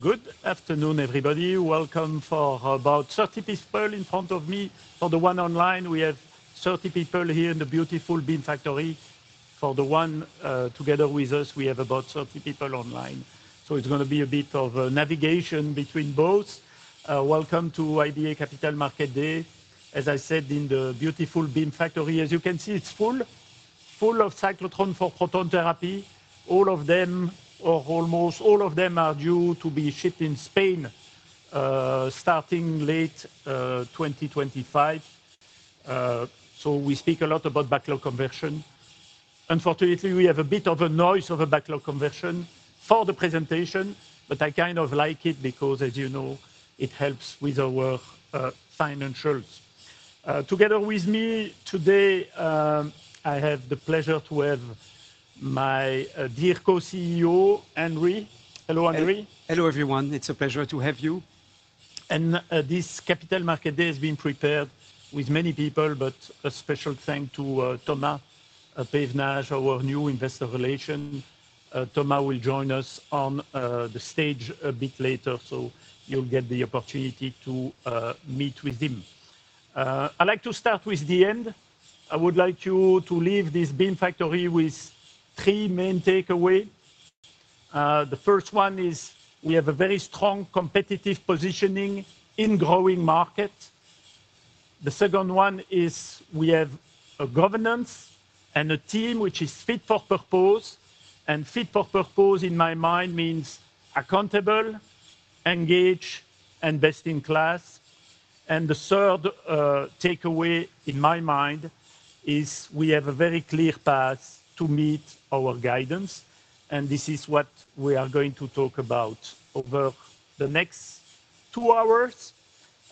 Good afternoon, everybody. Welcome for about 30 people in front of me. For the one online, we have 30 people here in the beautiful Beam Factory. For the one, together with us, we have about 30 people online. It is going to be a bit of navigation between both. Welcome to IBA Capital Market Day. As I said, in the beautiful Beam Factory, as you can see, it is full, full of cyclotron for proton therapy. All of them, or almost all of them, are due to be shipped in Spain, starting late 2025. We speak a lot about backlog conversion. Unfortunately, we have a bit of a noise of a backlog conversion for the presentation, but I kind of like it because, as you know, it helps with our financials. Together with me today, I have the pleasure to have my dear co-CEO, Henri. Hello, Henri. Hello, everyone. It's a pleasure to have you. This Capital Market Day has been prepared with many people, but a special thanks to Thomas Pevenage, our new investor relation. Thomas will join us on the stage a bit later, so you'll get the opportunity to meet with him. I'd like to start with the end. I would like you to leave this Beam Factory with three main takeaways. The first one is we have a very strong competitive positioning in growing markets. The second one is we have a governance and a team which is fit for purpose. And fit for purpose, in my mind, means accountable, engaged, and best in class. The third takeaway, in my mind, is we have a very clear path to meet our guidance. This is what we are going to talk about over the next two hours.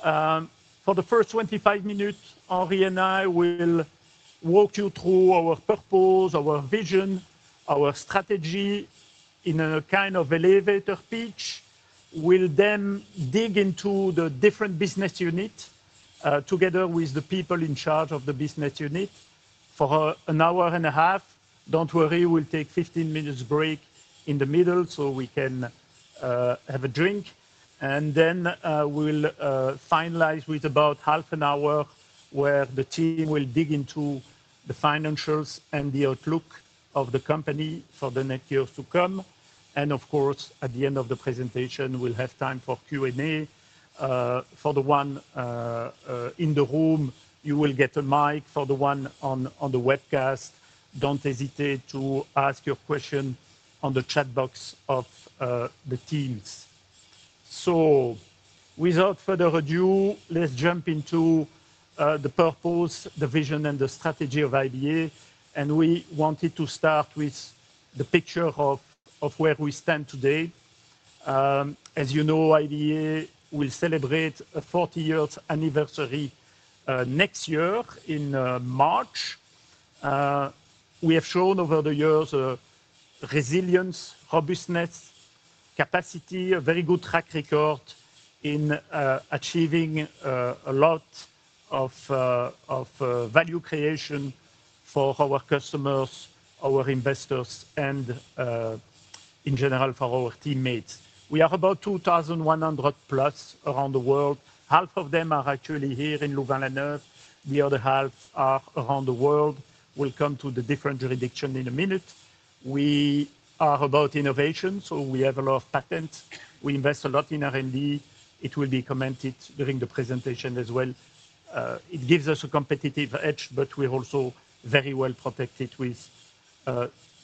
For the first 25 minutes, Henri and I will walk you through our purpose, our vision, our strategy in a kind of elevator pitch. We'll then dig into the different business units, together with the people in charge of the business unit for an hour and a half. Don't worry, we'll take a 15-minute break in the middle so we can have a drink. We'll finalize with about half an hour where the team will dig into the financials and the outlook of the company for the next years to come. Of course, at the end of the presentation, we'll have time for Q&A. For the one in the room, you will get a mic. For the one on the webcast, don't hesitate to ask your question on the chat box of the Teams. Without further ado, let's jump into the purpose, the vision, and the strategy of IBA. We wanted to start with the picture of where we stand today. As you know, IBA will celebrate a 40-year anniversary next year in March. We have shown over the years resilience, robustness, capacity, a very good track record in achieving a lot of value creation for our customers, our investors, and, in general, for our teammates. We are about 2,100+ around the world. Half of them are actually here in Louvain-la-Neuve. The other half are around the world. We'll come to the different jurisdictions in a minute. We are about innovation, so we have a lot of patents. We invest a lot in R&D. It will be commented during the presentation as well. It gives us a competitive edge, but we're also very well protected with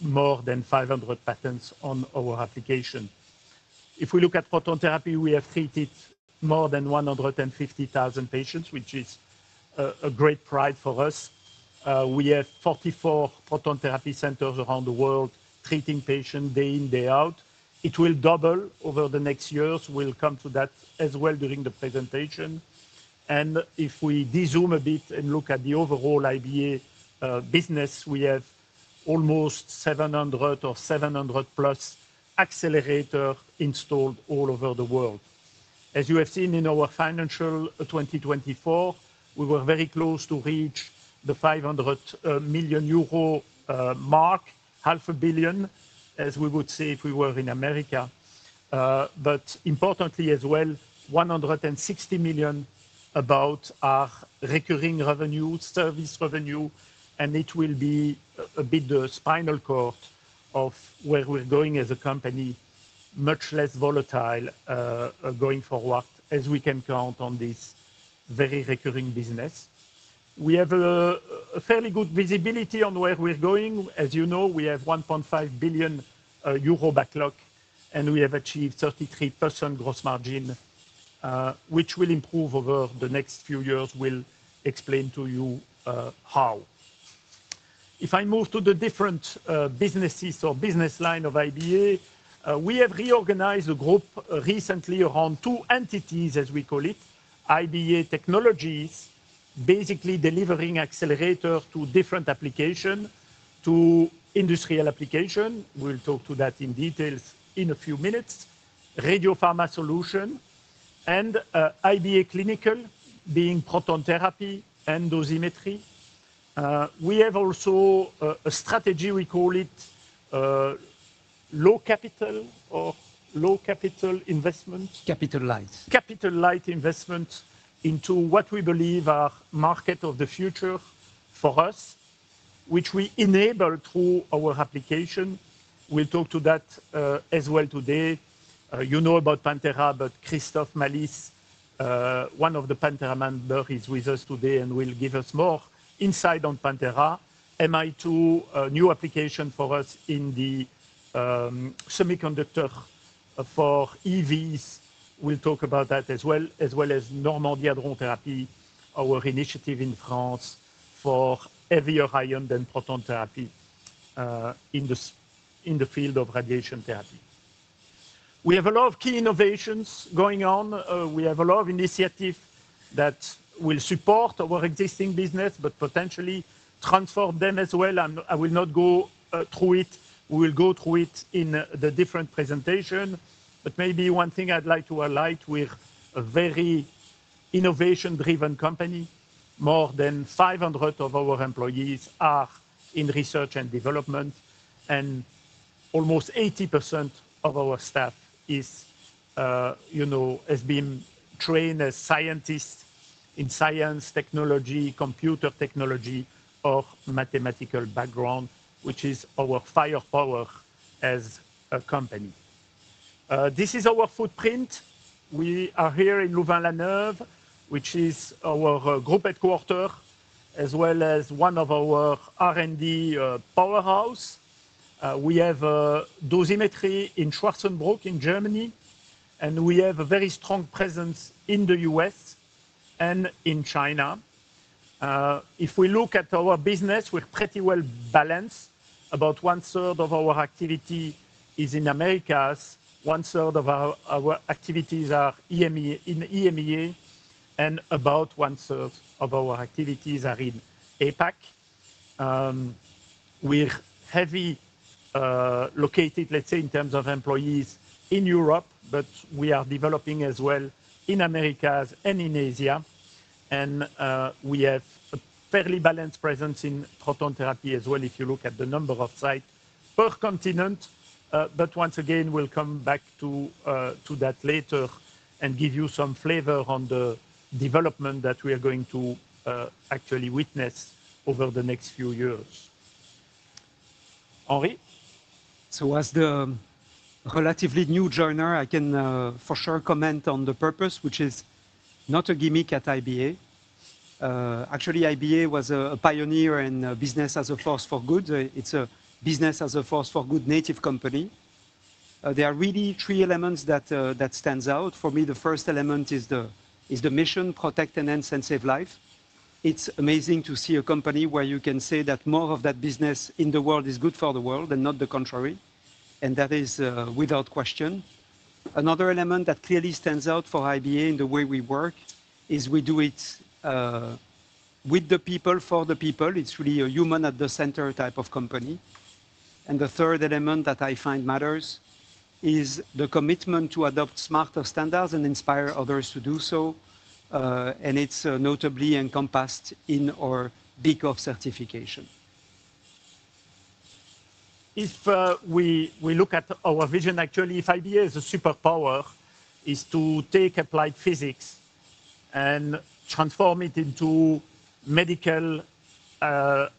more than 500 patents on our application. If we look at proton therapy, we have treated more than 150,000 patients, which is a great pride for us. We have 44 proton therapy centers around the world treating patients day in, day out. It will double over the next years. We'll come to that as well during the presentation. If we de-zoom a bit and look at the overall IBA business, we have almost 700 or 700+ accelerators installed all over the world. As you have seen in our financial 2024, we were very close to reach the 500 million euro mark, half a billion, as we would say if we were in America. Importantly as well, 160 million about our recurring revenue, service revenue, and it will be a bit the spinal cord of where we're going as a company, much less volatile, going forward as we can count on this very recurring business. We have a fairly good visibility on where we're going. As you know, we have 1.5 billion euro backlog, and we have achieved 33% gross margin, which will improve over the next few years. We'll explain to you how. If I move to the different businesses or business line of IBA, we have reorganized the group recently around two entities, as we call it, IBA Technologies, basically delivering accelerators to different applications, to industrial applications. We'll talk to that in detail in a few minutes. Radiopharma Solutions and IBA Clinical, being proton therapy and dosimetry. We have also a strategy. We call it, low capital or low capital investment. Capital Light. Capital Light investments into what we believe are the market of the future for us, which we enable through our application. We'll talk to that, as well today. You know about Pantera, but Christophe Malice, one of the Pantera members, is with us today and will give us more insight on Pantera. MI2, a new application for us in the semiconductor, for EVs. We'll talk about that as well, as well as Normandie Hadron Therapy, our initiative in France for heavier ions than proton therapy, in the field of radiation therapy. We have a lot of key innovations going on. We have a lot of initiatives that will support our existing business, but potentially transform them as well. I will not go through it. We will go through it in the different presentation. Maybe one thing I'd like to highlight, we're a very innovation-driven company. More than 500 of our employees are in research and development, and almost 80% of our staff is, you know, has been trained as scientists in science, technology, computer technology, or mathematical background, which is our firepower as a company. This is our footprint. We are here in Louvain-la-Neuve, which is our group headquarters, as well as one of our R&D powerhouses. We have a dosimetry in Schwarzenberg in Germany, and we have a very strong presence in the U.S. and in China. If we look at our business, we're pretty well balanced. About 1/3 of our activity is in Americas. 1/3 of our activities are in EMEA, and about 1/3 of our activities are in APAC. We're heavy, located, let's say, in terms of employees in Europe, but we are developing as well in Americas and in Asia. We have a fairly balanced presence in proton therapy as well if you look at the number of sites per continent. Once again, we'll come back to that later and give you some flavor on the development that we are going to actually witness over the next few years. Henri? As the relatively new joiner, I can, for sure, comment on the purpose, which is not a gimmick at IBA. Actually, IBA was a pioneer in business as a force for good. It's a business as a force for good native company. There are really three elements that stand out. For me, the first element is the mission: protect and end sensitive life. It's amazing to see a company where you can say that more of that business in the world is good for the world and not the contrary. That is, without question. Another element that clearly stands out for IBA in the way we work is we do it with the people, for the people. It's really a human at the center type of company. The third element that I find matters is the commitment to adopt smarter standards and inspire others to do so. It's notably encompassed in our B Corp certification. If we look at our vision, actually, if IBA has a superpower, it is to take applied physics and transform it into a medical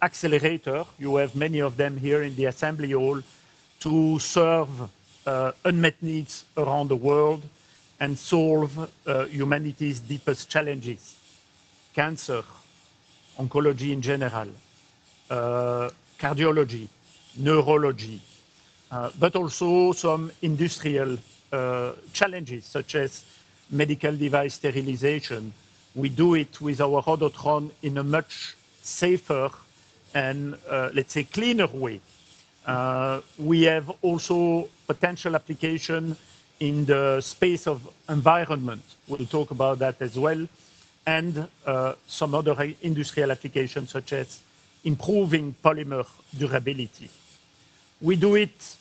accelerator. You have many of them here in the assembly hall to serve unmet needs around the world and solve humanity's deepest challenges: cancer, oncology in general, cardiology, neurology, but also some industrial challenges such as medical device sterilization. We do it with our Rhodotron in a much safer and, let's say, cleaner way. We have also potential applications in the space of environment. We'll talk about that as well. Some other industrial applications such as improving polymer durability. We do it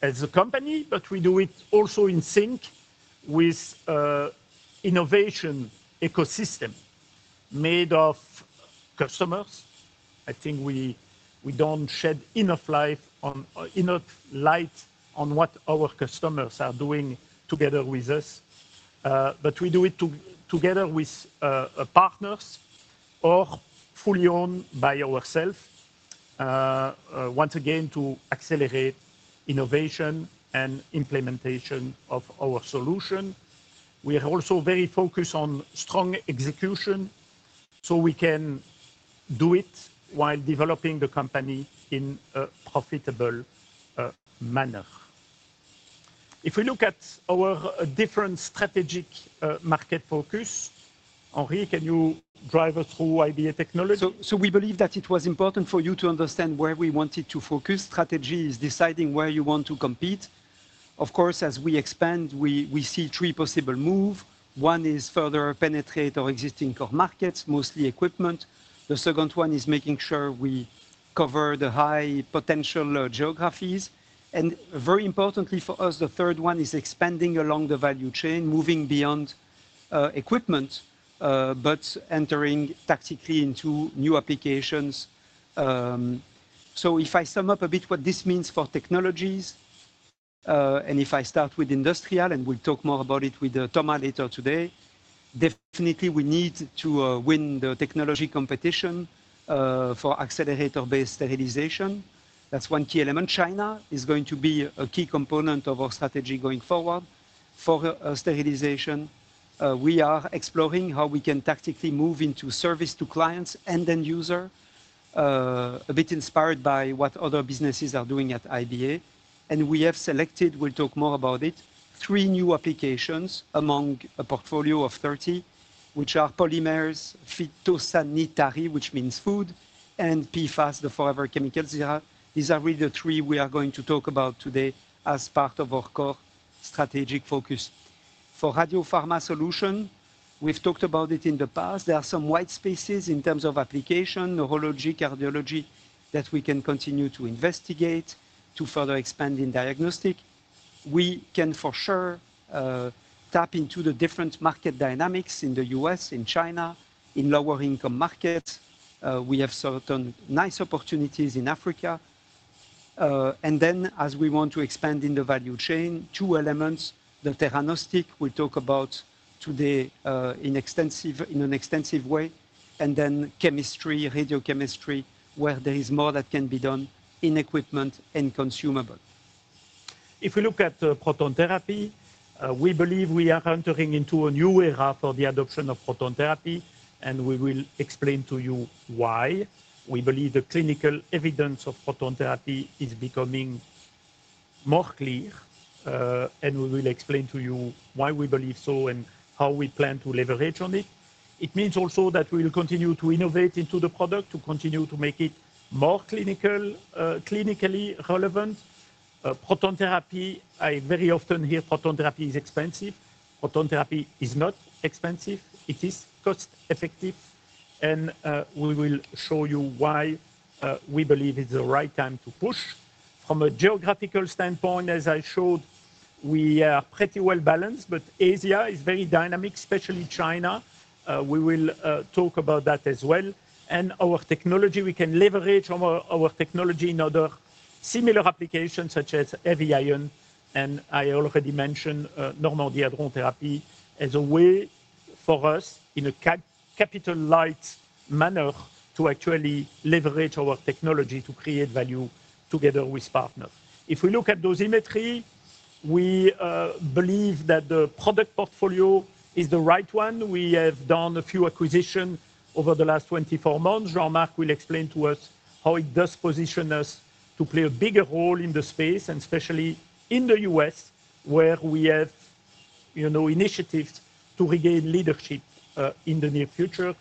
as a company, but we do it also in sync with an innovation ecosystem made of customers. I think we don't shed enough light on what our customers are doing together with us. but we do it together with partners or fully owned by ourselves. Once again, to accelerate innovation and implementation of our solution. We are also very focused on strong execution so we can do it while developing the company in a profitable manner. If we look at our different strategic market focus, Henri, can you drive us through IBA Technologies? We believe that it was important for you to understand where we wanted to focus. Strategy is deciding where you want to compete. Of course, as we expand, we see three possible moves. One is further penetration of existing core markets, mostly equipment. The second one is making sure we cover the high potential geographies. And very importantly for us, the third one is expanding along the value chain, moving beyond equipment, but entering tactically into new applications. If I sum up a bit what this means for technologies, and if I start with industrial, and we'll talk more about it with Thomas later today, definitely we need to win the technology competition for accelerator-based sterilization. That's one key element. China is going to be a key component of our strategy going forward for sterilization. We are exploring how we can tactically move into service to clients and end user, a bit inspired by what other businesses are doing at IBA. We have selected, we will talk more about it, three new applications among a portfolio of 30, which are polymers, phytosanitary, which means food, and PFAS, the forever chemicals. These are really the three we are going to talk about today as part of our core strategic focus. For Radiopharma solutions, we have talked about it in the past. There are some white spaces in terms of application, neurology, cardiology, that we can continue to investigate to further expand in diagnostic. We can for sure tap into the different market dynamics in the U.S., in China, in lower-income markets. We have certain nice opportunities in Africa. and then as we want to expand in the value chain, two elements, the theranostics, we'll talk about today, in an extensive way, and then chemistry, radiochemistry, where there is more that can be done in equipment and consumable. If we look at proton therapy, we believe we are entering into a new era for the adoption of proton therapy, and we will explain to you why. We believe the clinical evidence of proton therapy is becoming more clear, and we will explain to you why we believe so and how we plan to leverage on it. It means also that we will continue to innovate into the product to continue to make it more clinical, clinically relevant. Proton therapy, I very often hear proton therapy is expensive. Proton therapy is not expensive. It is cost-effective. We will show you why we believe it's the right time to push. From a geographical standpoint, as I showed, we are pretty well balanced, but Asia is very dynamic, especially China. We will talk about that as well. Our technology, we can leverage our technology in other similar applications such as heavy ion. I already mentioned, Normandie Hadron Therapy as a way for us in a capital light manner to actually leverage our technology to create value together with partners. If we look at dosimetry, we believe that the product portfolio is the right one. We have done a few acquisitions over the last 24 months. Jean-Marc will explain to us how it does position us to play a bigger role in the space, and especially in the U.S., where we have, you know, initiatives to regain leadership, in the near future.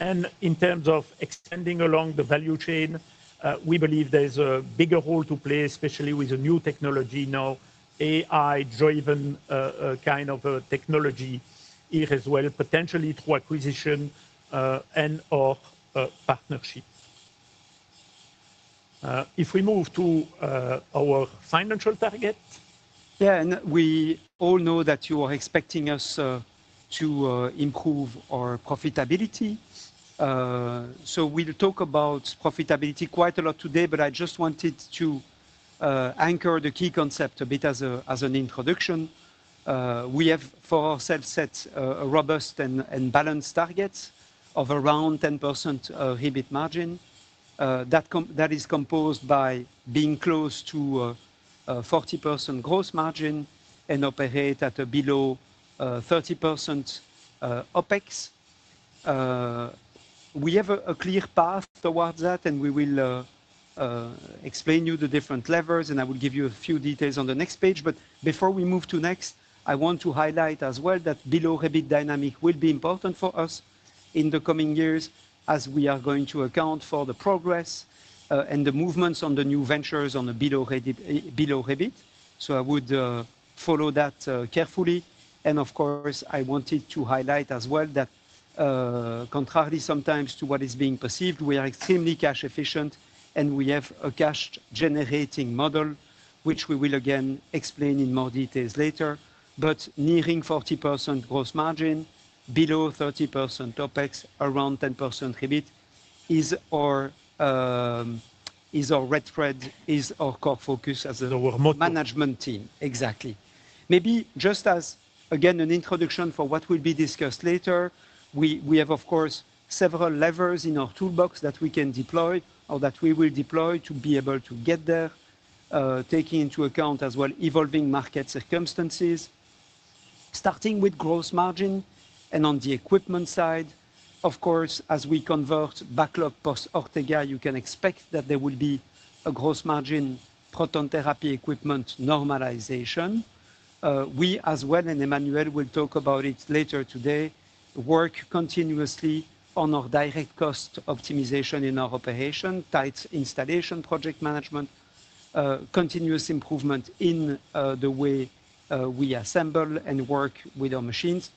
In terms of extending along the value chain, we believe there's a bigger role to play, especially with a new technology now, AI-driven, kind of, technology here as well, potentially through acquisition, and/or, partnership. If we move to our financial target. Yeah, and we all know that you are expecting us to improve our profitability. We will talk about profitability quite a lot today, but I just wanted to anchor the key concept a bit as an introduction. We have for ourselves set a robust and balanced target of around 10% EBIT margin. That is composed by being close to 40% gross margin and operate at a below 30% OPEX. We have a clear path towards that, and we will explain to you the different levers, and I will give you a few details on the next page. Before we move to next, I want to highlight as well that below EBIT dynamic will be important for us in the coming years as we are going to account for the progress and the movements on the new ventures on the below EBIT. I would follow that carefully. Of course, I wanted to highlight as well that, contrary sometimes to what is being perceived, we are extremely cash efficient, and we have a cash-generating model, which we will again explain in more details later. Nearing 40% gross margin, below 30% OPEX, around 10% EBIT is our red thread, is our core focus as a management team. Exactly. Maybe just as, again, an introduction for what will be discussed later, we have, of course, several levers in our toolbox that we can deploy or that we will deploy to be able to get there, taking into account as well evolving market circumstances, starting with gross margin. On the equipment side, of course, as we convert backlog post-Ortega, you can expect that there will be a gross margin proton therapy equipment normalization. We as well, and Emmanuel will talk about it later today, work continuously on our direct cost optimization in our operation, tight installation project management, continuous improvement in the way we assemble and work with our machines,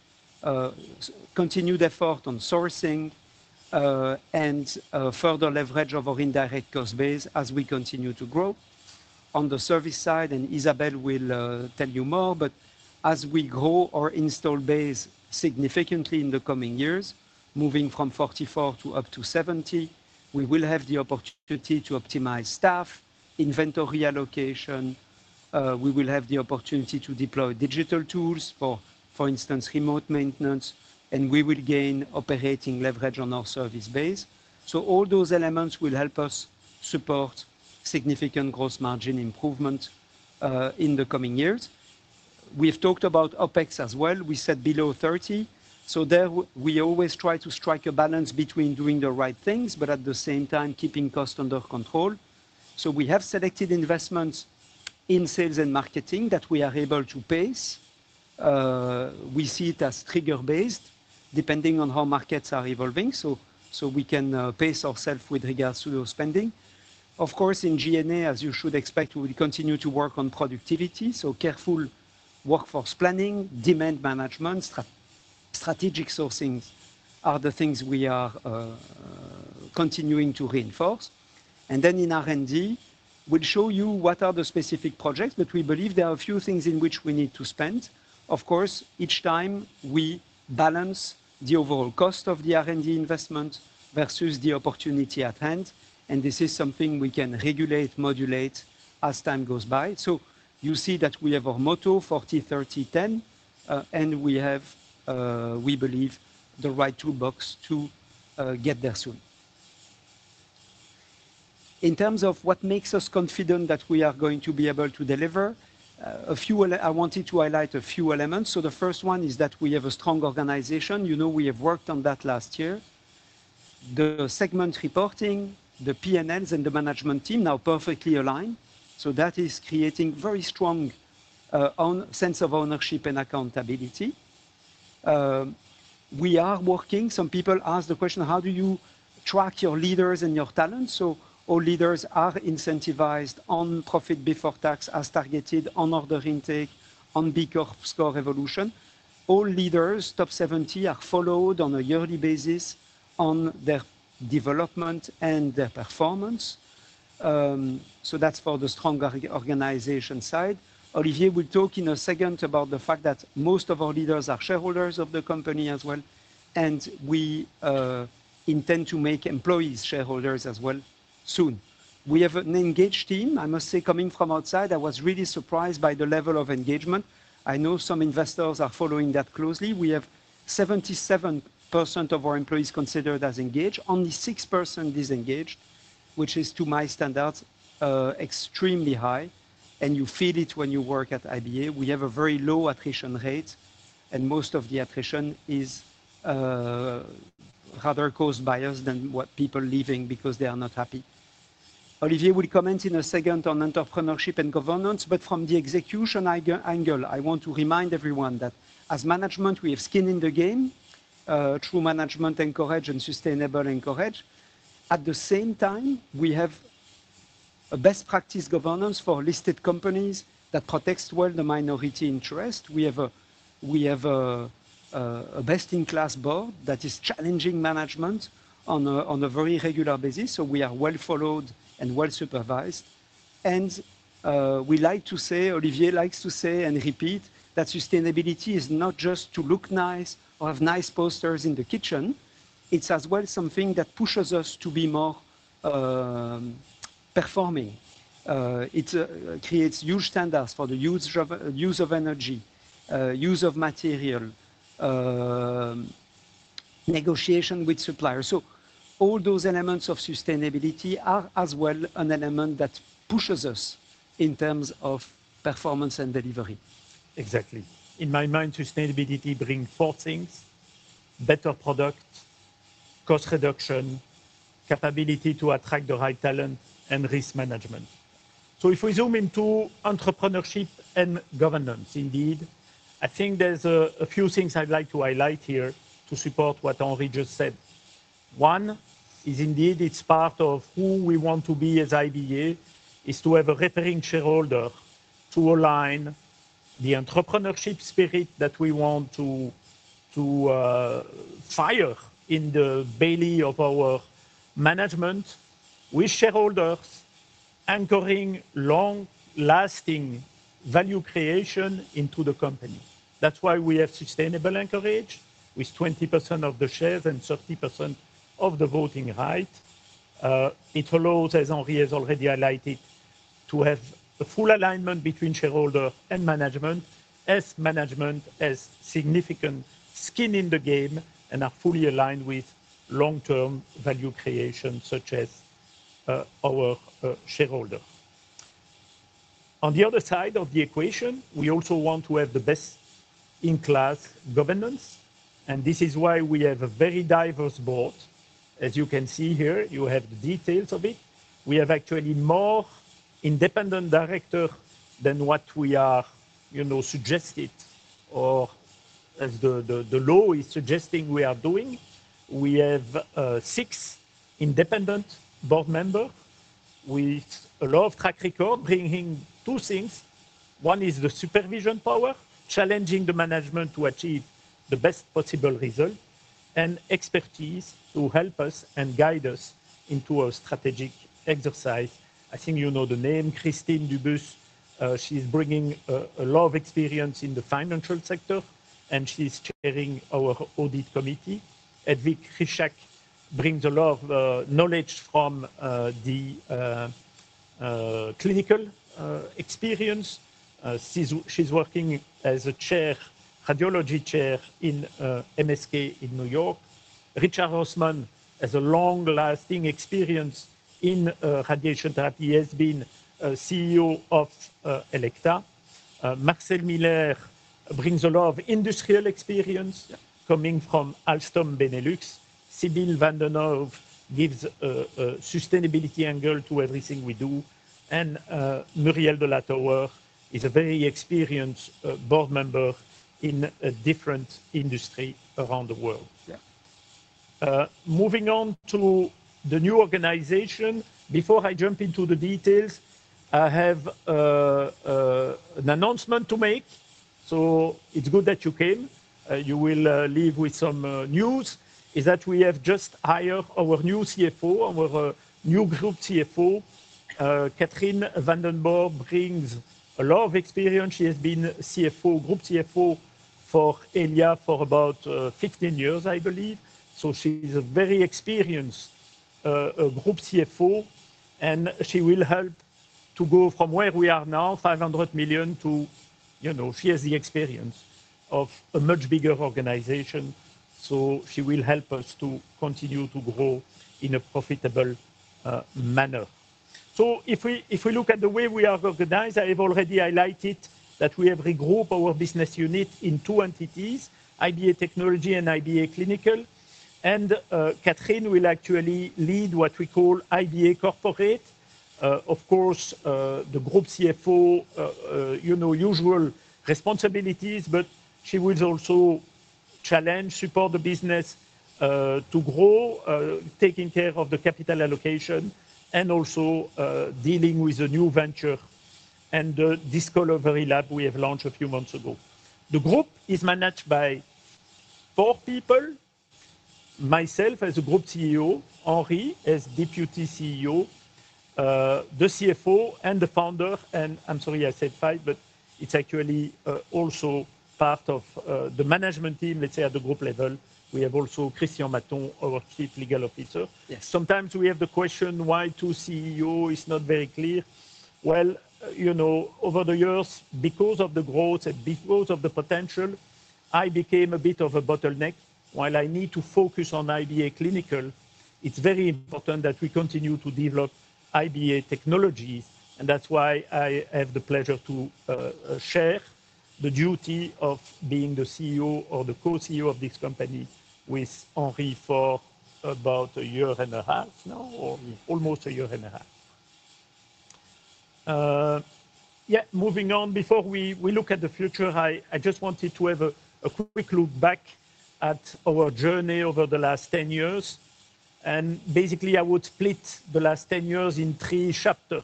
continued effort on sourcing, and further leverage of our indirect cost base as we continue to grow. On the service side, and Isabelle will tell you more, but as we grow our install base significantly in the coming years, moving from 44 to up to 70, we will have the opportunity to optimize staff, inventory allocation. We will have the opportunity to deploy digital tools for, for instance, remote maintenance, and we will gain operating leverage on our service base. All those elements will help us support significant gross margin improvement in the coming years. We've talked about OPEX as well. We said below 30%. We always try to strike a balance between doing the right things, but at the same time keeping cost under control. We have selected investments in sales and marketing that we are able to pace. We see it as trigger-based depending on how markets are evolving. We can pace ourselves with regards to those spending. Of course, in G&A, as you should expect, we will continue to work on productivity. Careful workforce planning, demand management, strategic sourcing are the things we are continuing to reinforce. In R&D, we'll show you what are the specific projects, but we believe there are a few things in which we need to spend. Of course, each time we balance the overall cost of the R&D investment versus the opportunity at hand. This is something we can regulate, modulate as time goes by. You see that we have our motto 40, 30, 10, and we have, we believe, the right toolbox to get there soon. In terms of what makes us confident that we are going to be able to deliver, I wanted to highlight a few elements. The first one is that we have a strong organization. You know, we have worked on that last year. The segment reporting, the PNNs, and the management team now perfectly aligned. That is creating very strong sense of ownership and accountability. We are working. Some people ask the question, how do you track your leaders and your talents? All leaders are incentivized on profit before tax as targeted, on order intake, on B Corp score evolution. All leaders, top 70, are followed on a yearly basis on their development and their performance. That is for the strong organization side. Olivier will talk in a second about the fact that most of our leaders are shareholders of the company as well. We intend to make employees shareholders as well soon. We have an engaged team, I must say, coming from outside. I was really surprised by the level of engagement. I know some investors are following that closely. We have 77% of our employees considered as engaged, only 6% disengaged, which is to my standards, extremely high. You feel it when you work at IBA. We have a very low attrition rate, and most of the attrition is rather caused by us than people leaving because they are not happy. Olivier will comment in a second on entrepreneurship and governance, but from the execution angle, I want to remind everyone that as management, we have skin in the game, true management encourage and sustainable encourage. At the same time, we have a best practice governance for listed companies that protects well the minority interest. We have a best-in-class board that is challenging management on a very regular basis. We are well followed and well supervised. We like to say, Olivier likes to say and repeat that sustainability is not just to look nice or have nice posters in the kitchen. It's as well something that pushes us to be more performing. It creates huge standards for the use of energy, use of material, negotiation with suppliers. All those elements of sustainability are as well an element that pushes us in terms of performance and delivery. Exactly. In my mind, sustainability brings four things: better product, cost reduction, capability to attract the right talent, and risk management. If we zoom into entrepreneurship and governance, indeed, I think there's a few things I'd like to highlight here to support what Henri just said. One is indeed it's part of who we want to be as IBA is to have a referring shareholder to align the entrepreneurship spirit that we want to, to, fire in the belly of our management with shareholders anchoring long-lasting value creation into the company. That's why we have sustainable anchorage with 20% of the shares and 30% of the voting right. It allows, as Henri has already highlighted, to have a full alignment between shareholder and management as management has significant skin in the game and are fully aligned with long-term value creation such as, our, shareholder. On the other side of the equation, we also want to have the best-in-class governance. This is why we have a very diverse Board. As you can see here, you have the details of it. We have actually more independent directors than what we are, you know, suggested or as the law is suggesting we are doing. We have six independent Board members with a lot of track record bringing two things. One is the supervision power, challenging the management to achieve the best possible result and expertise to help us and guide us into a strategic exercise. I think you know the name, Christine Dubus. She's bringing a lot of experience in the financial sector, and she's chairing our audit committee. Edvik Rischak brings a lot of knowledge from the clinical experience. She's working as a chair, radiology chair in MSK in New York. Richard Hofmann has a long-lasting experience in radiation therapy. He has been a CEO of Elekta. Marcel Miller brings a lot of industrial experience coming from Alstom Benelux. Sibyl Vandenborre gives a sustainability angle to everything we do. Muriel Dolatower is a very experienced Board member in a different industry around the world. Yeah. Moving on to the new organization. Before I jump into the details, I have an announcement to make. It is good that you came. You will leave with some news. We have just hired our new CFO, our new group CFO. Catherine Vandenborre brings a lot of experience. She has been CFO, group CFO for ELIA for about 15 years, I believe. She's a very experienced Group CFO, and she will help to go from where we are now, 500 million to, you know, she has the experience of a much bigger organization. She will help us to continue to grow in a profitable manner. If we look at the way we are organized, I have already highlighted that we have regrouped our business unit in two entities, IBA Technology and IBA Clinical. Catherine will actually lead what we call IBA Corporate. Of course, the Group CFO, you know, usual responsibilities, but she will also challenge, support the business to grow, taking care of the capital allocation and also dealing with a new venture and the Discolor Very Lab we have launched a few months ago. The group is managed by four people: myself as a group CEO, Henri as deputy CEO, the CFO, and the founder. I said five, but it's actually, also part of, the management team, let's say at the group level. We have also Christian Matton, our Chief Legal Officer. Yes. Sometimes we have the question why two CEOs is not very clear. You know, over the years, because of the growth and because of the potential, I became a bit of a bottleneck. While I need to focus on IBA Clinical, it's very important that we continue to develop IBA technologies. That's why I have the pleasure to share the duty of being the CEO or the co-CEO of this company with Henri for about a year and a half now, or almost a year and a half. Moving on, before we look at the future, I just wanted to have a quick look back at our journey over the last 10 years. Basically, I would split the last 10 years in three chapters.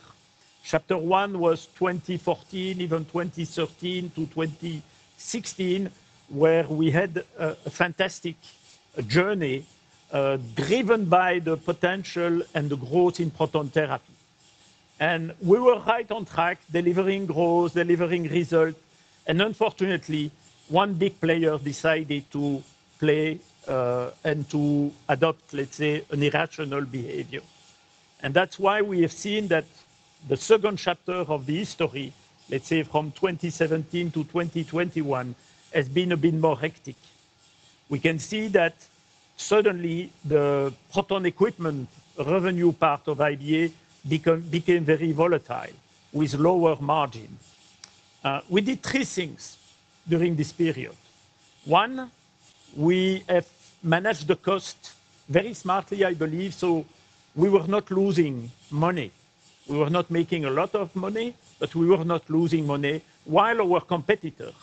Chapter one was 2014, even 2013 to 2016, where we had a fantastic journey, driven by the potential and the growth in proton therapy. We were right on track delivering growth, delivering results. Unfortunately, one big player decided to play, and to adopt, let's say, an irrational behavior. That is why we have seen that the second chapter of the history, let's say from 2017 to 2021, has been a bit more hectic. We can see that suddenly the proton equipment revenue part of IBA became very volatile with lower margin. We did three things during this period. One, we have managed the cost very smartly, I believe. We were not losing money. We were not making a lot of money, but we were not losing money while our competitor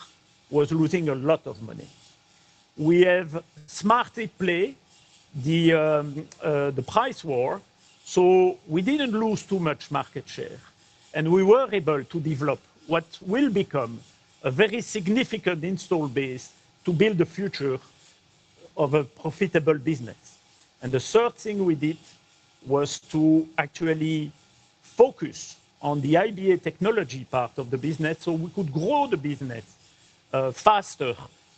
was losing a lot of money. We have smartly played the price war. We did not lose too much market share. We were able to develop what will become a very significant install base to build the future of a profitable business. The third thing we did was to actually focus on the IBA technology part of the business so we could grow the business faster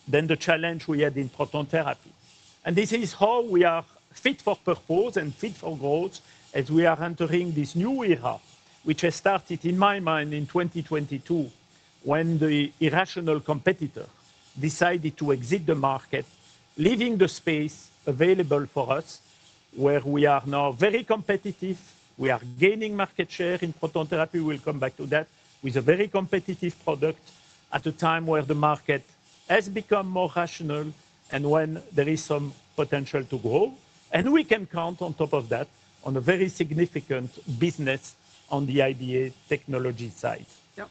than the challenge we had in proton therapy. This is how we are fit for purpose and fit for growth as we are entering this new era, which has started in my mind in 2022 when the irrational competitor decided to exit the market, leaving the space available for us where we are now very competitive. We are gaining market share in proton therapy. We will come back to that with a very competitive product at a time where the market has become more rational and when there is some potential to grow. We can count on top of that on a very significant business on the IBA technology side. Yep.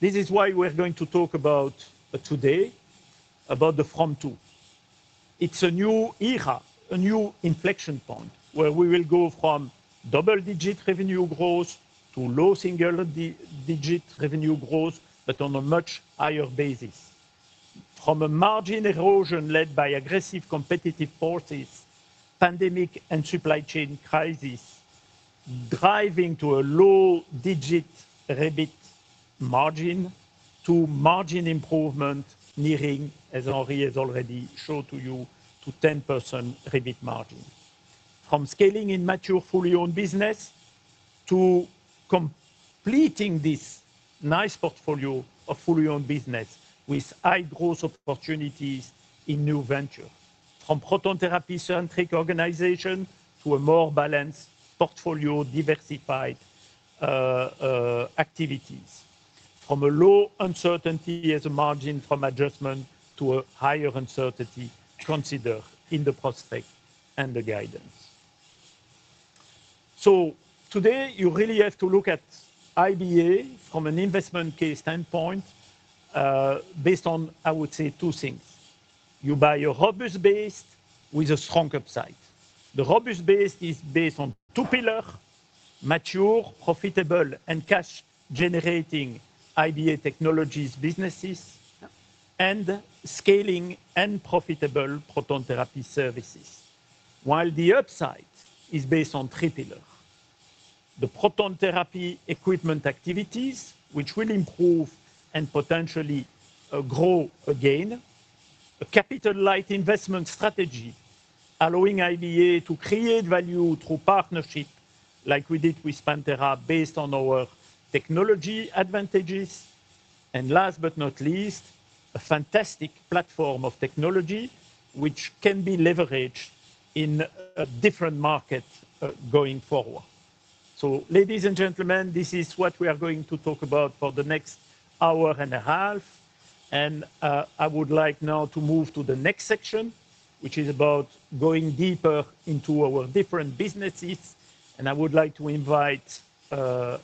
This is why we're going to talk today about the from two. It's a new era, a new inflection point where we will go from double-digit revenue growth to low single-digit revenue growth, but on a much higher basis, from a margin erosion led by aggressive competitive forces, pandemic and supply chain crisis driving to a low-digit rebate margin to margin improvement nearing, as Henri has already showed to you, to 10% rebate margin. From scaling in mature fully owned business to completing this nice portfolio of fully owned business with high growth opportunities in new venture, from proton therapy-centric organization to a more balanced portfolio diversified, activities from a low uncertainty as a margin from adjustment to a higher uncertainty considered in the prospect and the guidance. Today you really have to look at IBA from an investment case standpoint, based on, I would say, two things. You buy a robust base with a strong upside. The robust base is based on two pillars, mature, profitable, and cash-generating IBA technologies businesses and scaling and profitable proton therapy services. While the upside is based on three pillars, the proton therapy equipment activities, which will improve and potentially grow again, a capital-light investment strategy allowing IBA to create value through partnership like we did with Pantera based on our technology advantages. Last but not least, a fantastic platform of technology which can be leveraged in a different market going forward. Ladies and gentlemen, this is what we are going to talk about for the next hour and a half. I would like now to move to the next section, which is about going deeper into our different businesses. I would like to invite, or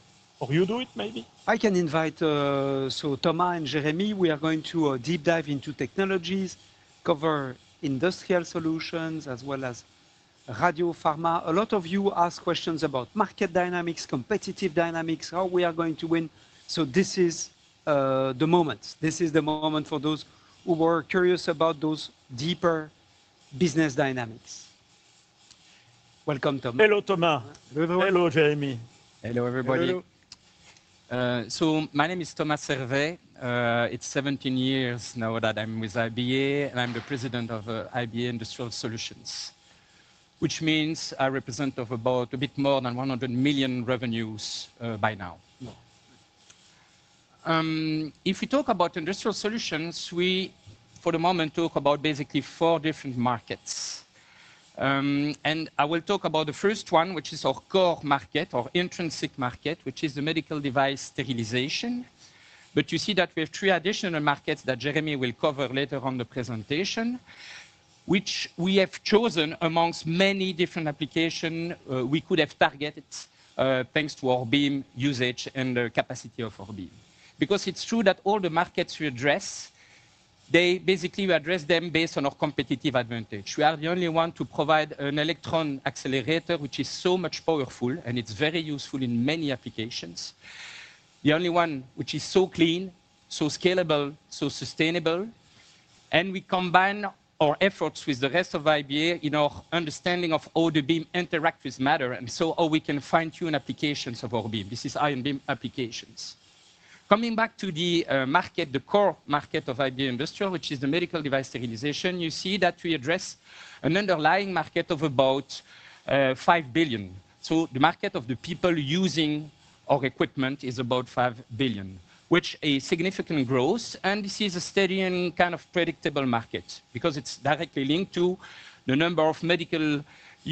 you do it maybe. I can invite, so Thomas and Jeremy, we are going to deep dive into technologies, cover industrial solutions as well as Radiopharma. A lot of you ask questions about market dynamics, competitive dynamics, how we are going to win. This is the moment. This is the moment for those who were curious about those deeper business dynamics. Welcome, Tom. Hello, Thomas. Hello, Jeremy. Hello, everybody. Hello. My name is Thomas Servais. It's 17 years now that I'm with IBA, and I'm the President of IBA Industrial Solutions, which means I represent about a bit more than 100 million revenues by now. If we talk about industrial solutions, we for the moment talk about basically four different markets. I will talk about the first one, which is our core market, our intrinsic market, which is the medical device sterilization. You see that we have three additional markets that Jeremy will cover later on in the presentation, which we have chosen amongst many different applications we could have targeted, thanks to e-beam usage and the capacity of e-beam. It's true that all the markets we address, we basically address them based on our competitive advantage. We are the only one to provide an electron accelerator, which is so much powerful, and it's very useful in many applications. The only one which is so clean, so scalable, so sustainable. We combine our efforts with the rest of IBA in our understanding of how the beam interacts with matter. You see how we can fine-tune applications of Orbeam. This is Ion Beam Applications. Coming back to the market, the core market of IBA Industrial, which is the medical device sterilization, you see that we address an underlying market of about 5 billion. The market of the people using our equipment is about 5 billion, which is significant growth. This is a steady and kind of predictable market because it's directly linked to the number of medical,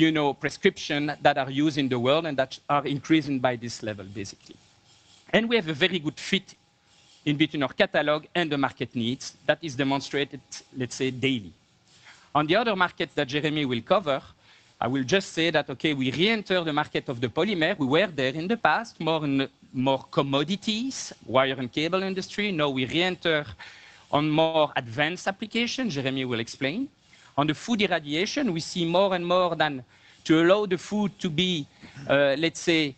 you know, prescriptions that are used in the world and that are increasing by this level, basically. We have a very good fit between our catalog and the market needs that is demonstrated, let's say, daily. On the other markets that Jeremy will cover, I will just say that, okay, we re-enter the market of the polymer. We were there in the past, more and more commodities, wire and cable industry. Now we re-enter on more advanced applications. Jeremy will explain. On the food irradiation, we see more and more that to allow the food to be, let's say,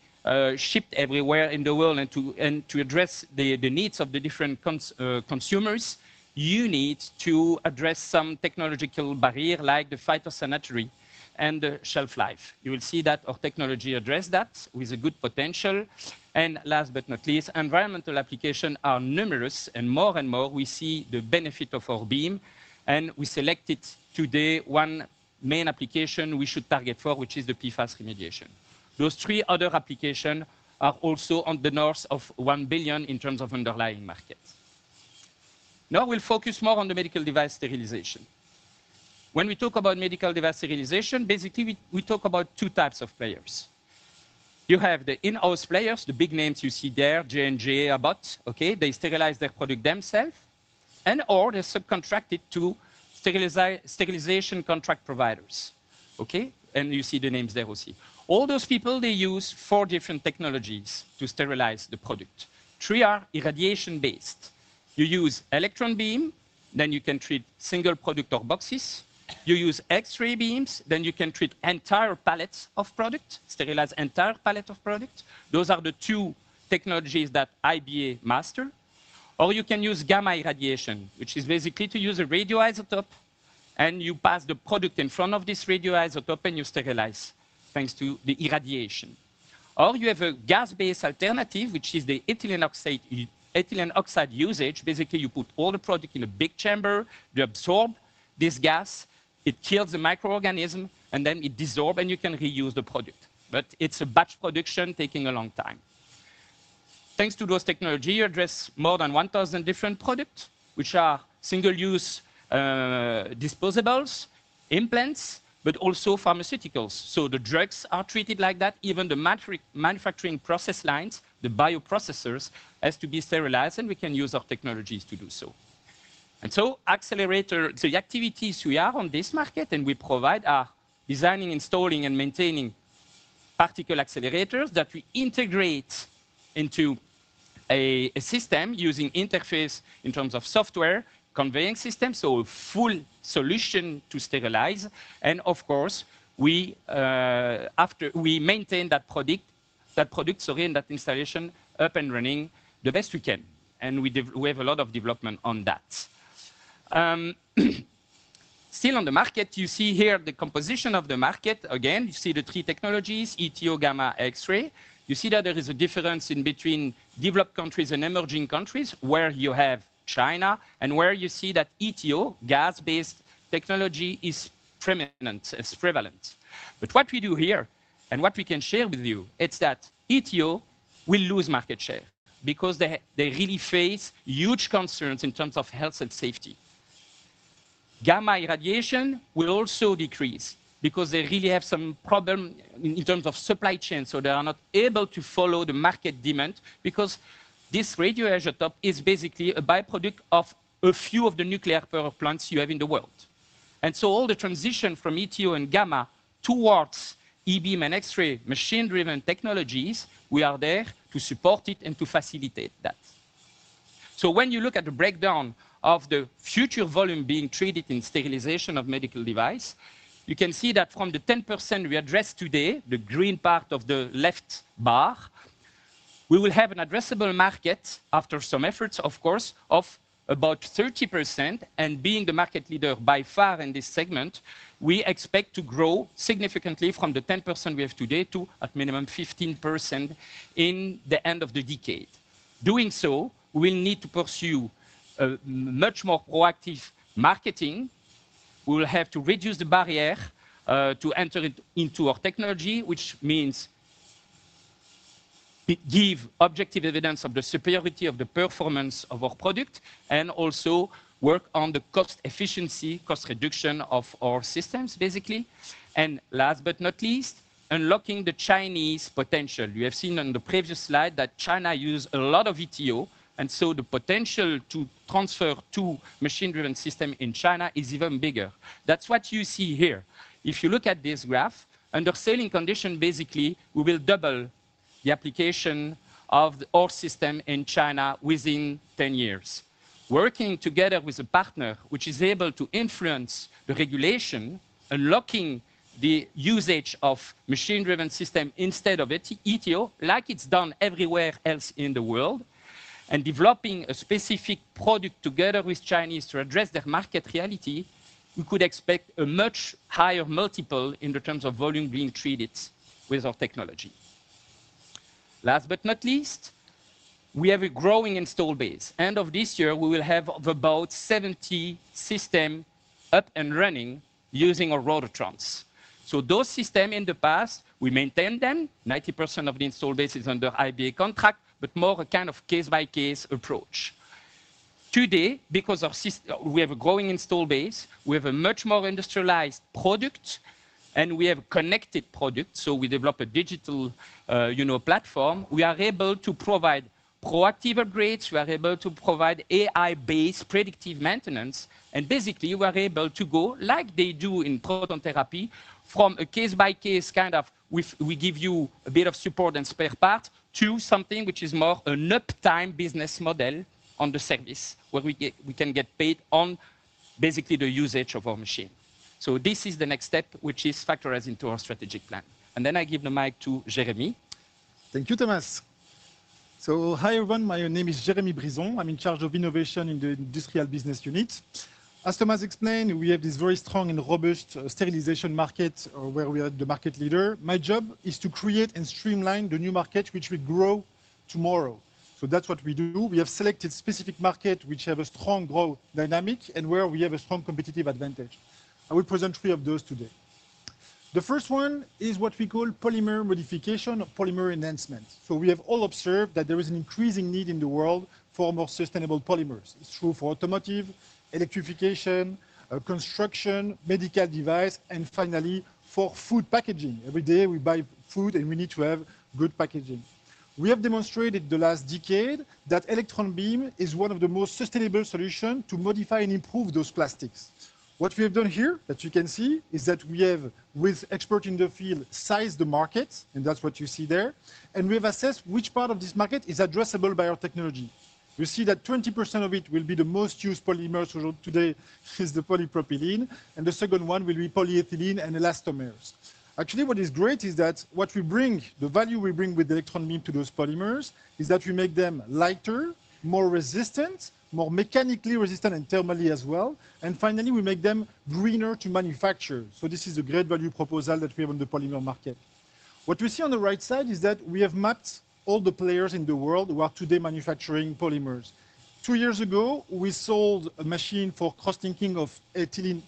shipped everywhere in the world and to address the needs of the different consumers, you need to address some technological barrier like the phytosanitary and the shelf life. You will see that our technology addresses that with a good potential. Last but not least, environmental applications are numerous and more and more we see the benefit of Ion Beam. We selected today one main application we should target for, which is the PFAS remediation. Those three other applications are also on the north of $1 billion in terms of underlying market. Now we'll focus more on the medical device sterilization. When we talk about medical device sterilization, basically we talk about two types of players. You have the in-house players, the big names you see there, J&J, Abbott. Okay. They sterilize their product themselves and/or they subcontract it to sterilization contract providers. Okay. You see the names there also. All those people, they use four different technologies to sterilize the product. Three are irradiation-based. You use electron beam, then you can treat single product or boxes. You use X-ray beams, then you can treat entire pallets of product, sterilize entire pallets of product. Those are the two technologies that IBA master. You can use gamma irradiation, which is basically to use a radioisotope and you pass the product in front of this radioisotope and you sterilize thanks to the irradiation. You have a gas-based alternative, which is the ethylene oxide usage. Basically, you put all the product in a big chamber, you absorb this gas, it kills the microorganism, and then it dissolves and you can reuse the product. It is a batch production taking a long time. Thanks to those technologies, you address more than 1,000 different products, which are single-use, disposables, implants, but also pharmaceuticals. The drugs are treated like that. Even the manufacturing process lines, the bioprocessors have to be sterilized, and we can use our technologies to do so. Accelerator, the activities we are on this market and we provide are designing, installing, and maintaining particle accelerators that we integrate into a system using interface in terms of software conveying system. A full solution to sterilize. Of course, we, after, we maintain that product, that product, sorry, and that installation up and running the best we can. We have a lot of development on that. Still on the market, you see here the composition of the market. Again, you see the three technologies, ETO, gamma, X-ray. You see that there is a difference in between developed countries and emerging countries where you have China and where you see that ETO, gas-based technology, is prevalent. What we do here and what we can share with you is that ETO will lose market share because they really face huge concerns in terms of health and safety. Gamma irradiation will also decrease because they really have some problem in terms of supply chain. They are not able to follow the market demand because this radioisotope is basically a byproduct of a few of the nuclear power plants you have in the world. All the transition from ETO and gamma towards E-Beam and X-ray machine-driven technologies, we are there to support it and to facilitate that. When you look at the breakdown of the future volume being traded in sterilization of medical devices, you can see that from the 10% we address today, the green part of the left bar, we will have an addressable market after some efforts, of course, of about 30%. Being the market leader by far in this segment, we expect to grow significantly from the 10% we have today to at minimum 15% in the end of the decade. Doing so, we'll need to pursue a much more proactive marketing. We'll have to reduce the barrier to enter into our technology, which means give objective evidence of the superiority of the performance of our product and also work on the cost efficiency, cost reduction of our systems, basically. Last but not least, unlocking the Chinese potential. You have seen on the previous slide that China uses a lot of ETO, and so the potential to transfer to machine-driven systems in China is even bigger. That is what you see here. If you look at this graph under sailing condition, basically we will double the application of our system in China within 10 years. Working together with a partner which is able to influence the regulation, unlocking the usage of machine-driven systems instead of ETO, like it is done everywhere else in the world, and developing a specific product together with Chinese to address their market reality, we could expect a much higher multiple in terms of volume being treated with our technology. Last but not least, we have a growing install base. End of this year, we will have about 70 systems up and running using our Rhodotrons. Those systems in the past, we maintained them. 90% of the install base is under IBA contract, but more a kind of case-by-case approach. Today, because we have a growing install base, we have a much more industrialized product and we have a connected product. We develop a digital, you know, platform. We are able to provide proactive upgrades. We are able to provide AI-based predictive maintenance. Basically, we are able to go like they do in proton therapy from a case-by-case kind of, we give you a bit of support and spare part to something which is more an uptime business model on the service where we can get paid on basically the usage of our machine. This is the next step, which is factored into our strategic plan. I give the mic to Jeremy. Thank you, Thomas. Hi everyone. My name is Jeremy Brison. I'm in charge of innovation in the industrial business unit. As Thomas explained, we have this very strong and robust sterilization market where we are the market leader. My job is to create and streamline the new markets which will grow tomorrow. That is what we do. We have selected specific markets which have a strong growth dynamic and where we have a strong competitive advantage. I will present three of those today. The first one is what we call polymer modification or polymer enhancement. We have all observed that there is an increasing need in the world for more sustainable polymers. It is true for automotive, electrification, construction, medical device, and finally for food packaging. Every day we buy food and we need to have good packaging. We have demonstrated the last decade that electron beam is one of the most sustainable solutions to modify and improve those plastics. What we have done here that you can see is that we have, with experts in the field, sized the market, and that's what you see there. We have assessed which part of this market is addressable by our technology. You see that 20% of it will be the most used polymers today is the polypropylene, and the second one will be polyethylene and elastomers. Actually, what is great is that what we bring, the value we bring with the electron beam to those polymers is that we make them lighter, more resistant, more mechanically resistant and thermally as well. Finally, we make them greener to manufacture. This is a great value proposal that we have on the polymer market. What you see on the right side is that we have mapped all the players in the world who are today manufacturing polymers. Two years ago, we sold a machine for cross-linking of ethylene,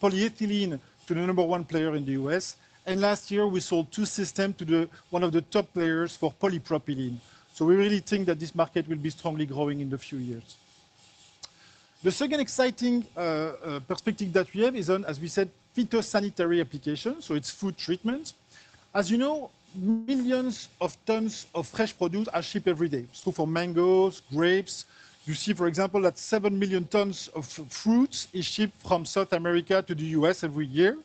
polyethylene to the number one player in the U.S. Last year, we sold two systems to one of the top players for polypropylene. We really think that this market will be strongly growing in the few years. The second exciting perspective that we have is on, as we said, phytosanitary applications. It is food treatment. As you know, millions of tons of fresh produce are shipped every day. For mangoes, grapes, you see, for example, that 7 million tons of fruits are shipped from South America to the U.S. every year.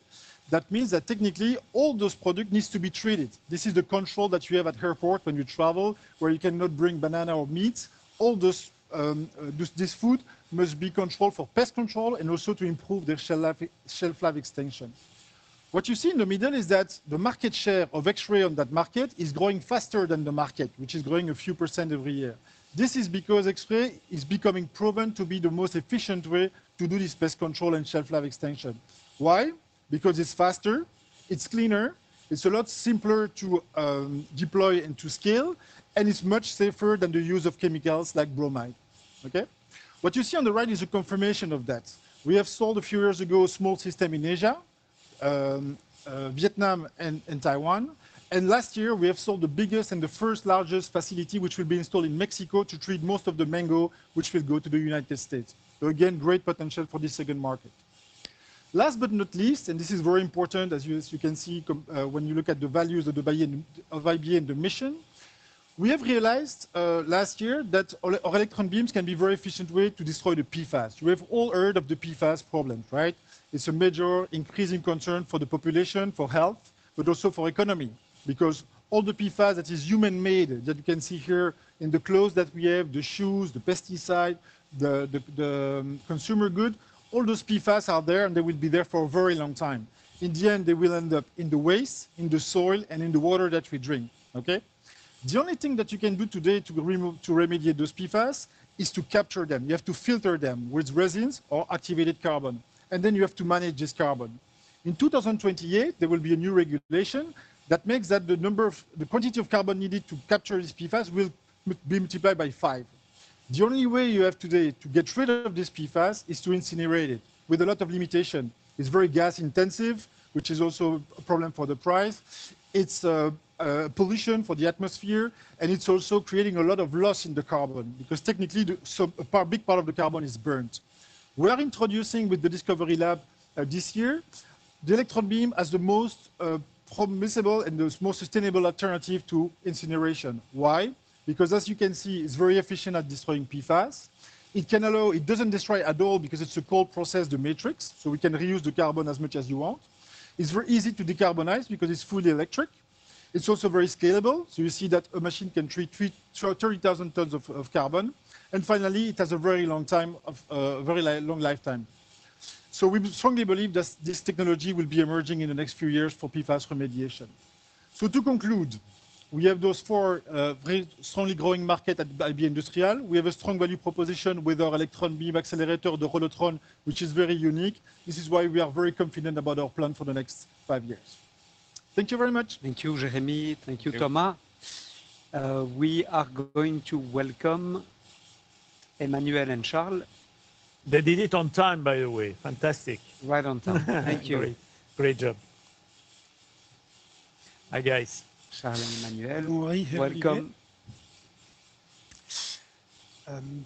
That means that technically all those products need to be treated. This is the control that you have at airports when you travel, where you cannot bring banana or meat. All those, this food must be controlled for pest control and also to improve their shelf life extension. What you see in the middle is that the market share of X-ray on that market is growing faster than the market, which is growing a few percent every year. This is because X-ray is becoming proven to be the most efficient way to do this pest control and shelf life extension. Why? Because it's faster, it's cleaner, it's a lot simpler to deploy and to scale, and it's much safer than the use of chemicals like bromide. Okay. What you see on the right is a confirmation of that. We have sold a few years ago a small system in Asia, Vietnam and Taiwan. Last year, we have sold the biggest and the first largest facility, which will be installed in Mexico to treat most of the mango, which will go to the United States. Again, great potential for this second market. Last but not least, and this is very important, as you can see when you look at the values of IBA and the mission, we have realized last year that our electron beams can be a very efficient way to destroy the PFAS. You have all heard of the PFAS problem, right? It's a major increasing concern for the population, for health, but also for the economy because all the PFAS that is human-made that you can see here in the clothes that we have, the shoes, the pesticides, the consumer goods, all those PFAS are there and they will be there for a very long time. In the end, they will end up in the waste, in the soil, and in the water that we drink. Okay. The only thing that you can do today to remediate those PFAS is to capture them. You have to filter them with resins or activated carbon, and then you have to manage this carbon. In 2028, there will be a new regulation that makes that the number of the quantity of carbon needed to capture these PFAS will be multiplied by five. The only way you have today to get rid of this PFAS is to incinerate it with a lot of limitation. It's very gas-intensive, which is also a problem for the price. It's a pollution for the atmosphere, and it's also creating a lot of loss in the carbon because technically a big part of the carbon is burnt. We are introducing with the Discovery Lab this year the electron beam as the most permissible and the most sustainable alternative to incineration. Why? Because as you can see, it's very efficient at destroying PFAS. It can allow, it doesn't destroy at all because it's a cold process, the matrix, so we can reuse the carbon as much as you want. It's very easy to decarbonize because it's fully electric. It's also very scalable. You see that a machine can treat 30,000 tons of carbon. Finally, it has a very long time, a very long lifetime. We strongly believe that this technology will be emerging in the next few years for PFAS remediation. To conclude, we have those four very strongly growing markets at IBA Industrial. We have a strong value proposition with our electron beam accelerator, the Rhodotron, which is very unique. This is why we are very confident about our plan for the next five years. Thank you very much. Thank you, Jeremy. Thank you, Thomas. We are going to welcome Emmanuel and Charles. They did it on time, by the way. Fantastic. Right on time. Thank you. Great. Great job. Hi, guys. Charles and Emmanuel. Welcome.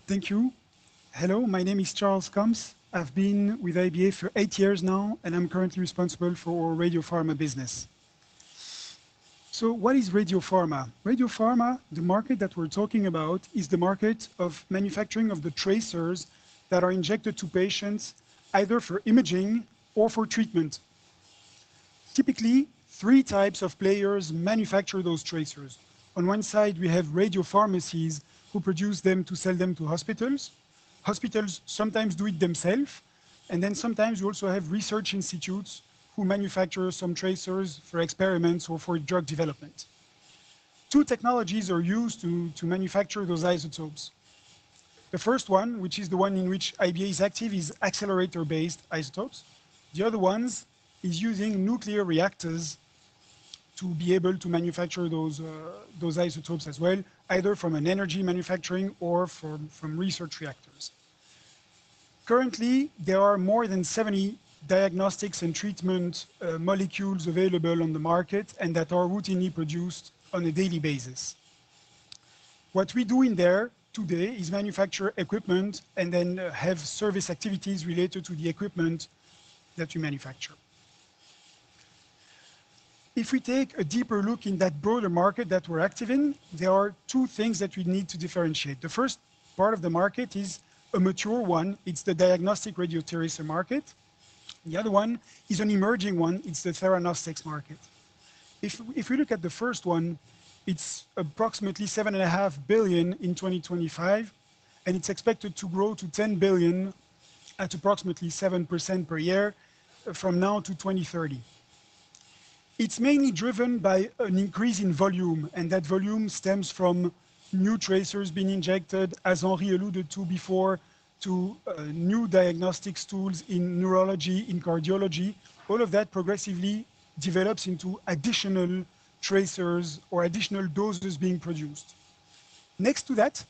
Thank you. Hello. My name is Charles Kumps. I've been with IBA for eight years now, and I'm currently responsible for our Radiopharma business. What is Radiopharma? Radiopharma, the market that we're talking about, is the market of manufacturing of the tracers that are injected to patients either for imaging or for treatment. Typically, three types of players manufacture those tracers. On one side, we have Radiopharmacies who produce them to sell them to hospitals. Hospitals sometimes do it themselves. Sometimes you also have research institutes who manufacture some tracers for experiments or for drug development. Two technologies are used to manufacture those isotopes. The first one, which is the one in which IBA is active, is accelerator-based isotopes. The other one is using nuclear reactors to be able to manufacture those isotopes as well, either from energy manufacturing or from research reactors. Currently, there are more than 70 diagnostics and treatment molecules available on the market and that are routinely produced on a daily basis. What we do in there today is manufacture equipment and then have service activities related to the equipment that we manufacture. If we take a deeper look in that broader market that we're active in, there are two things that we need to differentiate. The first part of the market is a mature one. It's the diagnostic radiotracer market. The other one is an emerging one. It's the theranostics market. If we look at the first one, it's approximately 7.5 billion in 2025, and it's expected to grow to 10 billion at approximately 7% per year from now to 2030. It's mainly driven by an increase in volume, and that volume stems from new tracers being injected, as Henri alluded to before, to new diagnostic tools in neurology, in cardiology. All of that progressively develops into additional tracers or additional doses being produced. Next to that,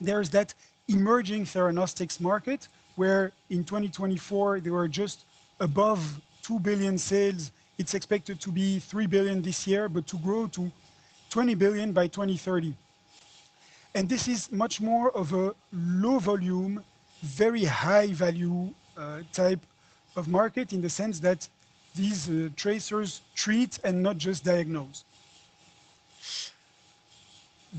there is that emerging theranostics market where in 2024, they were just above $2 billion sales. It's expected to be $3 billion this year, to grow to $20 billion by 2030. This is much more of a low volume, very high value type of market in the sense that these tracers treat and not just diagnose.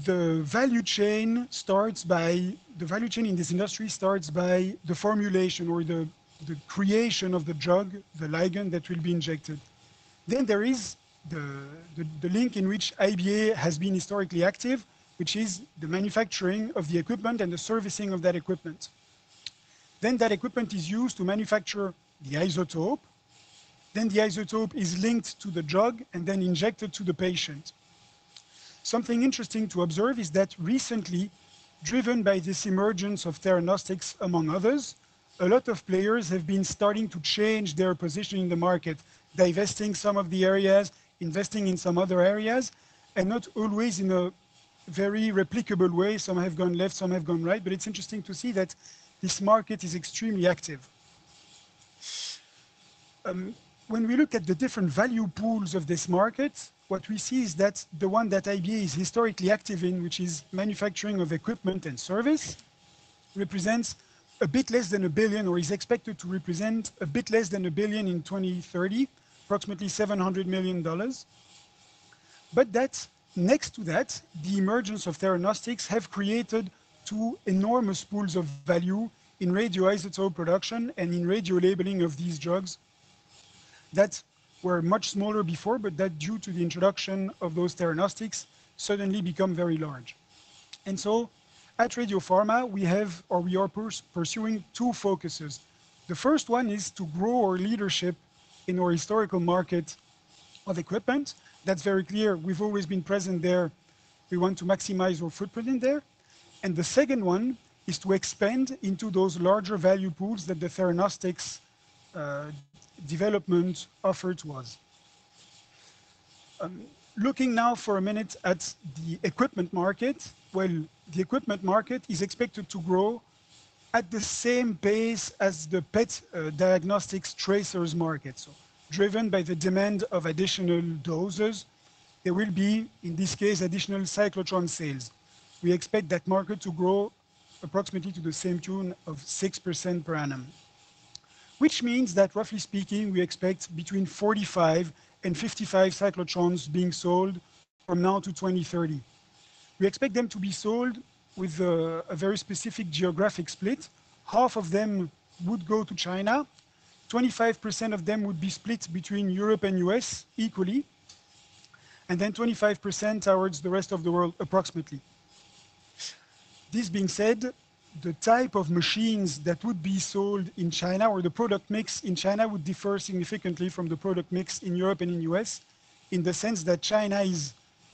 The value chain starts by, the value chain in this industry starts by the formulation or the creation of the drug, the ligand that will be injected. There is the link in which IBA has been historically active, which is the manufacturing of the equipment and the servicing of that equipment. Then that equipment is used to manufacture the isotope. Then the isotope is linked to the drug and then injected to the patient. Something interesting to observe is that recently, driven by this emergence of theranostics, among others, a lot of players have been starting to change their position in the market, divesting some of the areas, investing in some other areas, and not always in a very replicable way. Some have gone left, some have gone right. It's interesting to see that this market is extremely active. When we look at the different value pools of this market, what we see is that the one that IBA is historically active in, which is manufacturing of equipment and service, represents a bit less than a billion or is expected to represent a bit less than a billion in 2030, approximately $700 million. Next to that, the emergence of theranostics has created two enormous pools of value in radioisotope production and in radio labeling of these drugs that were much smaller before, but that due to the introduction of those theranostics suddenly became very large. At Radiopharma, we have or we are pursuing two focuses. The first one is to grow our leadership in our historical market of equipment. That's very clear. We've always been present there. We want to maximize our footprint in there. The second one is to expand into those larger value pools that the theranostics development offered to us. Looking now for a minute at the equipment market, the equipment market is expected to grow at the same pace as the PET diagnostics tracers market. Driven by the demand of additional doses, there will be, in this case, additional cyclotron sales. We expect that market to grow approximately to the same tune of 6% per annum, which means that, roughly speaking, we expect between 45 and 55 cyclotrons being sold from now to 2030. We expect them to be sold with a very specific geographic split. Half of them would go to China. 25% of them would be split between Europe and the U.S. equally, and then 25% towards the rest of the world, approximately. This being said, the type of machines that would be sold in China or the product mix in China would differ significantly from the product mix in Europe and the U.S. in the sense that China is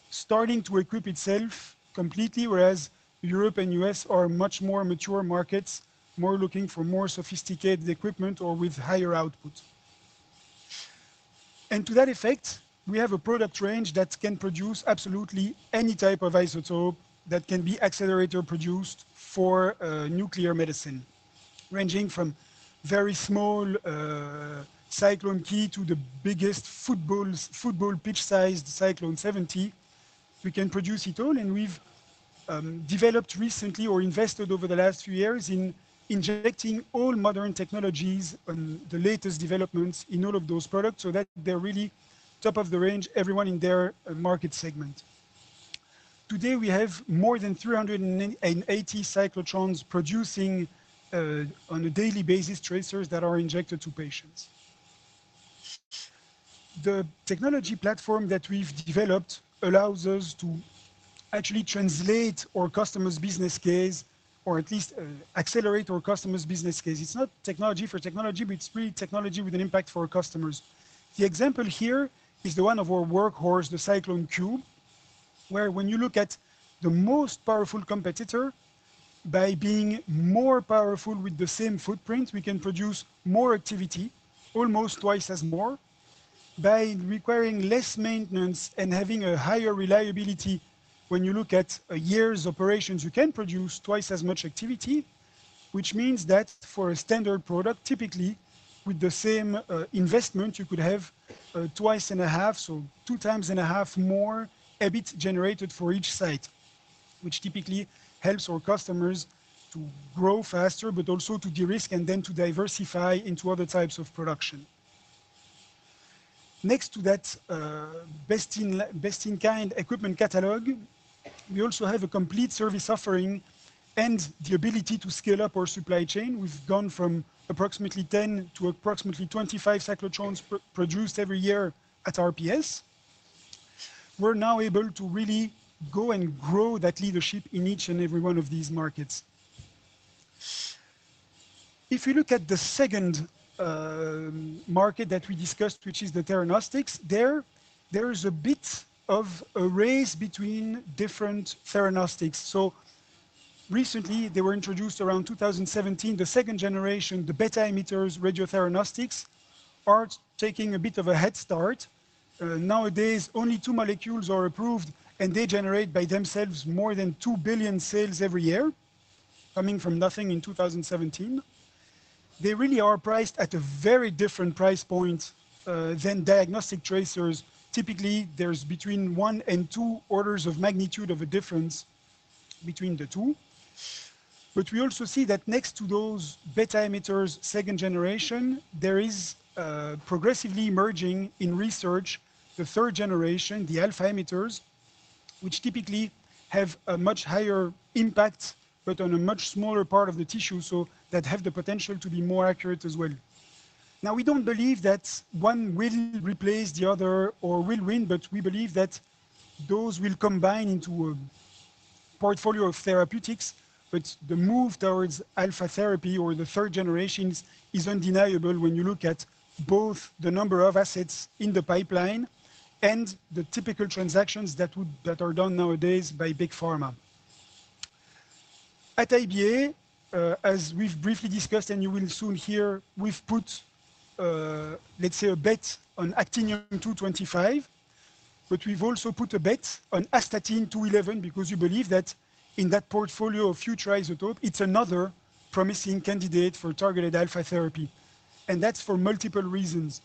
starting to equip itself completely, whereas Europe and the U.S. are much more mature markets, more looking for more sophisticated equipment or with higher output. To that effect, we have a product range that can produce absolutely any type of isotope that can be accelerator-produced for nuclear medicine, ranging from very small Cyclone Cube to the biggest football pitch-sized Cyclone 70. We can produce it all. We have developed recently or invested over the last few years in injecting all modern technologies and the latest developments in all of those products so that they're really top of the range, everyone in their market segment. Today, we have more than 380 cyclotrons producing on a daily basis tracers that are injected to patients. The technology platform that we've developed allows us to actually translate our customers' business case, or at least accelerate our customers' business case. It's not technology for technology, but it's really technology with an impact for our customers. The example here is the one of our workhorse, the Cyclone Cube, where when you look at the most powerful competitor, by being more powerful with the same footprint, we can produce more activity, almost twice as more, by requiring less maintenance and having a higher reliability. When you look at a year's operations, you can produce twice as much activity, which means that for a standard product, typically with the same investment, you could have 2.5x, so 2.5x more EBIT generated for each site, which typically helps our customers to grow faster, but also to de-risk and then to diversify into other types of production. Next to that best-in-kind equipment catalog, we also have a complete service offering and the ability to scale up our supply chain. We've gone from approximately 10 to approximately 25 cyclotrons produced every year at RPS. We're now able to really go and grow that leadership in each and every one of these markets. If you look at the second market that we discussed, which is the theranostics, there is a bit of a race between different theranostics. Recently, they were introduced around 2017, the second-generation, the beta-emitters radiotheranostics are taking a bit of a head start. Nowadays, only two molecules are approved, and they generate by themselves more than 2 billion sales every year, coming from nothing in 2017. They really are priced at a very different price point than diagnostic tracers. Typically, there is between one and two orders of magnitude of a difference between the two. We also see that next to those beta-emitters second-generation, there is progressively emerging in research the third-generation, the alpha-emitters, which typically have a much higher impact, but on a much smaller part of the tissue, so that have the potential to be more accurate as well. We do not believe that one will replace the other or will win, but we believe that those will combine into a portfolio of therapeutics. The move towards alpha therapy or the third generations is undeniable when you look at both the number of assets in the pipeline and the typical transactions that are done nowadays by big pharma. At IBA, as we've briefly discussed, and you will soon hear, we've put, let's say, a bet on Actinium-225, but we've also put a bet on Astatine-211 because we believe that in that portfolio of future isotopes, it's another promising candidate for targeted alpha therapy. That's for multiple reasons.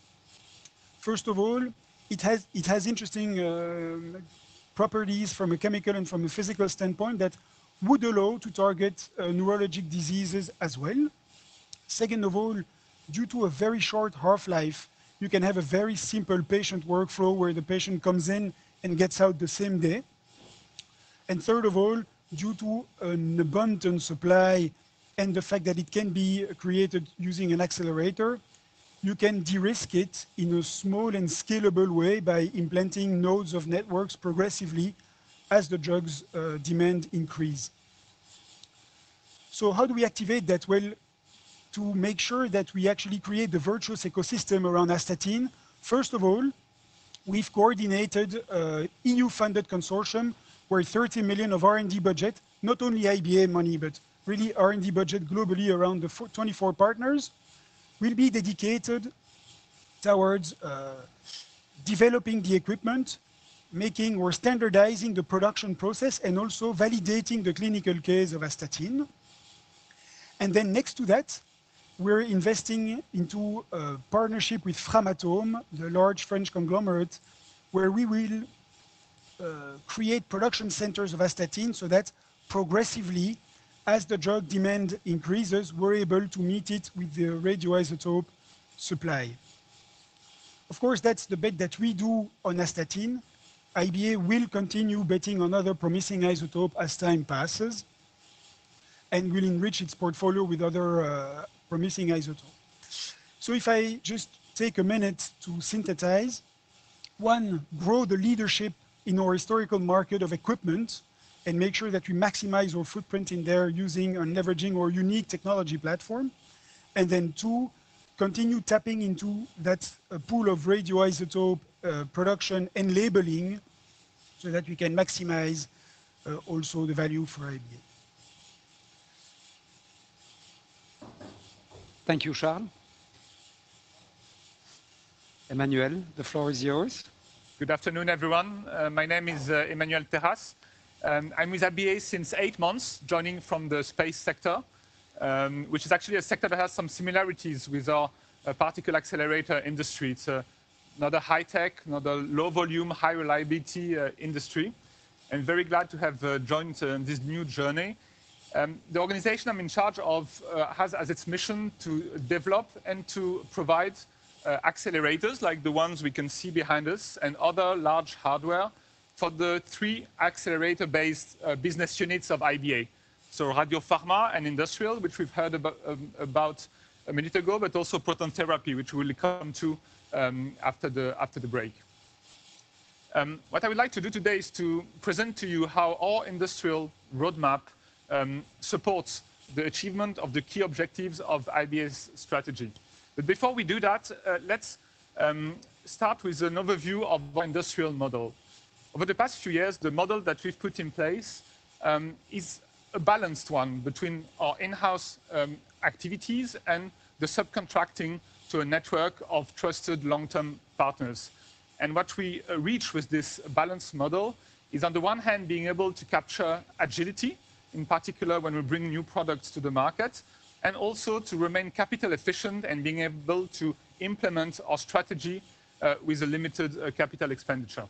First of all, it has interesting properties from a chemical and from a physical standpoint that would allow to target neurologic diseases as well. Second of all, due to a very short half-life, you can have a very simple patient workflow where the patient comes in and gets out the same day. Third of all, due to an abundant supply and the fact that it can be created using an accelerator, you can de-risk it in a small and scalable way by implanting nodes of networks progressively as the drug's demand increases. How do we activate that? To make sure that we actually create the virtuous ecosystem around Astatine, first of all, we've coordinated an EU-funded consortium where 30 million of R&D budget, not only IBA money, but really R&D budget globally around the 24 partners, will be dedicated towards developing the equipment, making or standardizing the production process, and also validating the clinical case of Astatine. Next to that, we're investing into a partnership with Framatome, the large French conglomerate, where we will create production centers of Astatine so that progressively, as the drug demand increases, we're able to meet it with the radioisotope supply. Of course, that's the bet that we do on Astatine-211. IBA will continue betting on other promising isotopes as time passes and will enrich its portfolio with other promising isotopes. If I just take a minute to synthesize, one, grow the leadership in our historical market of equipment and make sure that we maximize our footprint in there using and leveraging our unique technology platform. Two, continue tapping into that pool of radioisotope production and labeling so that we can maximize also the value for IBA. Thank you, Charles. Emmanuel, the floor is yours. Good afternoon, everyone. My name is Emmanuel Terrasse. I'm with IBA since eight months, joining from the space sector, which is actually a sector that has some similarities with our particle accelerator industry. It's not a high-tech, not a low-volume, high-reliability industry. I'm very glad to have joined this new journey. The organization I'm in charge of has as its mission to develop and to provide accelerators like the ones we can see behind us and other large hardware for the three accelerator-based business units of IBA. Radiopharma and Industrial, which we've heard about a minute ago, but also Proton Therapy, which we'll come to after the break. What I would like to do today is to present to you how our industrial roadmap supports the achievement of the key objectives of IBA's strategy. Before we do that, let's start with an overview of our industrial model. Over the past few years, the model that we've put in place is a balanced one between our in-house activities and the subcontracting to a network of trusted long-term partners. What we reach with this balanced model is, on the one hand, being able to capture agility, in particular when we bring new products to the market, and also to remain capital efficient and being able to implement our strategy with a limited capital expenditure.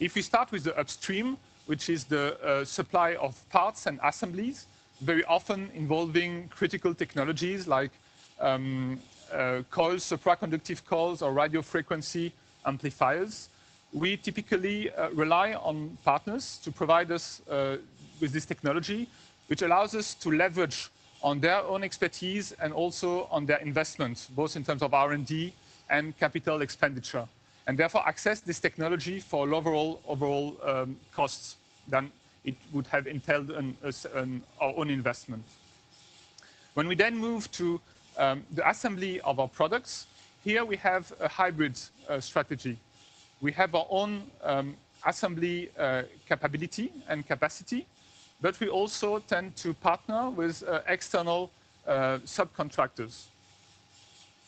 If we start with the upstream, which is the supply of parts and assemblies, very often involving critical technologies like coils, supraconductive coils, or radiofrequency amplifiers, we typically rely on partners to provide us with this technology, which allows us to leverage on their own expertise and also on their investments, both in terms of R&D and capital expenditure, and therefore access this technology for lower overall costs than it would have entailed our own investment. When we then move to the assembly of our products, here we have a hybrid strategy. We have our own assembly capability and capacity, but we also tend to partner with external subcontractors.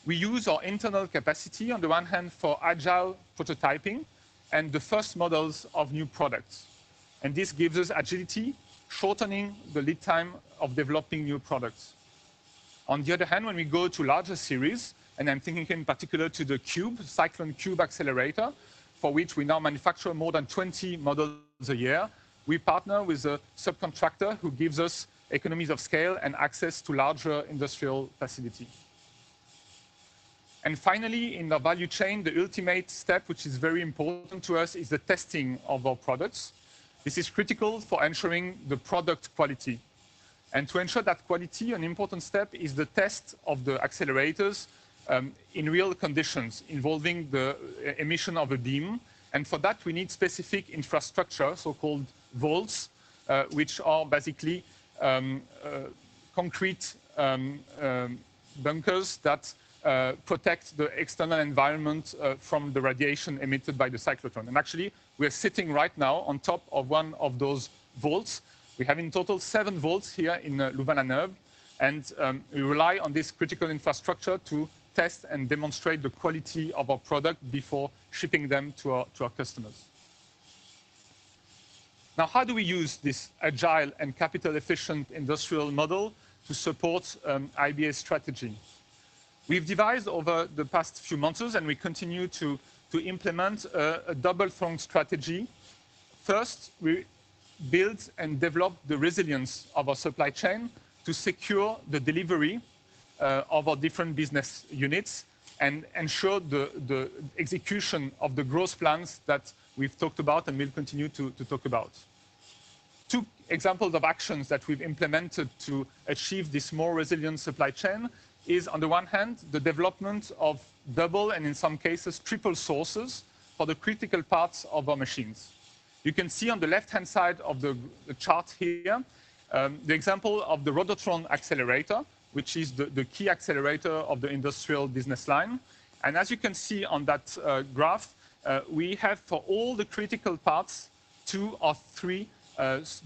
We use our internal capacity, on the one hand, for agile prototyping and the first models of new products. This gives us agility, shortening the lead time of developing new products. On the other hand, when we go to larger series, and I'm thinking in particular to the Cyclone Cube accelerator, for which we now manufacture more than 20 models a year, we partner with a subcontractor who gives us economies of scale and access to larger industrial facilities. Finally, in the value chain, the ultimate step, which is very important to us, is the testing of our products. This is critical for ensuring the product quality. To ensure that quality, an important step is the test of the accelerators in real conditions involving the emission of a beam. For that, we need specific infrastructure, so-called vaults, which are basically concrete bunkers that protect the external environment from the radiation emitted by the cyclotron. Actually, we are sitting right now on top of one of those vaults. We have in total seven vaults here in Louvain-la-Neuve, and we rely on this critical infrastructure to test and demonstrate the quality of our product before shipping them to our customers. Now, how do we use this agile and capital-efficient industrial model to support IBA's strategy? We've devised over the past few months, and we continue to implement a double-front strategy. First, we build and develop the resilience of our supply chain to secure the delivery of our different business units and ensure the execution of the growth plans that we've talked about and will continue to talk about. Two examples of actions that we've implemented to achieve this more resilient supply chain is, on the one hand, the development of double and, in some cases, triple sources for the critical parts of our machines. You can see on the left-hand side of the chart here the example of the Rhodotron accelerator, which is the key accelerator of the industrial business line. As you can see on that graph, we have for all the critical parts two or three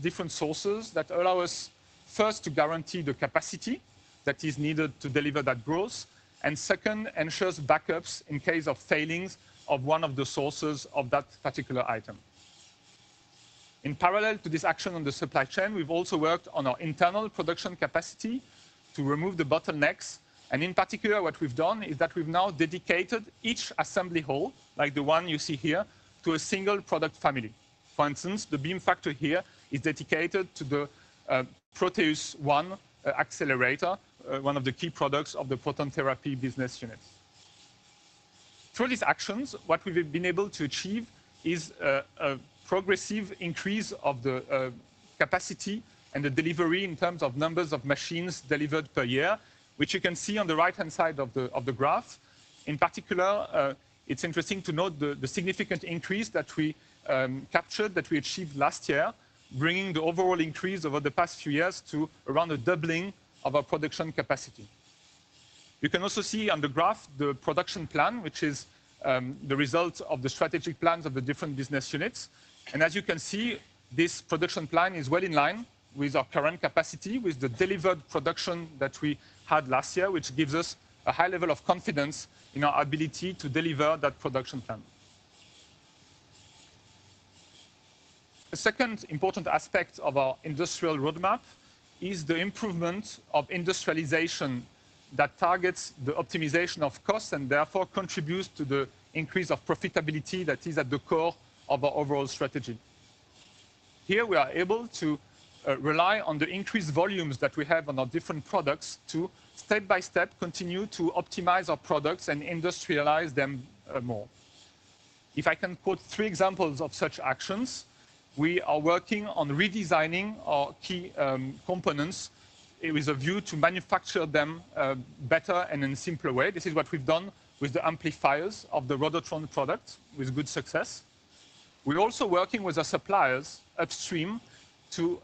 different sources that allow us first to guarantee the capacity that is needed to deliver that growth, and second, ensures backups in case of failings of one of the sources of that particular item. In parallel to this action on the supply chain, we've also worked on our internal production capacity to remove the bottlenecks. In particular, what we've done is that we've now dedicated each assembly hall, like the one you see here, to a single product family. For instance, the beam factor here is dedicated to the ProteusONE accelerator, one of the key products of the Proton Therapy business unit. Through these actions, what we've been able to achieve is a progressive increase of the capacity and the delivery in terms of numbers of machines delivered per year, which you can see on the right-hand side of the graph. In particular, it's interesting to note the significant increase that we captured that we achieved last year, bringing the overall increase over the past few years to around a doubling of our production capacity. You can also see on the graph the production plan, which is the result of the strategic plans of the different business units. As you can see, this production plan is well in line with our current capacity, with the delivered production that we had last year, which gives us a high level of confidence in our ability to deliver that production plan. The second important aspect of our industrial roadmap is the improvement of industrialization that targets the optimization of costs and therefore contributes to the increase of profitability that is at the core of our overall strategy. Here we are able to rely on the increased volumes that we have on our different products to step by step continue to optimize our products and industrialize them more. If I can quote three examples of such actions, we are working on redesigning our key components with a view to manufacture them better and in a simpler way. This is what we've done with the amplifiers of the Rhodotron product with good success. We're also working with our suppliers upstream to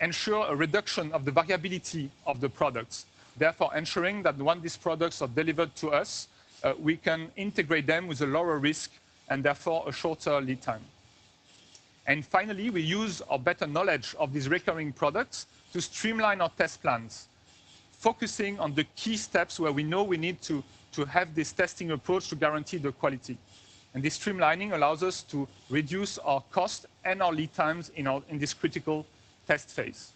ensure a reduction of the variability of the products, therefore ensuring that when these products are delivered to us, we can integrate them with a lower risk and therefore a shorter lead time. We use our better knowledge of these recurring products to streamline our test plans, focusing on the key steps where we know we need to have this testing approach to guarantee the quality. This streamlining allows us to reduce our cost and our lead times in this critical test phase.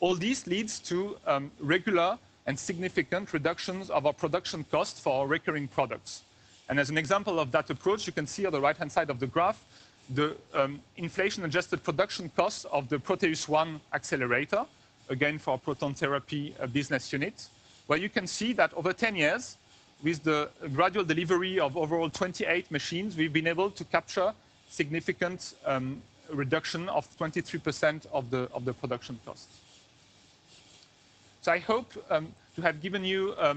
All this leads to regular and significant reductions of our production costs for our recurring products. As an example of that approach, you can see on the right-hand side of the graph the inflation-adjusted production costs of the ProteusONE accelerator, again for our Proton Therapy business unit, where you can see that over 10 years, with the gradual delivery of overall 28 machines, we've been able to capture a significant reduction of 23% of the production costs. I hope to have given you a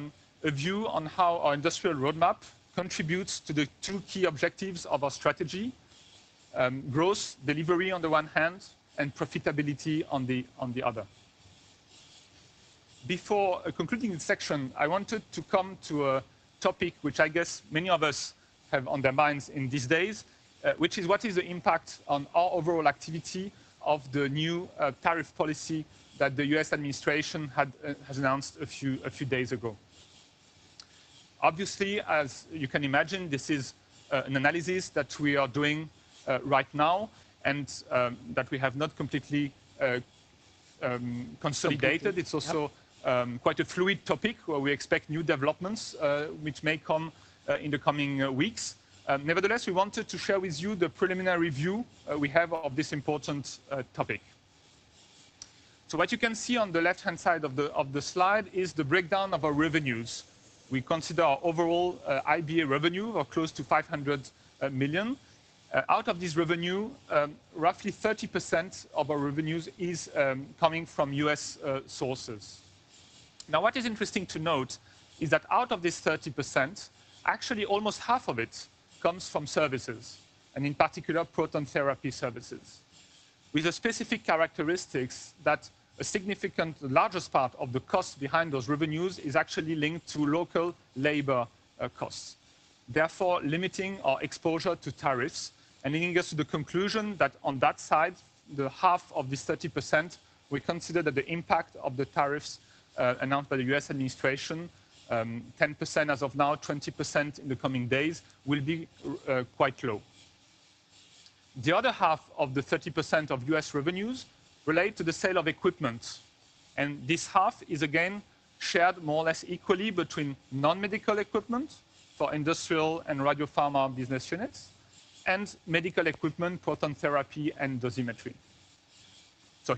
view on how our industrial roadmap contributes to the two key objectives of our strategy: growth delivery on the one hand and profitability on the other. Before concluding this section, I wanted to come to a topic which I guess many of us have on their minds in these days, which is what is the impact on our overall activity of the new tariff policy that the U.S. administration has announced a few days ago. Obviously, as you can imagine, this is an analysis that we are doing right now and that we have not completely consolidated. It's also quite a fluid topic where we expect new developments which may come in the coming weeks. Nevertheless, we wanted to share with you the preliminary view we have of this important topic. What you can see on the left-hand side of the slide is the breakdown of our revenues. We consider our overall IBA revenue of close to 500 million. Out of this revenue, roughly 30% of our revenues is coming from U.S. sources. Now, what is interesting to note is that out of this 30%, actually almost half of it comes from services, and in particular, Proton Therapy services, with the specific characteristics that a significant largest part of the cost behind those revenues is actually linked to local labor costs, therefore limiting our exposure to tariffs and leading us to the conclusion that on that side, the half of this 30%, we consider that the impact of the tariffs announced by the U.S. administration, 10% as of now, 20% in the coming days, will be quite low. The other half of the 30% of U.S. revenues relates to the sale of equipment. This half is again shared more or less equally between non-medical equipment for industrial and Radiopharma business units and medical equipment, Proton Therapy and dosimetry.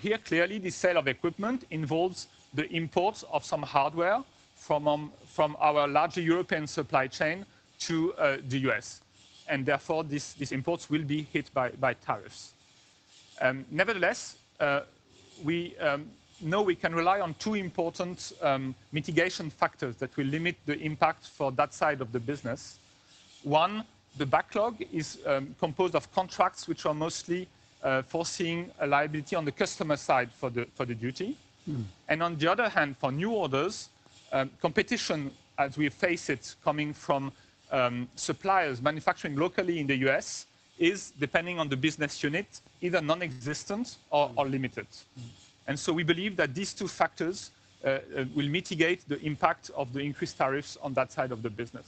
Here, clearly, the sale of equipment involves the import of some hardware from our larger European supply chain to the U.S. Therefore, these imports will be hit by tariffs. Nevertheless, we know we can rely on two important mitigation factors that will limit the impact for that side of the business. One, the backlog is composed of contracts which are mostly forcing a liability on the customer side for the duty. On the other hand, for new orders, competition, as we face it coming from suppliers manufacturing locally in the U.S., is, depending on the business unit, either non-existent or limited. We believe that these two factors will mitigate the impact of the increased tariffs on that side of the business.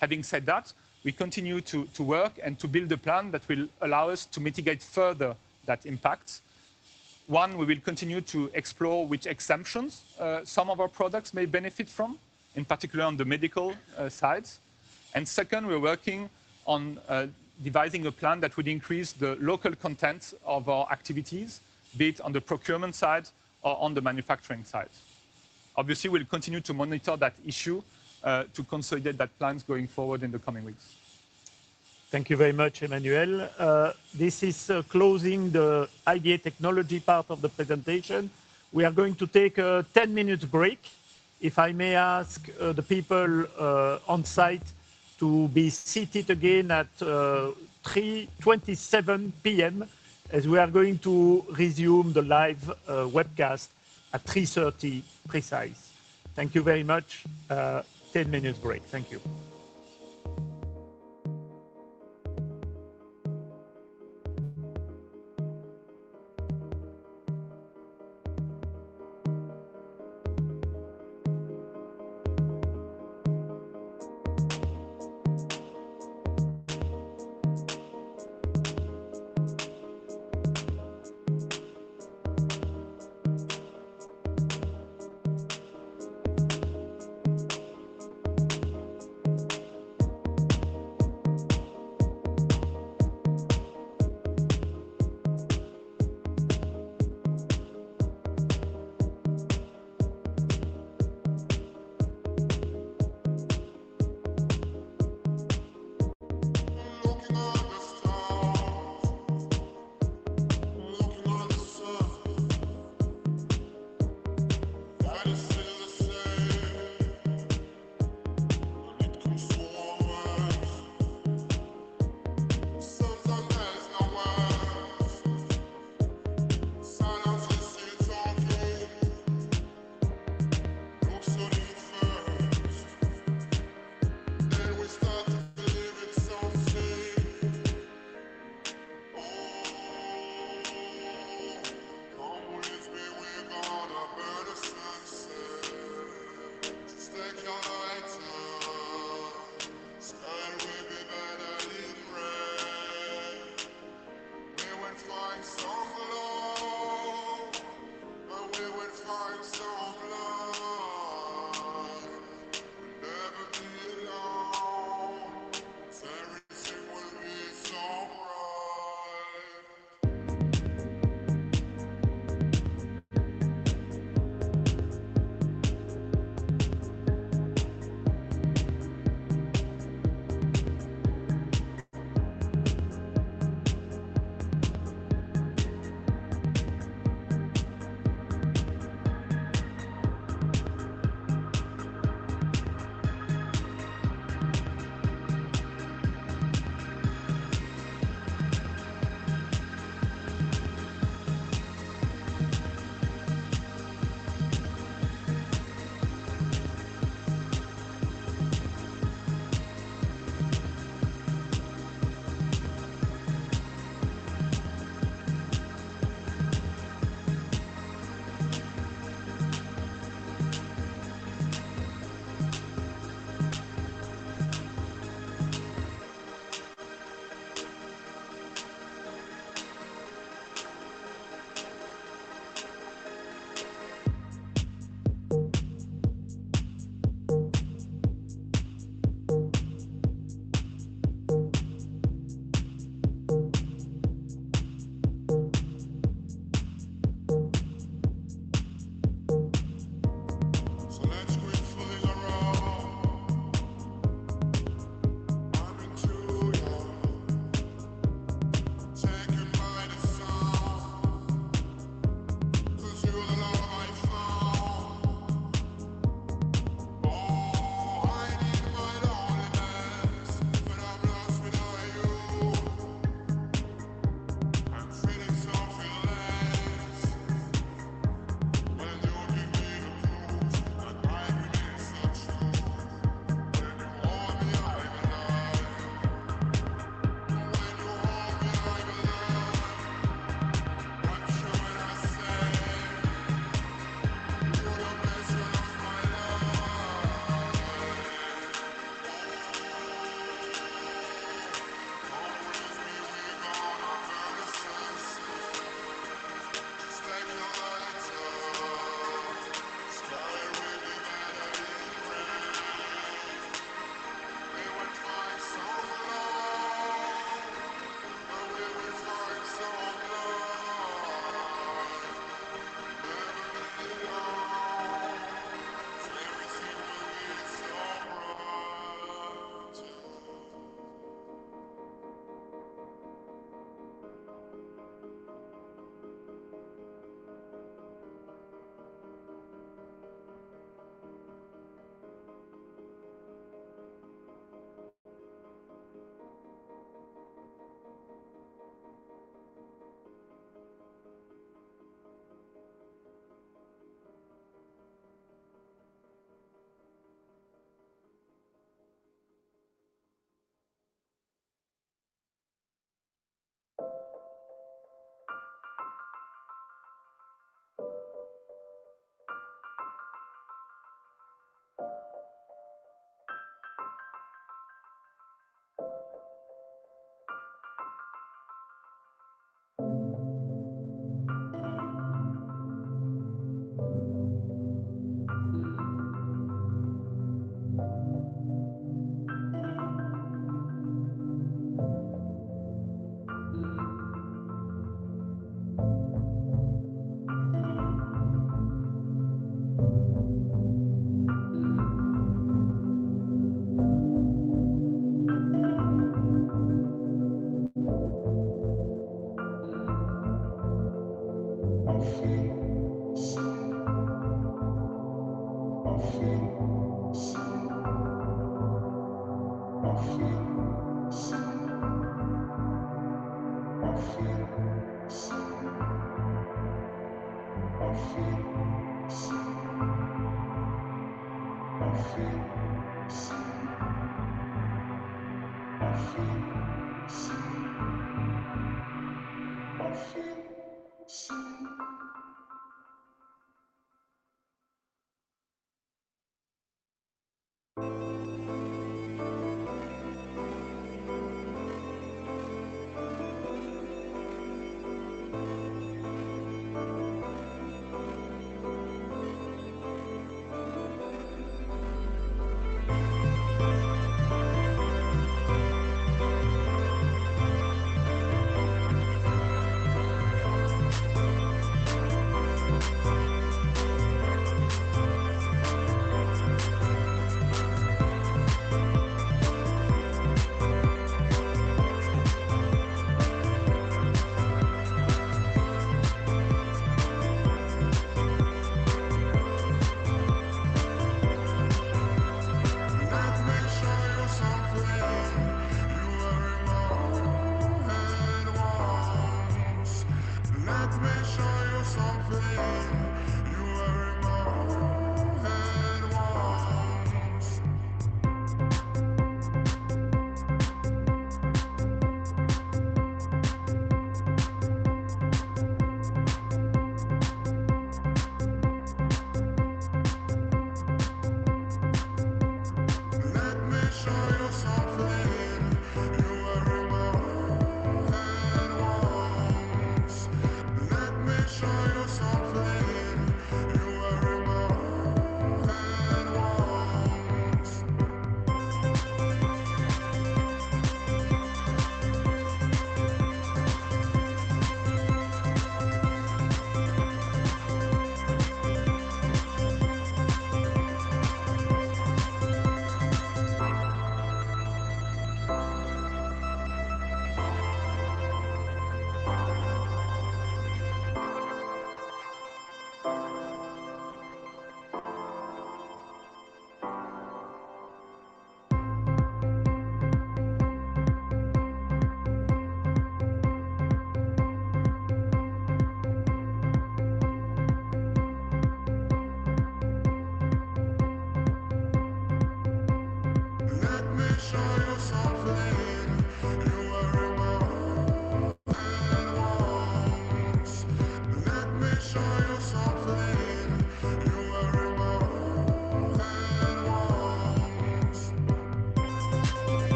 Having said that, we continue to work and to build a plan that will allow us to mitigate further that impact. One, we will continue to explore which exemptions some of our products may benefit from, in particular on the medical side. Second, we're working on devising a plan that would increase the local content of our activities, be it on the procurement side or on the manufacturing side. Obviously, we'll continue to monitor that issue to consolidate that plan going forward in the coming weeks. Thank you very much, Emmanuel. This is closing the IBA technology part of the presentation. We are going to take a 10-minute break, if I may ask the people on site to be seated again at 3:27 P.M., as we are going to resume the live webcast at 3:30 precise. Thank you very much. 10-minute break. Thank you.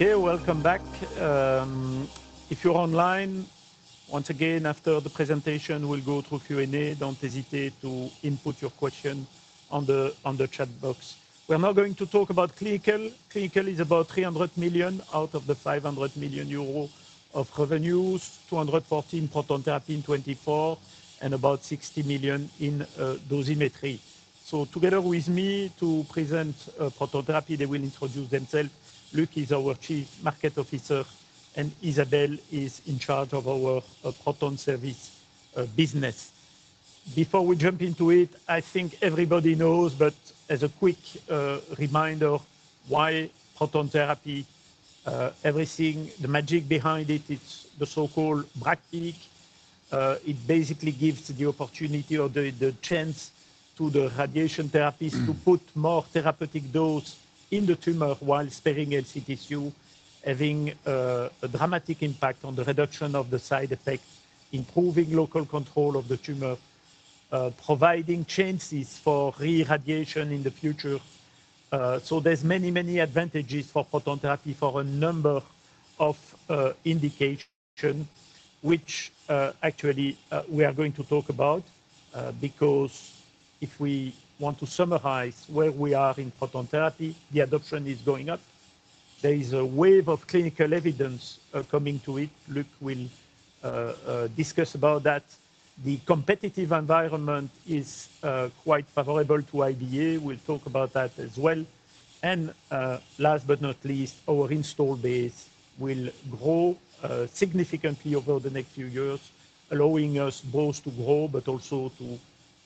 Okay, welcome back. If you're online, once again, after the presentation, we'll go through Q&A. Don't hesitate to input your question on the chat box. We're now going to talk about clinical. Clinical is about 300 million out of the 500 million euro of revenues, 214 million in proton therapy in 2024, and about 60 million in dosimetry. Together with me to present proton therapy, they will introduce themselves. Luk is our Chief Market Officer, and Isabelle is in charge of our proton service business. Before we jump into it, I think everybody knows, but as a quick reminder, why proton therapy? Everything, the magic behind it, it is the so-called Bragg peak. It basically gives the opportunity or the chance to the radiation therapist to put more therapeutic dose in the tumor while sparing healthy tissue, having a dramatic impact on the reduction of the side effect, improving local control of the tumor, providing chances for re-radiation in the future. There are many, many advantages for proton therapy for a number of indications, which actually we are going to talk about because if we want to summarize where we are in proton therapy, the adoption is going up. There is a wave of clinical evidence coming to it. Luk will discuss about that. The competitive environment is quite favorable to IBA. We will talk about that as well. Last but not least, our install base will grow significantly over the next few years, allowing us both to grow but also to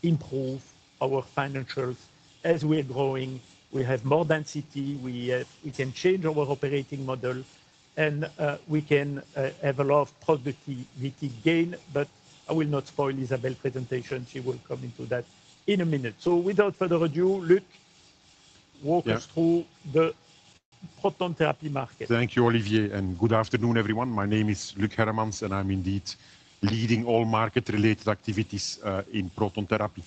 improve our financials. As we are growing, we have more density, we can change our operating model, and we can have a lot of productivity gain. I will not spoil Isabelle's presentation. She will come into that in a minute. Without further ado, Luk, walk us through the proton therapy market. Thank you, Olivier, and good afternoon, everyone. My name is Luk Herremans, and I'm indeed leading all market-related activities in proton therapy.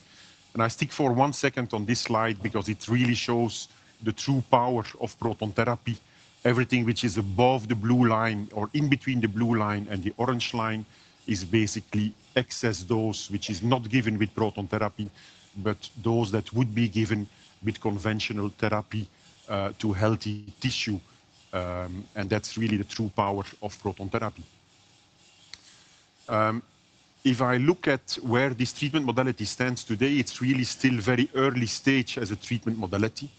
I stick for one second on this slide because it really shows the true power of proton therapy. Everything which is above the blue line or in between the blue line and the orange line is basically excess dose, which is not given with proton therapy, but dose that would be given with conventional therapy to healthy tissue. That's really the true power of proton therapy. If I look at where this treatment modality stands today, it's really still very early stage as a treatment modality.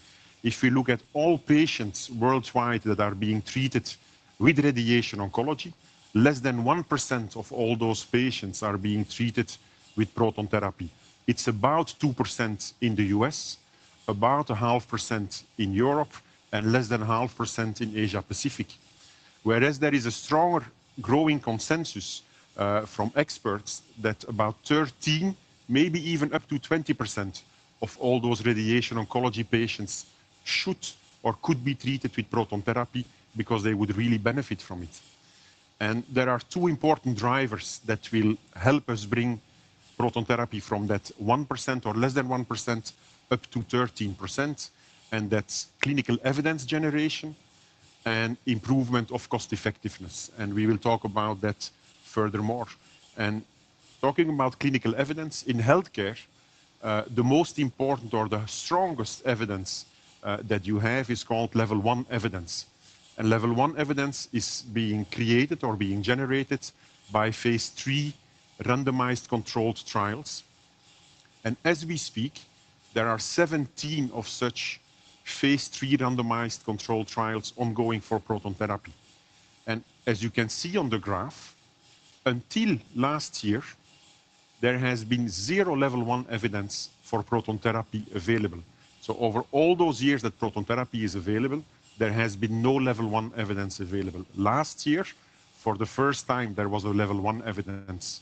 If we look at all patients worldwide that are being treated with radiation oncology, less than 1% of all those patients are being treated with proton therapy. It's about 2% in the U.S., about a half percent in Europe, and less than half percent in Asia-Pacific. Whereas there is a stronger growing consensus from experts that about 13%, maybe even up to 20% of all those radiation oncology patients should or could be treated with proton therapy because they would really benefit from it. There are two important drivers that will help us bring proton therapy from that 1% or less than 1% up to 13%, and that's clinical evidence generation and improvement of cost-effectiveness. We will talk about that furthermore. Talking about clinical evidence in healthcare, the most important or the strongest evidence that you have is called level one evidence. Level one evidence is being created or being generated by phase III randomized controlled trials. As we speak, there are 17 of such phase III randomized controlled trials ongoing for proton therapy. As you can see on the graph, until last year, there has been zero level one evidence for proton therapy available. Over all those years that proton therapy is available, there has been no level one evidence available. Last year, for the first time, there was a level one evidence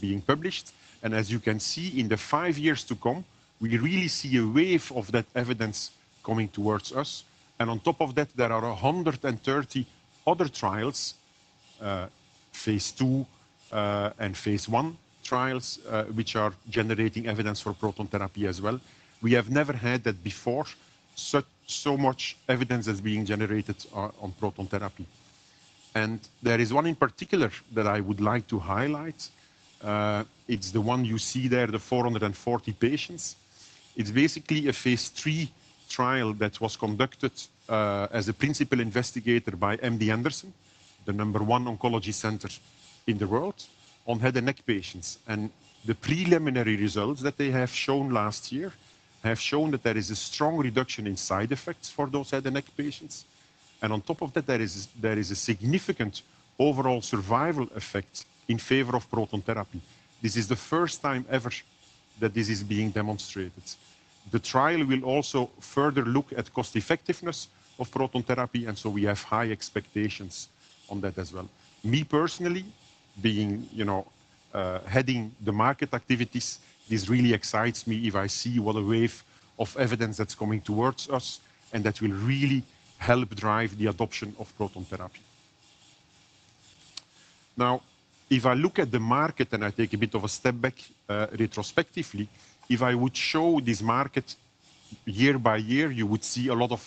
being published. As you can see, in the five years to come, we really see a wave of that evidence coming towards us. On top of that, there are 130 other trials, phase II and phase I trials, which are generating evidence for proton therapy as well. We have never had that before, so much evidence is being generated on proton therapy. There is one in particular that I would like to highlight. It's the one you see there, the 440 patients. It's basically a phase III trial that was conducted as a principal investigator by MD Anderson, the number one oncology center in the world, on head and neck patients. The preliminary results that they have shown last year have shown that there is a strong reduction in side effects for those head and neck patients. On top of that, there is a significant overall survival effect in favor of proton therapy. This is the first time ever that this is being demonstrated. The trial will also further look at cost-effectiveness of proton therapy, and we have high expectations on that as well. Me personally, being heading the market activities, this really excites me if I see what a wave of evidence that's coming towards us and that will really help drive the adoption of proton therapy. Now, if I look at the market and I take a bit of a step back retrospectively, if I would show this market year by year, you would see a lot of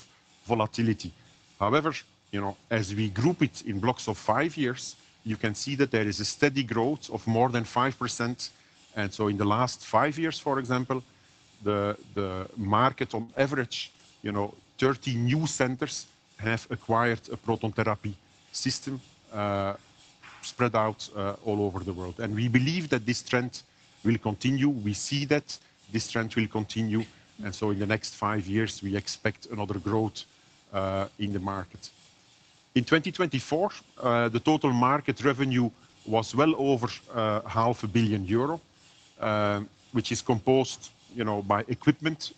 volatility. However, as we group it in blocks of five years, you can see that there is a steady growth of more than 5%. In the last five years, for example, the market on average, 30 new centers have acquired a proton therapy system spread out all over the world. We believe that this trend will continue. We see that this trend will continue. In the next five years, we expect another growth in the market. In 2024, the total market revenue was well over 500 million euro, which is composed by equipment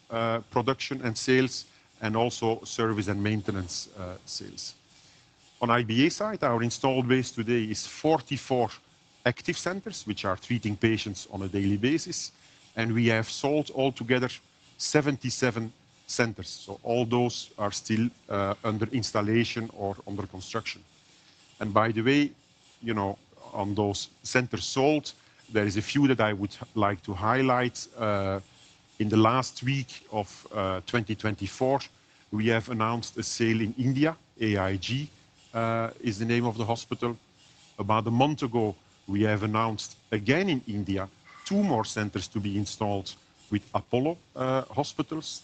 production and sales and also service and maintenance sales. On IBA side, our installed base today is 44 active centers, which are treating patients on a daily basis. We have sold altogether 77 centers. All those are still under installation or under construction. By the way, on those centers sold, there is a few that I would like to highlight. In the last week of 2024, we have announced a sale in India. AIG is the name of the hospital. About a month ago, we have announced again in India, two more centers to be installed with Apollo Hospitals.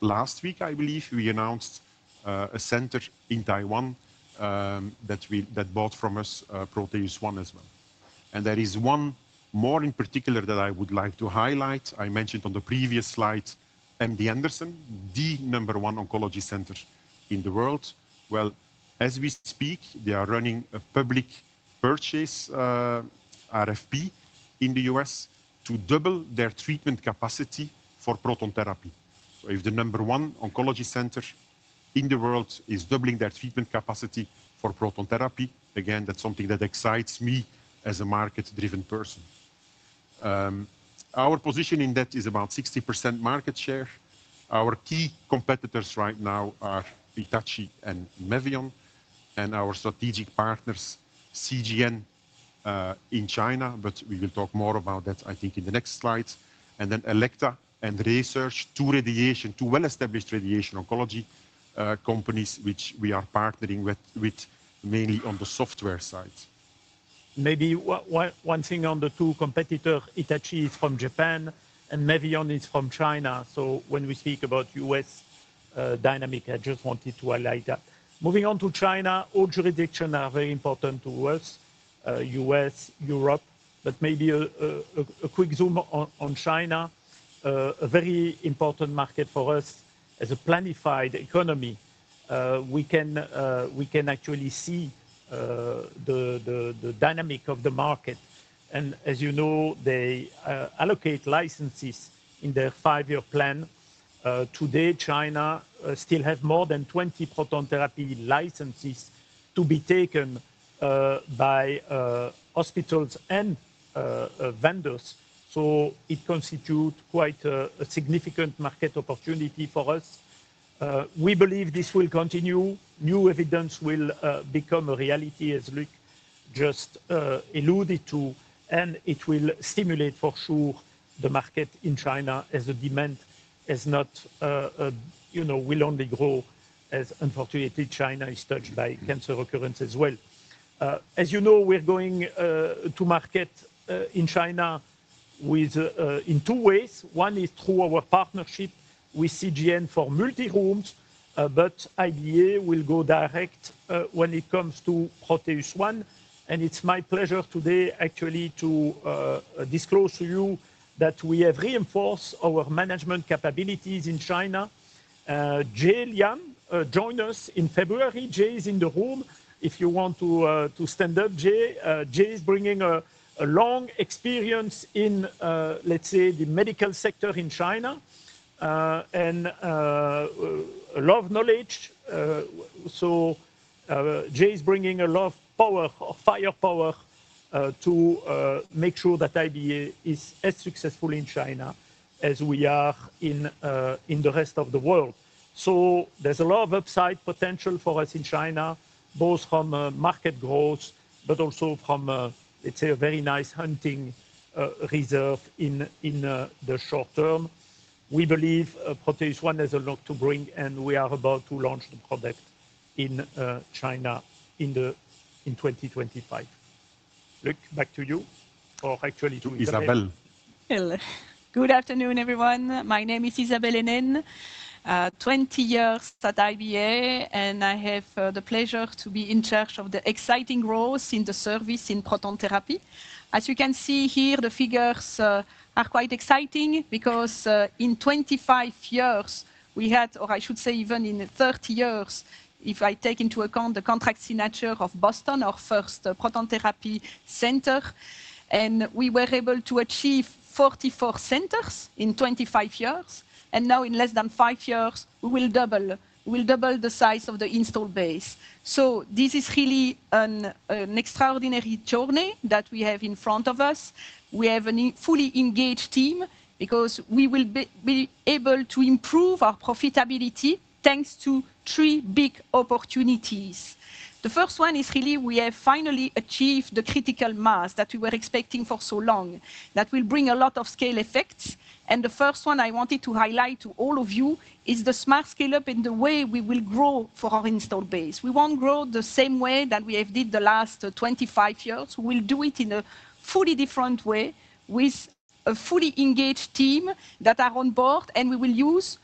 Last week, I believe, we announced a center in Taiwan that bought from us ProteusONE as well. There is one more in particular that I would like to highlight. I mentioned on the previous slide, MD Anderson, the number one oncology center in the world. As we speak, they are running a public purchase RFP in the U.S. to double their treatment capacity for proton therapy. If the number one oncology center in the world is doubling their treatment capacity for proton therapy, again, that's something that excites me as a market-driven person. Our position in that is about 60% market share. Our key competitors right now are Hitachi and Mevion, and our strategic partners, CGN in China, but we will talk more about that, I think, in the next slides. Then Elekta and Research, two well-established radiation oncology companies which we are partnering with mainly on the software side. Maybe one thing on the two competitors, Hitachi is from Japan and Mevion is from China. When we speak about U.S. dynamic, I just wanted to highlight that. Moving on to China, all jurisdictions are very important to us, U.S., Europe, but maybe a quick zoom on China, a very important market for us as a planified economy. We can actually see the dynamic of the market. As you know, they allocate licenses in their five-year plan. Today, China still has more than 20 proton therapy licenses to be taken by hospitals and vendors. It constitutes quite a significant market opportunity for us. We believe this will continue. New evidence will become a reality, as Luk just alluded to, and it will stimulate for sure the market in China as the demand will only grow as, unfortunately, China is touched by cancer occurrence as well. As you know, we're going to market in China in two ways. One is through our partnership with CGN for multi-rooms, but IBA will go direct when it comes to ProteusONE. It is my pleasure today, actually, to disclose to you that we have reinforced our management capabilities in China. Jay Liang joined us in February. Jay is in the room. If you want to stand up, Jay is bringing a long experience in, let's say, the medical sector in China and a lot of knowledge. Jay is bringing a lot of firepower to make sure that IBA is as successful in China as we are in the rest of the world. There is a lot of upside potential for us in China, both from market growth, but also from, let's say, a very nice hunting reserve in the short term. We believe ProteusONE has a lot to bring, and we are about to launch the product in China in 2025. Luk, back to you or actually to Isabelle. Good afternoon, everyone. My name is Isabelle Hennen, 20 years at IBA, and I have the pleasure to be in charge of the exciting roles in the service in proton therapy. As you can see here, the figures are quite exciting because in 25 years, we had, or I should say even in 30 years, if I take into account the contract signature of Boston, our first proton therapy center, and we were able to achieve 44 centers in 25 years. Now, in less than five years, we will double the size of the install base. This is really an extraordinary journey that we have in front of us. We have a fully engaged team because we will be able to improve our profitability thanks to three big opportunities. The first one is really we have finally achieved the critical mass that we were expecting for so long that will bring a lot of scale effects. The first one I wanted to highlight to all of you is the smart scale-up in the way we will grow for our install base. We won't grow the same way that we have did the last 25 years. We will do it in a fully different way with a fully engaged team that are on board, and we will use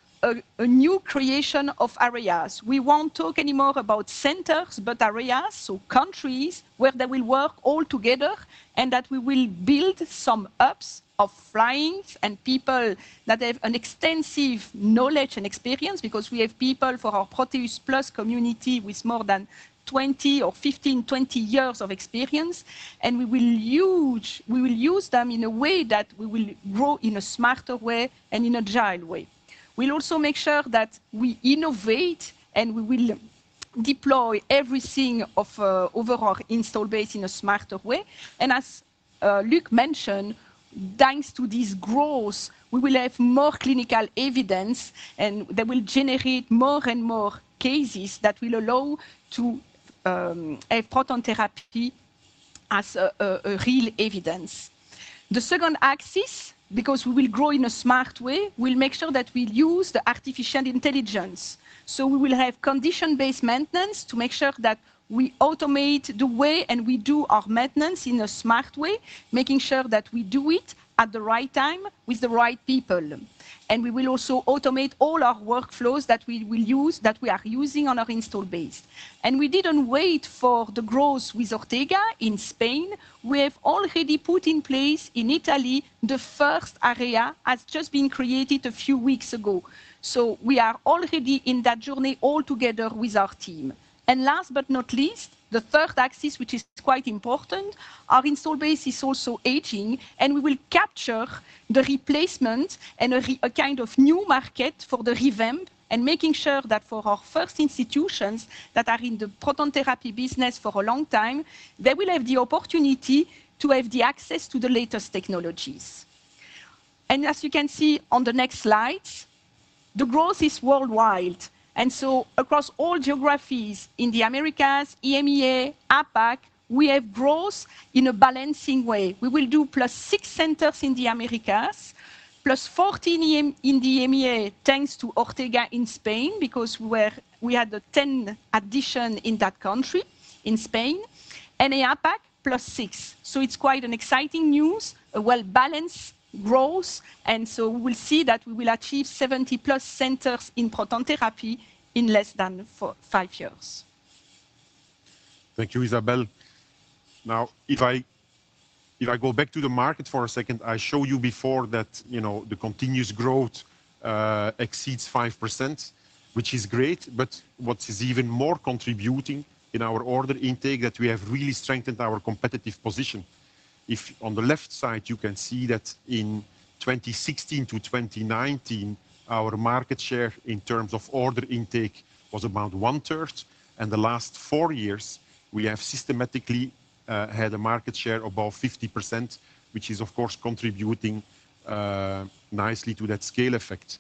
a new creation of areas. We won't talk anymore about centers, but areas, so countries where they will work all together and that we will build some hubs of flyings and people that have an extensive knowledge and experience because we have people for our ProteusPLUS community with more than 20 or 15-20 years of experience. We will use them in a way that we will grow in a smarter way and in an agile way. We'll also make sure that we innovate and we will deploy everything over our install base in a smarter way. As Luk mentioned, thanks to this growth, we will have more clinical evidence, and they will generate more and more cases that will allow to have proton therapy as real evidence. The second axis, because we will grow in a smart way, we'll make sure that we use the artificial intelligence. We will have condition-based maintenance to make sure that we automate the way we do our maintenance in a smart way, making sure that we do it at the right time with the right people. We will also automate all our workflows that we are using on our install base. We did not wait for the growth with Ortega in Spain. We have already put in place in Italy the first area that has just been created a few weeks ago. We are already in that journey all together with our team. Last but not least, the third axis, which is quite important, our install base is also aging, and we will capture the replacement and a kind of new market for the revamp and making sure that for our first institutions that are in the proton therapy business for a long time, they will have the opportunity to have the access to the latest technologies. As you can see on the next slide, the growth is worldwide. Across all geographies in the Americas, EMEA, APAC, we have growth in a balancing way. We will do plus six centers in the Americas, +14 in the EMEA thanks to Ortega in Spain because we had the 10 addition in that country, in Spain, and APAC+6. It is quite exciting news, a well-balanced growth. We will see that we will achieve 70+ centers in proton therapy in less than five years. Thank you, Isabelle. Now, if I go back to the market for a second, I showed you before that the continuous growth exceeds 5%, which is great, but what is even more contributing in our order intake is that we have really strengthened our competitive position. If on the left side, you can see that in 2016 to 2019, our market share in terms of order intake was about 1/3. In the last four years, we have systematically had a market share above 50%, which is, of course, contributing nicely to that scale effect.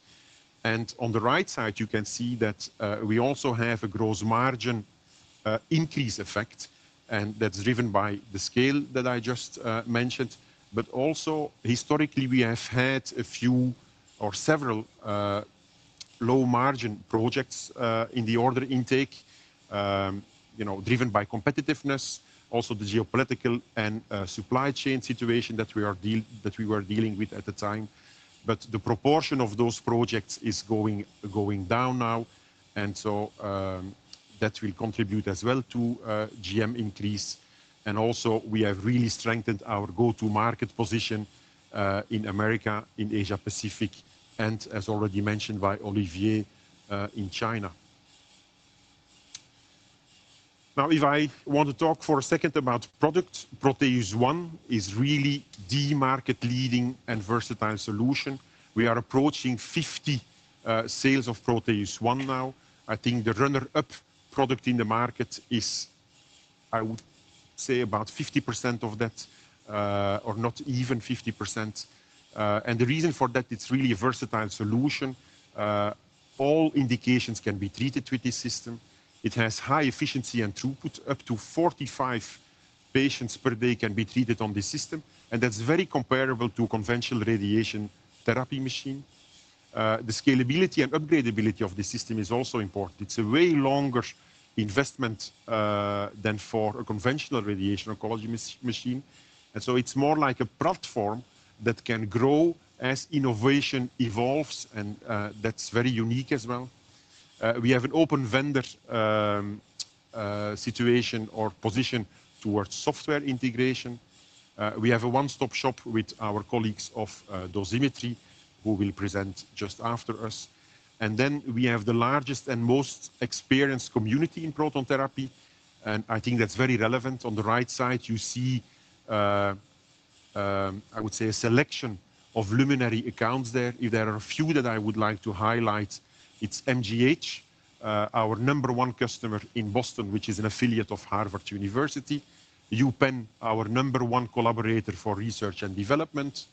On the right side, you can see that we also have a gross margin increase effect, and that is driven by the scale that I just mentioned. Also, historically, we have had a few or several low-margin projects in the order intake driven by competitiveness, also the geopolitical and supply chain situation that we were dealing with at the time. The proportion of those projects is going down now. That will contribute as well to GM increase. Also, we have really strengthened our go-to-market position in America, in Asia-Pacific, and as already mentioned by Olivier, in China. Now, if I want to talk for a second about product, ProteusONE is really the market-leading and versatile solution. We are approaching 50 sales of ProteusONE now. I think the runner-up product in the market is, I would say, about 50% of that or not even 50%. The reason for that, it's really a versatile solution. All indications can be treated with this system. It has high efficiency and throughput. Up to 45 patients per day can be treated on this system. That is very comparable to a conventional radiation therapy machine. The scalability and upgradability of this system is also important. It is a way longer investment than for a conventional radiation oncology machine. It is more like a platform that can grow as innovation evolves, and that is very unique as well. We have an open vendor situation or position towards software integration. We have a one-stop shop with our colleagues of dosimetry, who will present just after us. We have the largest and most experienced community in proton therapy. I think that is very relevant. On the right side, you see, I would say, a selection of luminary accounts there. There are a few that I would like to highlight. It is MGH, our number one customer in Boston, which is an affiliate of Harvard University. UPenn, our number one collaborator for research and development.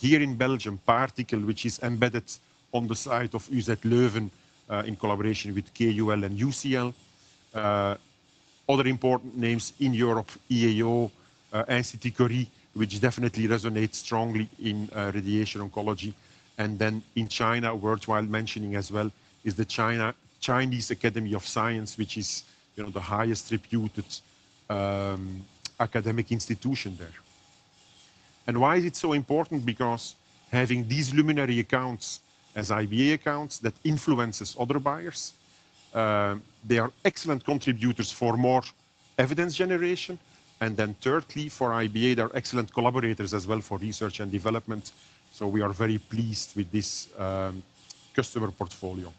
Here in Belgium, Partikel, which is embedded on the site of UZ Leuven in collaboration with KU Leuven and UCLouvain. Other important names in Europe, EAO, Institut Curie, which definitely resonates strongly in radiation oncology. In China, worthwhile mentioning as well, is the Chinese Academy of Sciences, which is the highest reputed academic institution there. Why is it so important? Because having these luminary accounts as IBA accounts influences other buyers, they are excellent contributors for more evidence generation. Thirdly, for IBA, they are excellent collaborators as well for research and development. We are very pleased with this customer portfolio.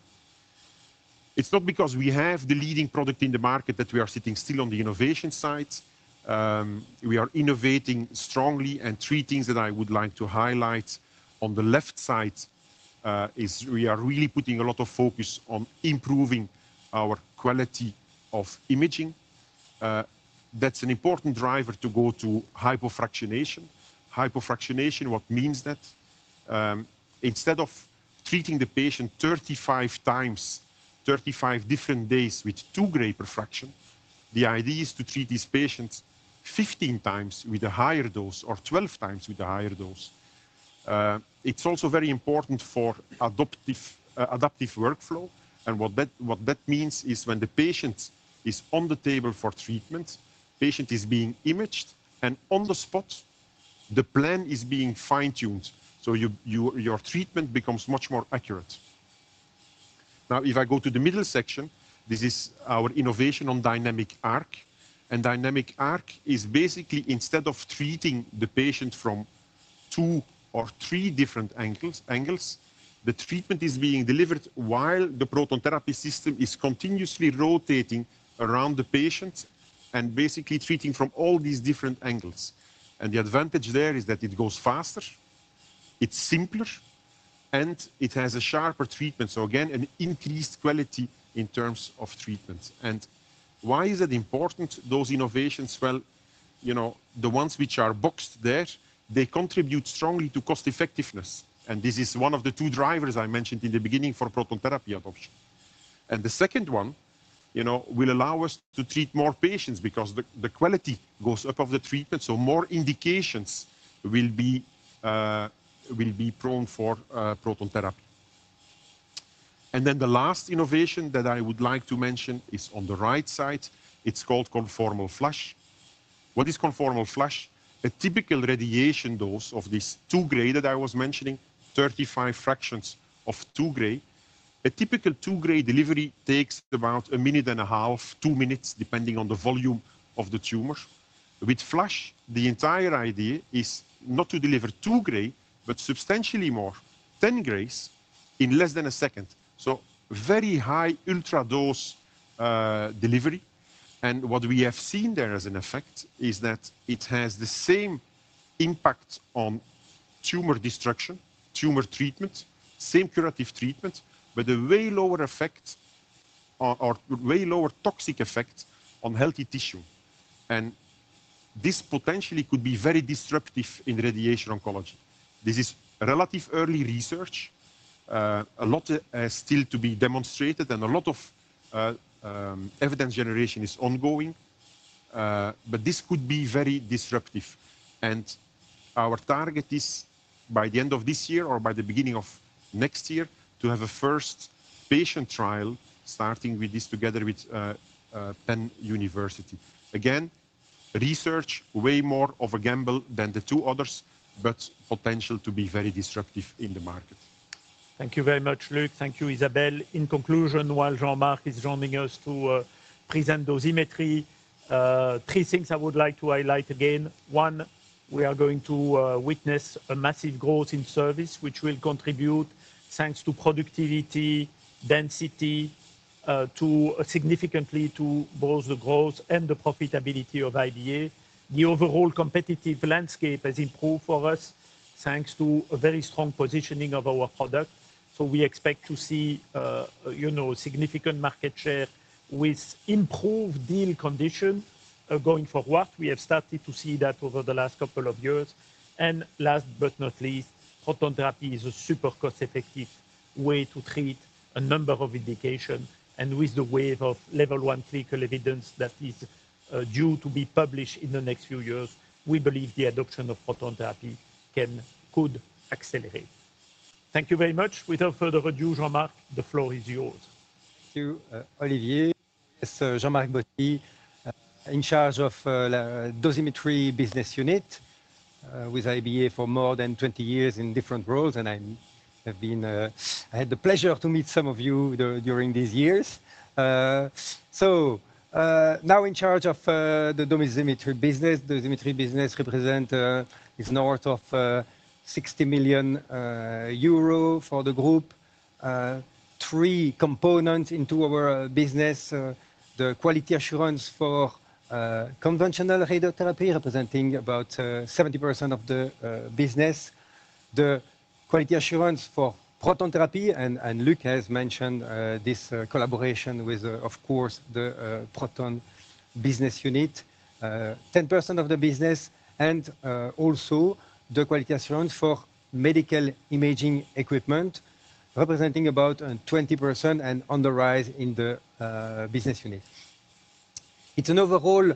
It's not because we have the leading product in the market that we are sitting still on the innovation side. We are innovating strongly. Three things that I would like to highlight on the left side is we are really putting a lot of focus on improving our quality of imaging. That's an important driver to go to hypofractionation. Hypofractionation, what means that instead of treating the patient 35 times, 35 different days with two greater fractions, the idea is to treat these patients 15 times with a higher dose or 12 times with a higher dose. It's also very important for adaptive workflow. What that means is when the patient is on the table for treatment, the patient is being imaged, and on the spot, the plan is being fine-tuned. Your treatment becomes much more accurate. Now, if I go to the middle section, this is our innovation on dynamic arc. Dynamic arc is basically, instead of treating the patient from two or three different angles, the treatment is being delivered while the proton therapy system is continuously rotating around the patient and basically treating from all these different angles. The advantage there is that it goes faster, it's simpler, and it has a sharper treatment. Again, an increased quality in terms of treatment. Why is it important, those innovations? The ones which are boxed there, they contribute strongly to cost-effectiveness. This is one of the two drivers I mentioned in the beginning for proton therapy adoption. The second one will allow us to treat more patients because the quality goes above the treatment. More indications will be prone for proton therapy. The last innovation that I would like to mention is on the right side. It's called conformal flash. What is conformal Flash? A typical radiation dose of this 2 Gy that I was mentioning, 35 fractions of 2 Gy. A typical 2 Gy delivery takes about a minute and a half, two minutes, depending on the volume of the tumor. With Flash, the entire idea is not to deliver 2 Gy, but substantially more, 10 Gy in less than a second. Very high ultra-dose delivery. What we have seen there as an effect is that it has the same impact on tumor destruction, tumor treatment, same curative treatment, but a way lower effect or way lower toxic effect on healthy tissue. This potentially could be very disruptive in radiation oncology. This is relative early research. A lot is still to be demonstrated, and a lot of evidence generation is ongoing. This could be very disruptive. Our target is by the end of this year or by the beginning of next year to have a first patient trial starting with this together with Penn University. Again, research, way more of a gamble than the two others, but potential to be very disruptive in the market. Thank you very much, Luk. Thank you, Isabelle. In conclusion, while Jean-Marc is joining us to present dosimetry, three things I would like to highlight again. One, we are going to witness a massive growth in service, which will contribute thanks to productivity, density, to significantly to both the growth and the profitability of IBA. The overall competitive landscape has improved for us thanks to a very strong positioning of our product. We expect to see significant market share with improved deal condition going forward. We have started to see that over the last couple of years. Last but not least, proton therapy is a super cost-effective way to treat a number of indications. With the wave of level one clinical evidence that is due to be published in the next few years, we believe the adoption of proton therapy could accelerate. Thank you very much. Without further ado, Jean-Marc, the floor is yours. Thank you, Olivier. It's Jean-Marc Bothy, in charge of the dosimetry business unit with IBA for more than 20 years in different roles. I have had the pleasure to meet some of you during these years. Now in charge of the dosimetry business, the dosimetry business represents north of 60 million euro for the group. Three components into our business: the quality assurance for conventional radiotherapy, representing about 70% of the business; the quality assurance for proton therapy. Luk has mentioned this collaboration with, of course, the proton business unit: 10% of the business. Also the quality assurance for medical imaging equipment, representing about 20% and on the rise in the business unit. It is an overall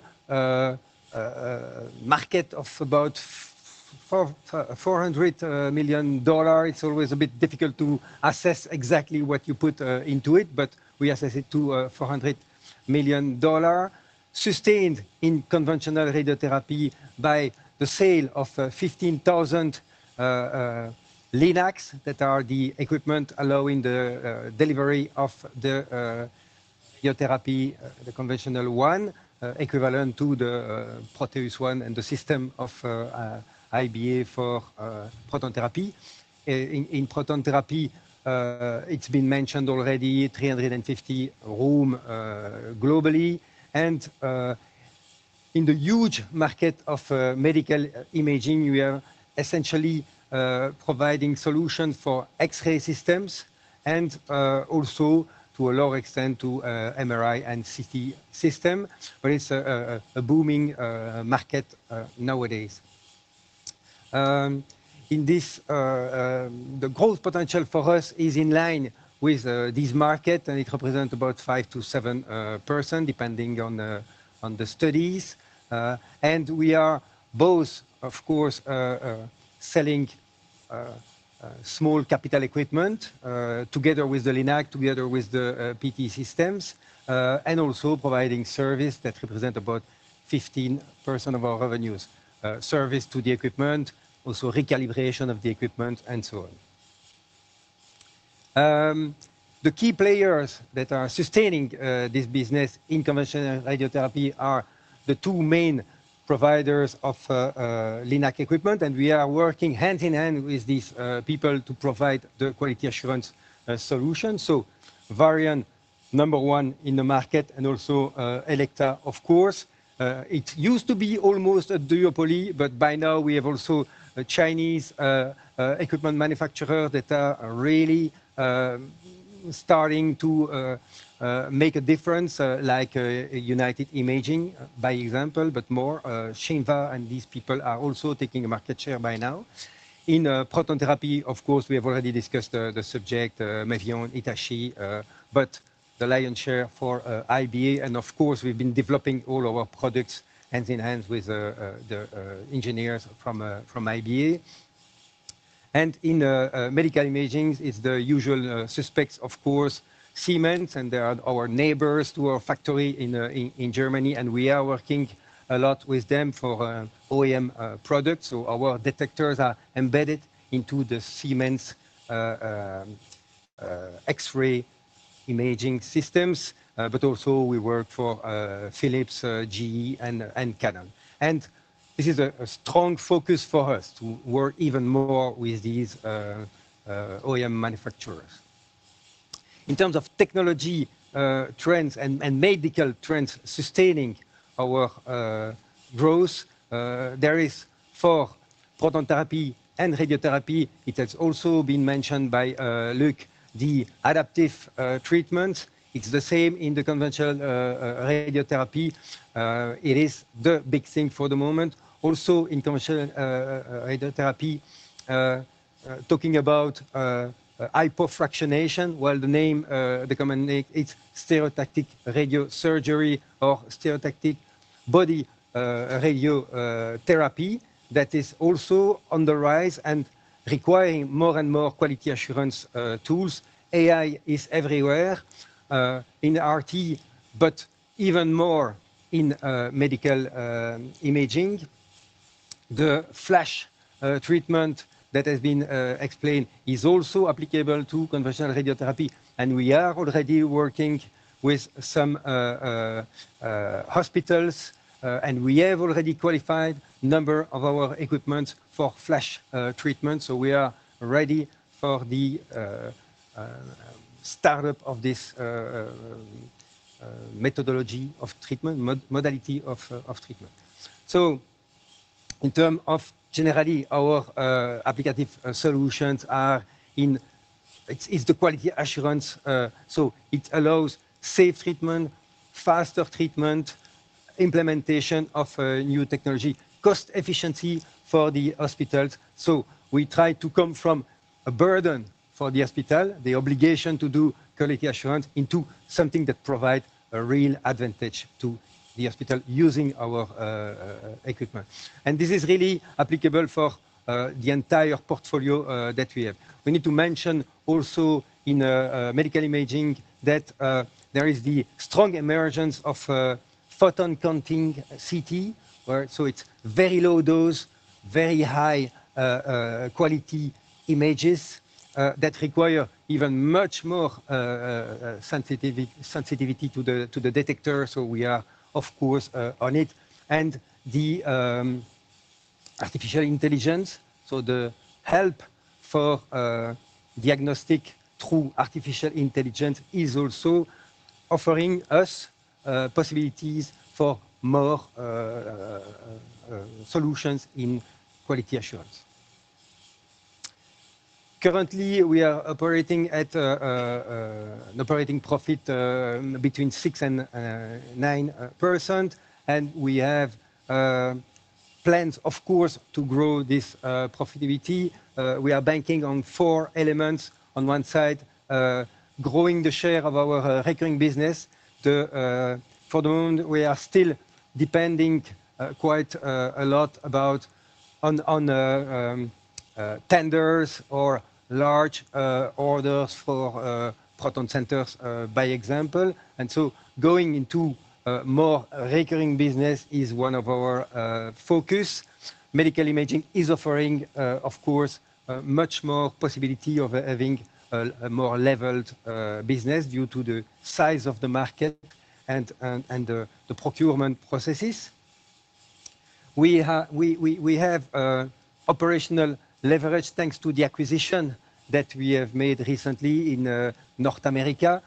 market of about $400 million. It is always a bit difficult to assess exactly what you put into it, but we assess it to $400 million, sustained in conventional radiotherapy by the sale of 15,000 LINACs that are the equipment allowing the delivery of the radiotherapy, the conventional one, equivalent to the ProteusONE and the system of IBA for proton therapy. In proton therapy, it has been mentioned already, 350 rooms globally. In the huge market of medical imaging, we are essentially providing solutions for X-ray systems and also, to a large extent, to MRI and CT systems. It is a booming market nowadays. In this, the growth potential for us is in line with this market, and it represents about 5%-7%, depending on the studies. We are both, of course, selling small capital equipment together with the LINACs, together with the PT systems, and also providing service that represents about 15% of our revenues: service to the equipment, also recalibration of the equipment, and so on. The key players that are sustaining this business in conventional radiotherapy are the two main providers of LINAC equipment. We are working hand in hand with these people to provide the quality assurance solution. Variant, number one in the market, and also Elekta, of course. It used to be almost a duopoly, but by now we have also Chinese equipment manufacturers that are really starting to make a difference, like United Imaging, by example, but more Shinva and these people are also taking a market share by now. In proton therapy, of course, we have already discussed the subject, Mevion, Hitachi, but the lion's share for IBA. Of course, we've been developing all our products hand in hand with the engineers from IBA. In medical imaging, it's the usual suspects, of course, Siemens, and they are our neighbors to our factory in Germany. We are working a lot with them for OEM products. Our detectors are embedded into the Siemens X-ray imaging systems, but also we work for Philips, GE, and Canon. This is a strong focus for us to work even more with these OEM manufacturers. In terms of technology trends and medical trends sustaining our growth, there is for proton therapy and radiotherapy, it has also been mentioned by Luk, the adaptive treatments. It's the same in the conventional radiotherapy. It is the big thing for the moment. Also in conventional radiotherapy, talking about hypofractionation, while the name commonly, it's stereotactic radiosurgery or stereotactic body radiotherapy that is also on the rise and requiring more and more quality assurance tools. AI is everywhere in RT, but even more in medical imaging. The flash treatment that has been explained is also applicable to conventional radiotherapy. We are already working with some hospitals, and we have already qualified a number of our equipments for flash treatment. We are ready for the startup of this methodology of treatment, modality of treatment. In terms of generally, our applicative solutions are in, it's the quality assurance. It allows safe treatment, faster treatment, implementation of new technology, cost efficiency for the hospitals. We try to come from a burden for the hospital, the obligation to do quality assurance into something that provides a real advantage to the hospital using our equipment. This is really applicable for the entire portfolio that we have. We need to mention also in medical imaging that there is the strong emergence of photon counting CT, where it is very low dose, very high quality images that require even much more sensitivity to the detector. We are, of course, on it. The artificial intelligence, the help for diagnostic through artificial intelligence, is also offering us possibilities for more solutions in quality assurance. Currently, we are operating at an operating profit between 6%-9%. We have plans, of course, to grow this profitability. We are banking on four elements. On one side, growing the share of our recurring business. For the moment, we are still depending quite a lot on tenders or large orders for proton centers, by example. Going into more recurring business is one of our focuses. Medical imaging is offering, of course, much more possibility of having a more leveled business due to the size of the market and the procurement processes. We have operational leverage thanks to the acquisition that we have made recently in North America.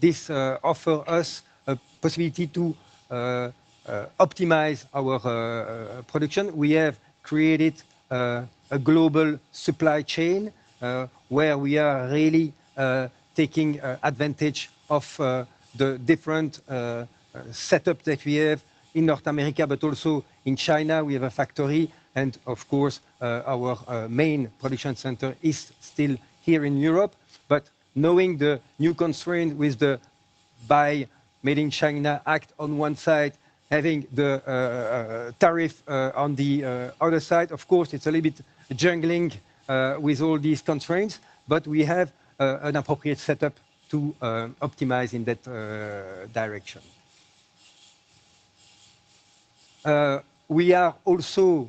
This offers us a possibility to optimize our production. We have created a global supply chain where we are really taking advantage of the different setups that we have in North America, but also in China. We have a factory. Of course, our main production center is still here in Europe. Knowing the new constraints with the Buy Made in China Act on one side, having the tariff on the other side, of course, it's a little bit juggling with all these constraints. We have an appropriate setup to optimize in that direction. We are also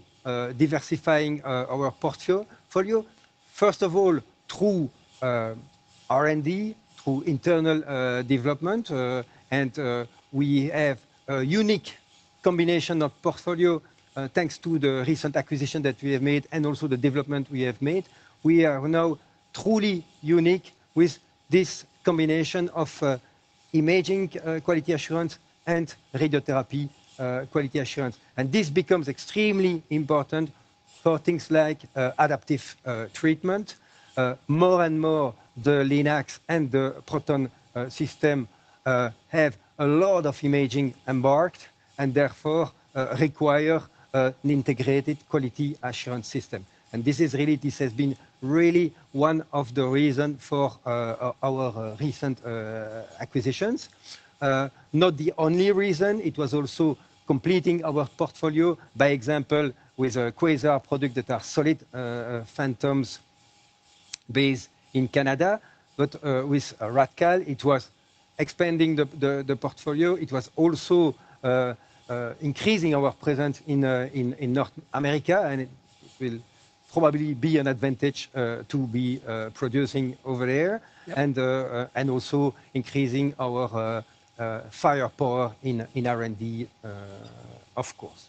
diversifying our portfolio. First of all, through R&D, through internal development. We have a unique combination of portfolio thanks to the recent acquisition that we have made and also the development we have made. We are now truly unique with this combination of imaging quality assurance and radiotherapy quality assurance. This becomes extremely important for things like adaptive treatment. More and more, the LINACs and the proton system have a lot of imaging embarked and therefore require an integrated quality assurance system. This has been really one of the reasons for our recent acquisitions. Not the only reason. It was also completing our portfolio, by example, with Quasar, a product that are solid phantoms based in Canada. With Radcal, it was expanding the portfolio. It was also increasing our presence in North America. It will probably be an advantage to be producing over there and also increasing our firepower in R&D, of course.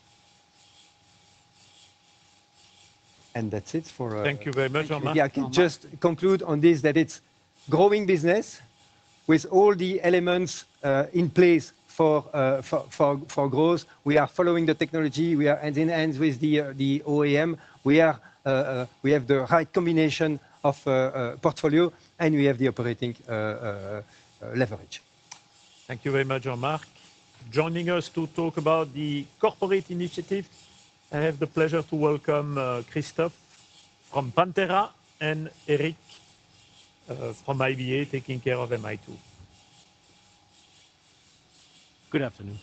That's it for. Thank you very much, Jean-Marc. Maybe I can just conclude on this that it's a growing business with all the elements in place for growth. We are following the technology. We are hand in hand with the OEM. We have the right combination of portfolio, and we have the operating leverage. Thank you very much, Jean-Marc. Joining us to talk about the corporate initiative, I have the pleasure to welcome Christophe from Pantera and Eric from IBA taking care of MI2. Good afternoon.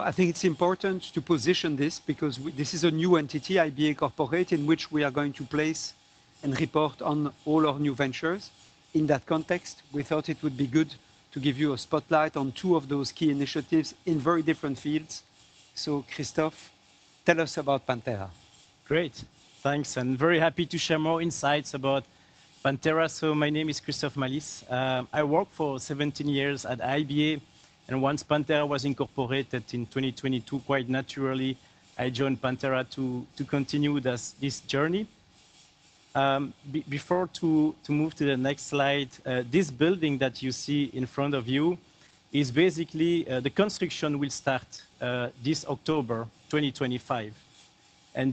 I think it's important to position this because this is a new entity, IBA Corporate, in which we are going to place and report on all our new ventures. In that context, we thought it would be good to give you a spotlight on two of those key initiatives in very different fields. Christophe, tell us about Pantera. Great. Thanks. Very happy to share more insights about Pantera. My name is Christophe Malice. I worked for 17 years at IBA. Once Pantera was incorporated in 2022, quite naturally, I joined Pantera to continue this journey. Before moving to the next slide, this building that you see in front of you is basically the construction will start this October, 2025.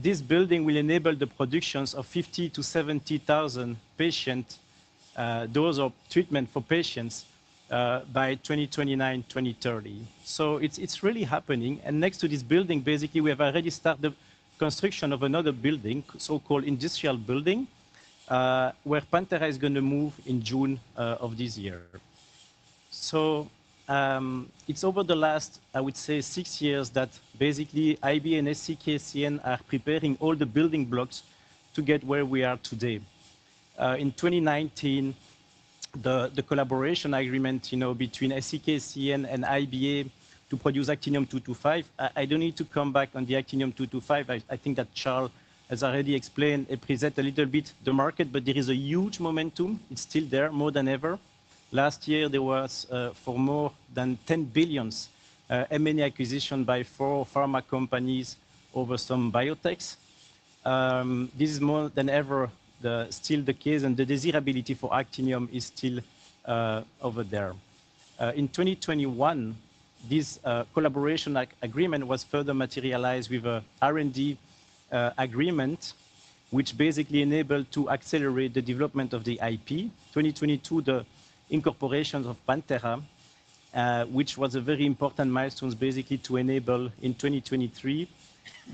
This building will enable the production of 50,000-70,000 patient doses of treatment for patients by 2029, 2030. It's really happening. Next to this building, basically, we have already started the construction of another building, so-called industrial building, where Pantera is going to move in June of this year. It is over the last, I would say, six years that basically IBA and SCK CEN are preparing all the building blocks to get where we are today. In 2019, the collaboration agreement between SCK CEN and IBA to produce Actinium-225, I do not need to come back on the Actinium-225. I think that Charles has already explained and presented a little bit the market, but there is a huge momentum. It is still there more than ever. Last year, there was for more than $10 billion M&A acquisition by four pharma companies over some biotechs. This is more than ever still the case, and the desirability for Actinium is still over there. In 2021, this collaboration agreement was further materialized with an R&D agreement, which basically enabled to accelerate the development of the IP. In 2022, the incorporation of Pantera, which was a very important milestone, basically to enable in 2023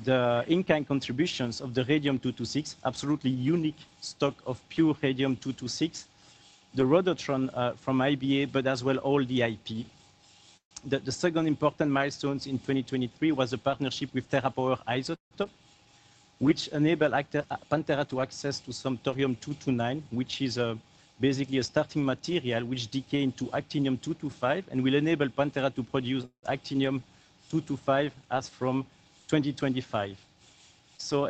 the in-kind contributions of the Radium-226, absolutely unique stock of pure Radium-226, the Rhodotron from IBA, but as well all the IP. The second important milestone in 2023 was a partnership with TerraPower IsoTop, which enabled Pantera to access some Thorium-229, which is basically a starting material which decays into Actinium-225 and will enable Pantera to produce Actinium-225 as from 2025.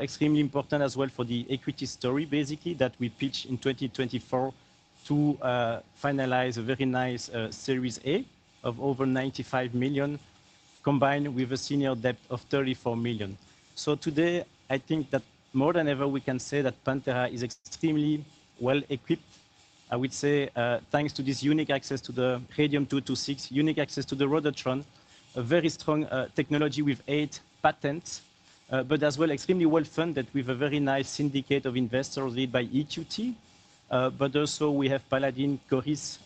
Extremely important as well for the equity story, basically, that we pitched in 2024 to finalize a very nice Series A of over 95 million, combined with a senior debt of 34 million. Today, I think that more than ever, we can say that Pantera is extremely well equipped, I would say, thanks to this unique access to the Radium-226, unique access to the Rhodotron, a very strong technology with eight patents, but as well extremely well funded with a very nice syndicate of investors led by EQT. Also, we have Paladin, Coris,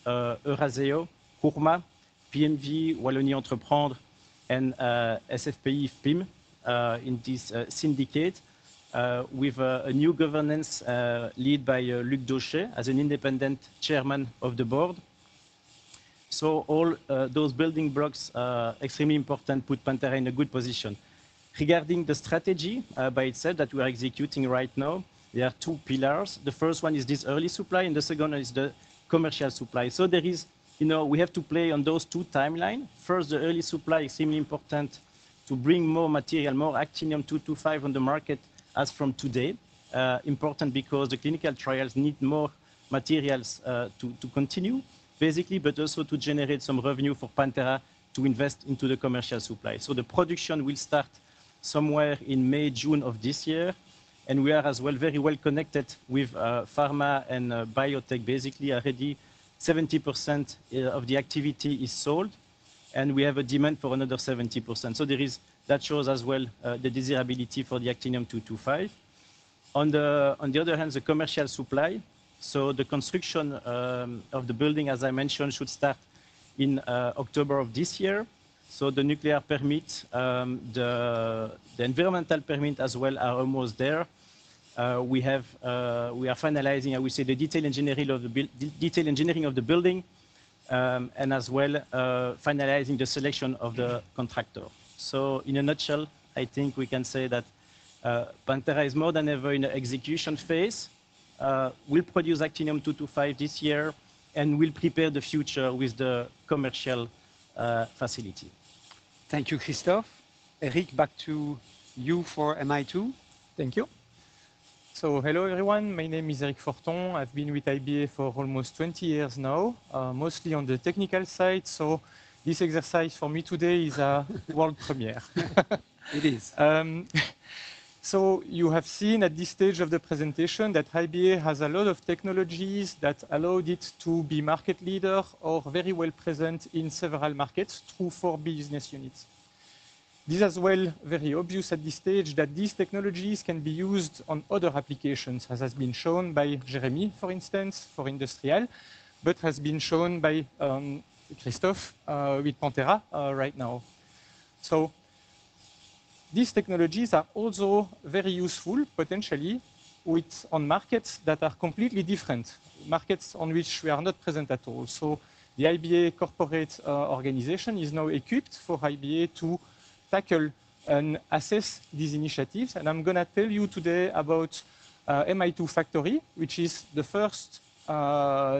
Eurazeo, Kurma, PMV, Wallonie Entreprise, and SFPI-FIM in this syndicate, with a new governance led by Luc Daucher as an independent chairman of the Board. All those building blocks are extremely important, put Pantera in a good position. Regarding the strategy by itself that we are executing right now, there are two pillars. The first one is this early supply, and the second one is the commercial supply. We have to play on those two timelines. First, the early supply is extremely important to bring more material, more Actinium-225 on the market as from today. Important because the clinical trials need more materials to continue, basically, but also to generate some revenue for Pantera to invest into the commercial supply. The production will start somewhere in May, June of this year. We are as well very well connected with pharma and biotech, basically already 70% of the activity is sold. We have a demand for another 70%. That shows as well the desirability for the Actinium-225. On the other hand, the commercial supply, the construction of the building, as I mentioned, should start in October of this year. The nuclear permit, the environmental permit as well, are almost there. We are finalizing, I would say, the detailed engineering of the building, and as well finalizing the selection of the contractor. In a nutshell, I think we can say that Pantera is more than ever in the execution phase. We'll produce Actinium-225 this year and will prepare the future with the commercial facility. Thank you, Christophe. Eric, back to you for MI2. Thank you. Hello, everyone. My name is Eric Forton. I've been with IBA for almost 20 years now, mostly on the technical side. This exercise for me today is a world premiere. It is. You have seen at this stage of the presentation that IBA has a lot of technologies that allowed it to be market leader or very well present in several markets through four business units. This is very obvious at this stage that these technologies can be used on other applications, as has been shown by Jeremy, for instance, for industrial, but has been shown by Christophe with Pantera right now. These technologies are also very useful, potentially, on markets that are completely different, markets on which we are not present at all. The IBA corporate organization is now equipped for IBA to tackle and assess these initiatives. I'm going to tell you today about MI2 Factory, which is the first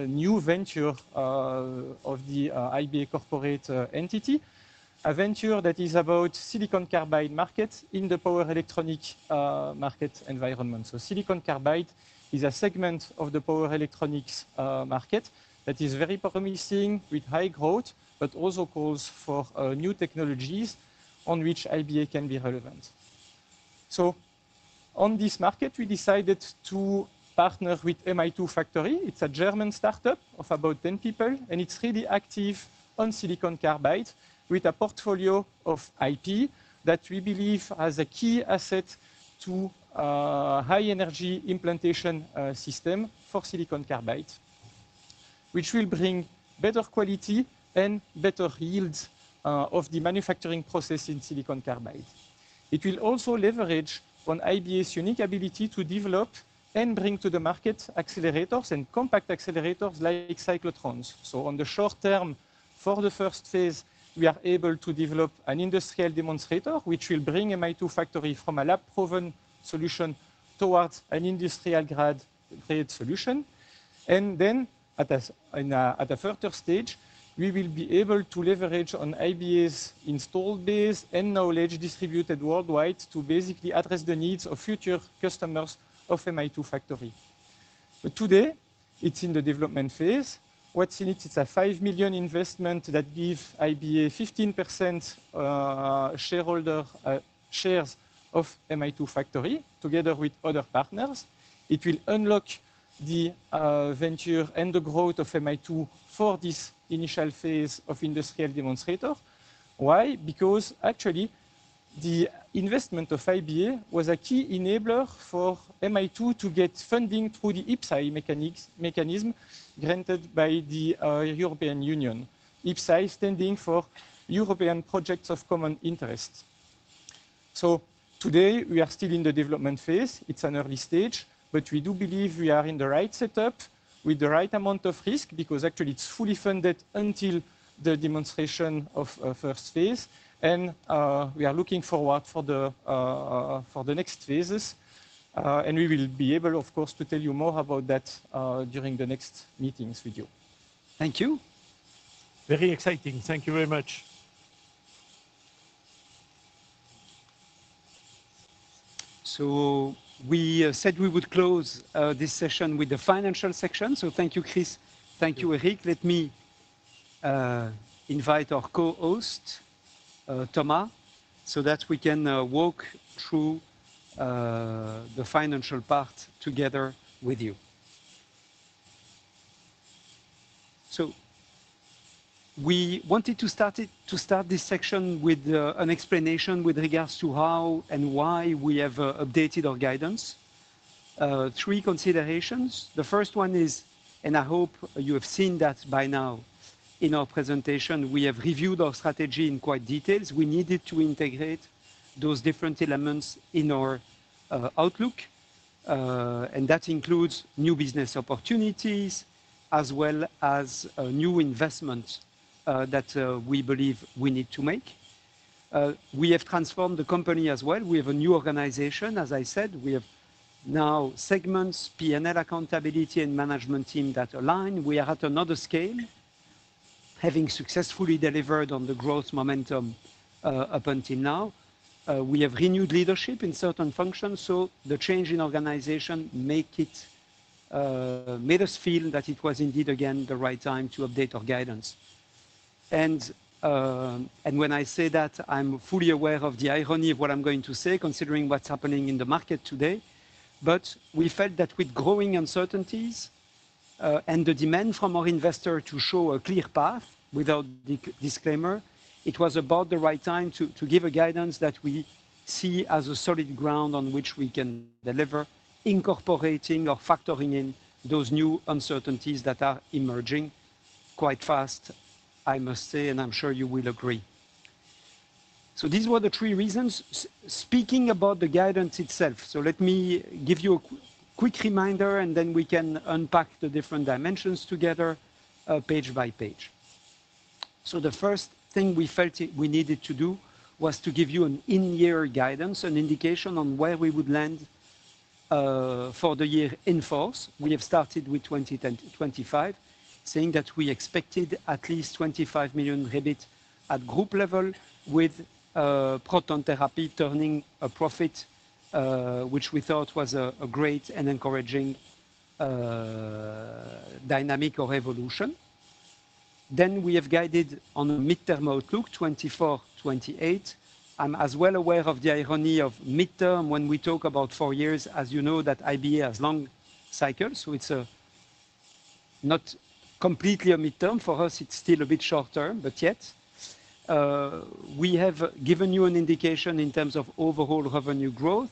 new venture of the IBA corporate entity, a venture that is about silicon carbide market in the power electronic market environment. Silicon carbide is a segment of the power electronics market that is very promising with high growth, but also calls for new technologies on which IBA can be relevant. On this market, we decided to partner with MI2 Factory. It's a German startup of about 10 people, and it's really active on silicon carbide with a portfolio of IP that we believe has a key asset to high energy implantation system for silicon carbide, which will bring better quality and better yields of the manufacturing process in silicon carbide. It will also leverage on IBA's unique ability to develop and bring to the market accelerators and compact accelerators like cyclotrons. In the short term, for the first phase, we are able to develop an industrial demonstrator, which will bring MI2 Factory from a lab-proven solution towards an industrial-grade solution. At a further stage, we will be able to leverage on IBA's installed base and knowledge distributed worldwide to basically address the needs of future customers of MI2 Factory. Today, it's in the development phase. What's in it? It's a 5 million investment that gives IBA 15% shareholder shares of MI2 Factory together with other partners. It will unlock the venture and the growth of MI2 for this initial phase of industrial demonstrator. Why? Because actually, the investment of IBA was a key enabler for MI2 to get funding through the IPSAI mechanism granted by the European Union. IPSAI standing for European Projects of Common Interest. Today, we are still in the development phase. It's an early stage, but we do believe we are in the right setup with the right amount of risk because actually, it's fully funded until the demonstration of first phase. We are looking forward for the next phases. We will be able, of course, to tell you more about that during the next meetings with you. Thank you. Very exciting. Thank you very much. We said we would close this session with the financial section. Thank you, Chris. Thank you, Eric. I invite our co-host, Thomas, so that we can walk through the financial part together with you. We wanted to start this section with an explanation with regards to how and why we have updated our guidance. Three considerations. The first one is, and I hope you have seen that by now in our presentation, we have reviewed our strategy in quite detail. We needed to integrate those different elements in our outlook. That includes new business opportunities as well as new investments that we believe we need to make. We have transformed the company as well. We have a new organization. As I said, we have now segments, P&L accountability, and management team that align. We are at another scale, having successfully delivered on the growth momentum up until now. We have renewed leadership in certain functions. The change in organization made us feel that it was indeed, again, the right time to update our guidance. When I say that, I'm fully aware of the irony of what I'm going to say, considering what's happening in the market today. We felt that with growing uncertainties and the demand from our investor to show a clear path without disclaimer, it was about the right time to give a guidance that we see as a solid ground on which we can deliver, incorporating or factoring in those new uncertainties that are emerging quite fast, I must say, and I'm sure you will agree. These were the three reasons. Speaking about the guidance itself, let me give you a quick reminder, and then we can unpack the different dimensions together page by page. The first thing we felt we needed to do was to give you an in-year guidance, an indication on where we would land for the year in force. We have started with 2025, saying that we expected at least 25 million rebate at group level with proton therapy turning a profit, which we thought was a great and encouraging dynamic or evolution. We have guided on a mid-term outlook, 2024-2028. I'm as well aware of the irony of mid-term when we talk about four years, as you know, that IBA has long cycles. It's not completely a mid-term for us. It's still a bit short term, but yet. We have given you an indication in terms of overall revenue growth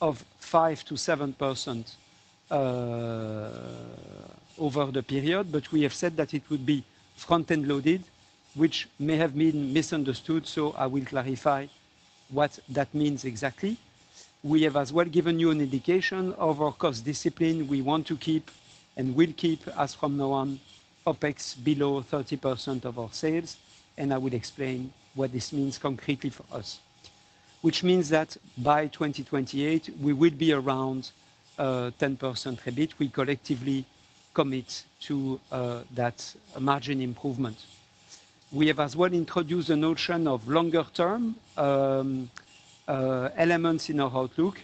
of 5%-7% over the period, but we have said that it would be front-end loaded, which may have been misunderstood. I will clarify what that means exactly. We have as well given you an indication of our cost discipline we want to keep and will keep as from now on, OPEX below 30% of our sales. I will explain what this means concretely for us, which means that by 2028, we will be around 10% rebate. We collectively commit to that margin improvement. We have as well introduced a notion of longer-term elements in our outlook,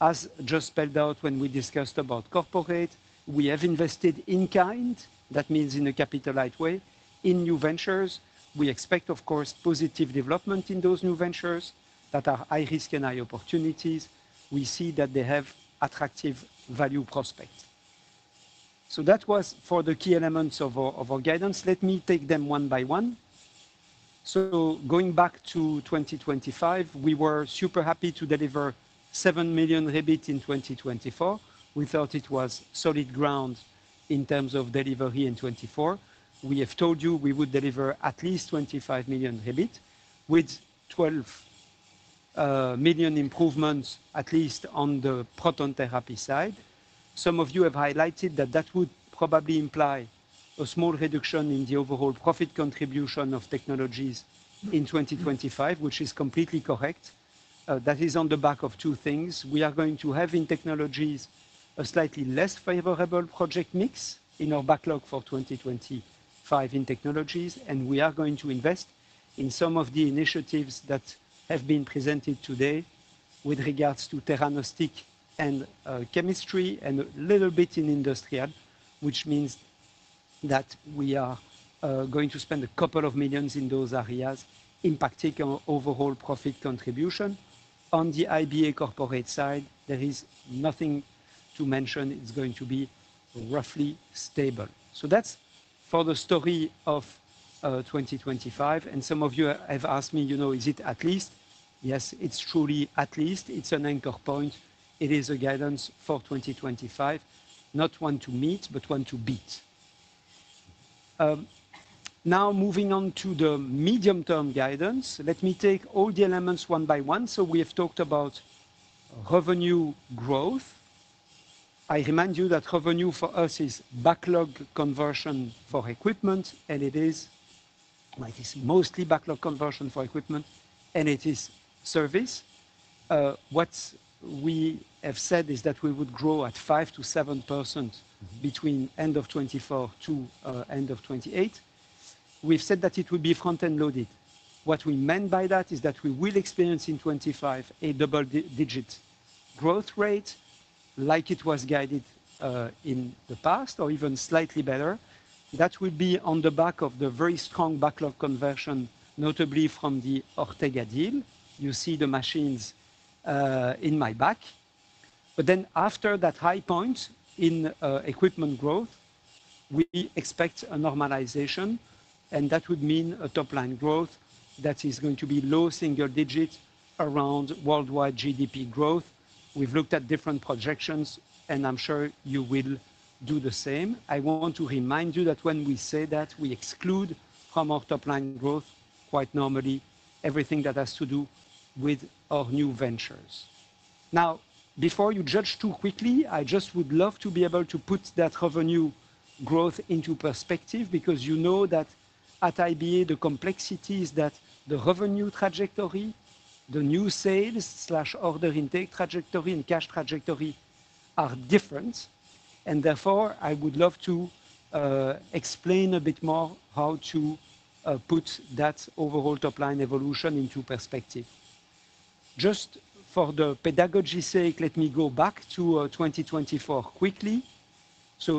as just spelled out when we discussed about corporate. We have invested in kind, that means in a capitalized way, in new ventures. We expect, of course, positive development in those new ventures that are high risk and high opportunities. We see that they have attractive value prospects. That was for the key elements of our guidance. Let me take them one by one. Going back to 2025, we were super happy to deliver 7 million rebate in 2024. We thought it was solid ground in terms of delivery in 2024. We have told you we would deliver at least 25 million rebate with 12 million improvements at least on the proton therapy side. Some of you have highlighted that that would probably imply a small reduction in the overall profit contribution of technologies in 2025, which is completely correct. That is on the back of two things. We are going to have in technologies a slightly less favorable project mix in our backlog for 2025 in technologies. We are going to invest in some of the initiatives that have been presented today with regards to theranostic and chemistry and a little bit in industrial, which means that we are going to spend a couple of million in those areas impacting our overall profit contribution. On the IBA corporate side, there is nothing to mention. It is going to be roughly stable. That is for the story of 2025. Some of you have asked me, is it at least? Yes, it is truly at least. It is an anchor point. It is a guidance for 2025, not one to meet, but one to beat. Now moving on to the medium-term guidance, let me take all the elements one by one. We have talked about revenue growth. I remind you that revenue for us is backlog conversion for equipment, and it is mostly backlog conversion for equipment, and it is service. What we have said is that we would grow at 5%-7% between end of 2024 to end of 2028. We've said that it would be front-end loaded. What we meant by that is that we will experience in 2025 a double-digit growth rate like it was guided in the past or even slightly better. That will be on the back of the very strong backlog conversion, notably from the Ortega deal. You see the machines in my back. After that high point in equipment growth, we expect a normalization, and that would mean a top-line growth that is going to be low single-digit around worldwide GDP growth. We've looked at different projections, and I'm sure you will do the same. I want to remind you that when we say that we exclude from our top-line growth quite normally everything that has to do with our new ventures. Now, before you judge too quickly, I just would love to be able to put that revenue growth into perspective because you know that at IBA, the complexity is that the revenue trajectory, the new sales/order intake trajectory, and cash trajectory are different. Therefore, I would love to explain a bit more how to put that overall top-line evolution into perspective. Just for the pedagogy sake, let me go back to 2024 quickly.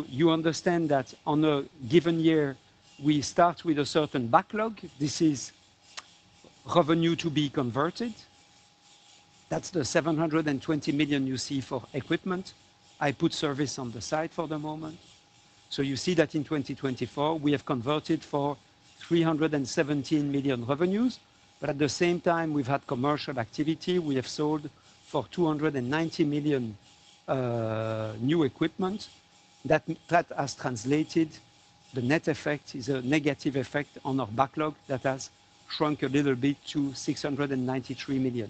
You understand that on a given year, we start with a certain backlog. This is revenue to be converted. That is the 720 million you see for equipment. I put service on the side for the moment. You see that in 2024, we have converted for 317 million revenues. At the same time, we've had commercial activity. We have sold for 290 million new equipment. That has translated. The net effect is a negative effect on our backlog that has shrunk a little bit to 693 million.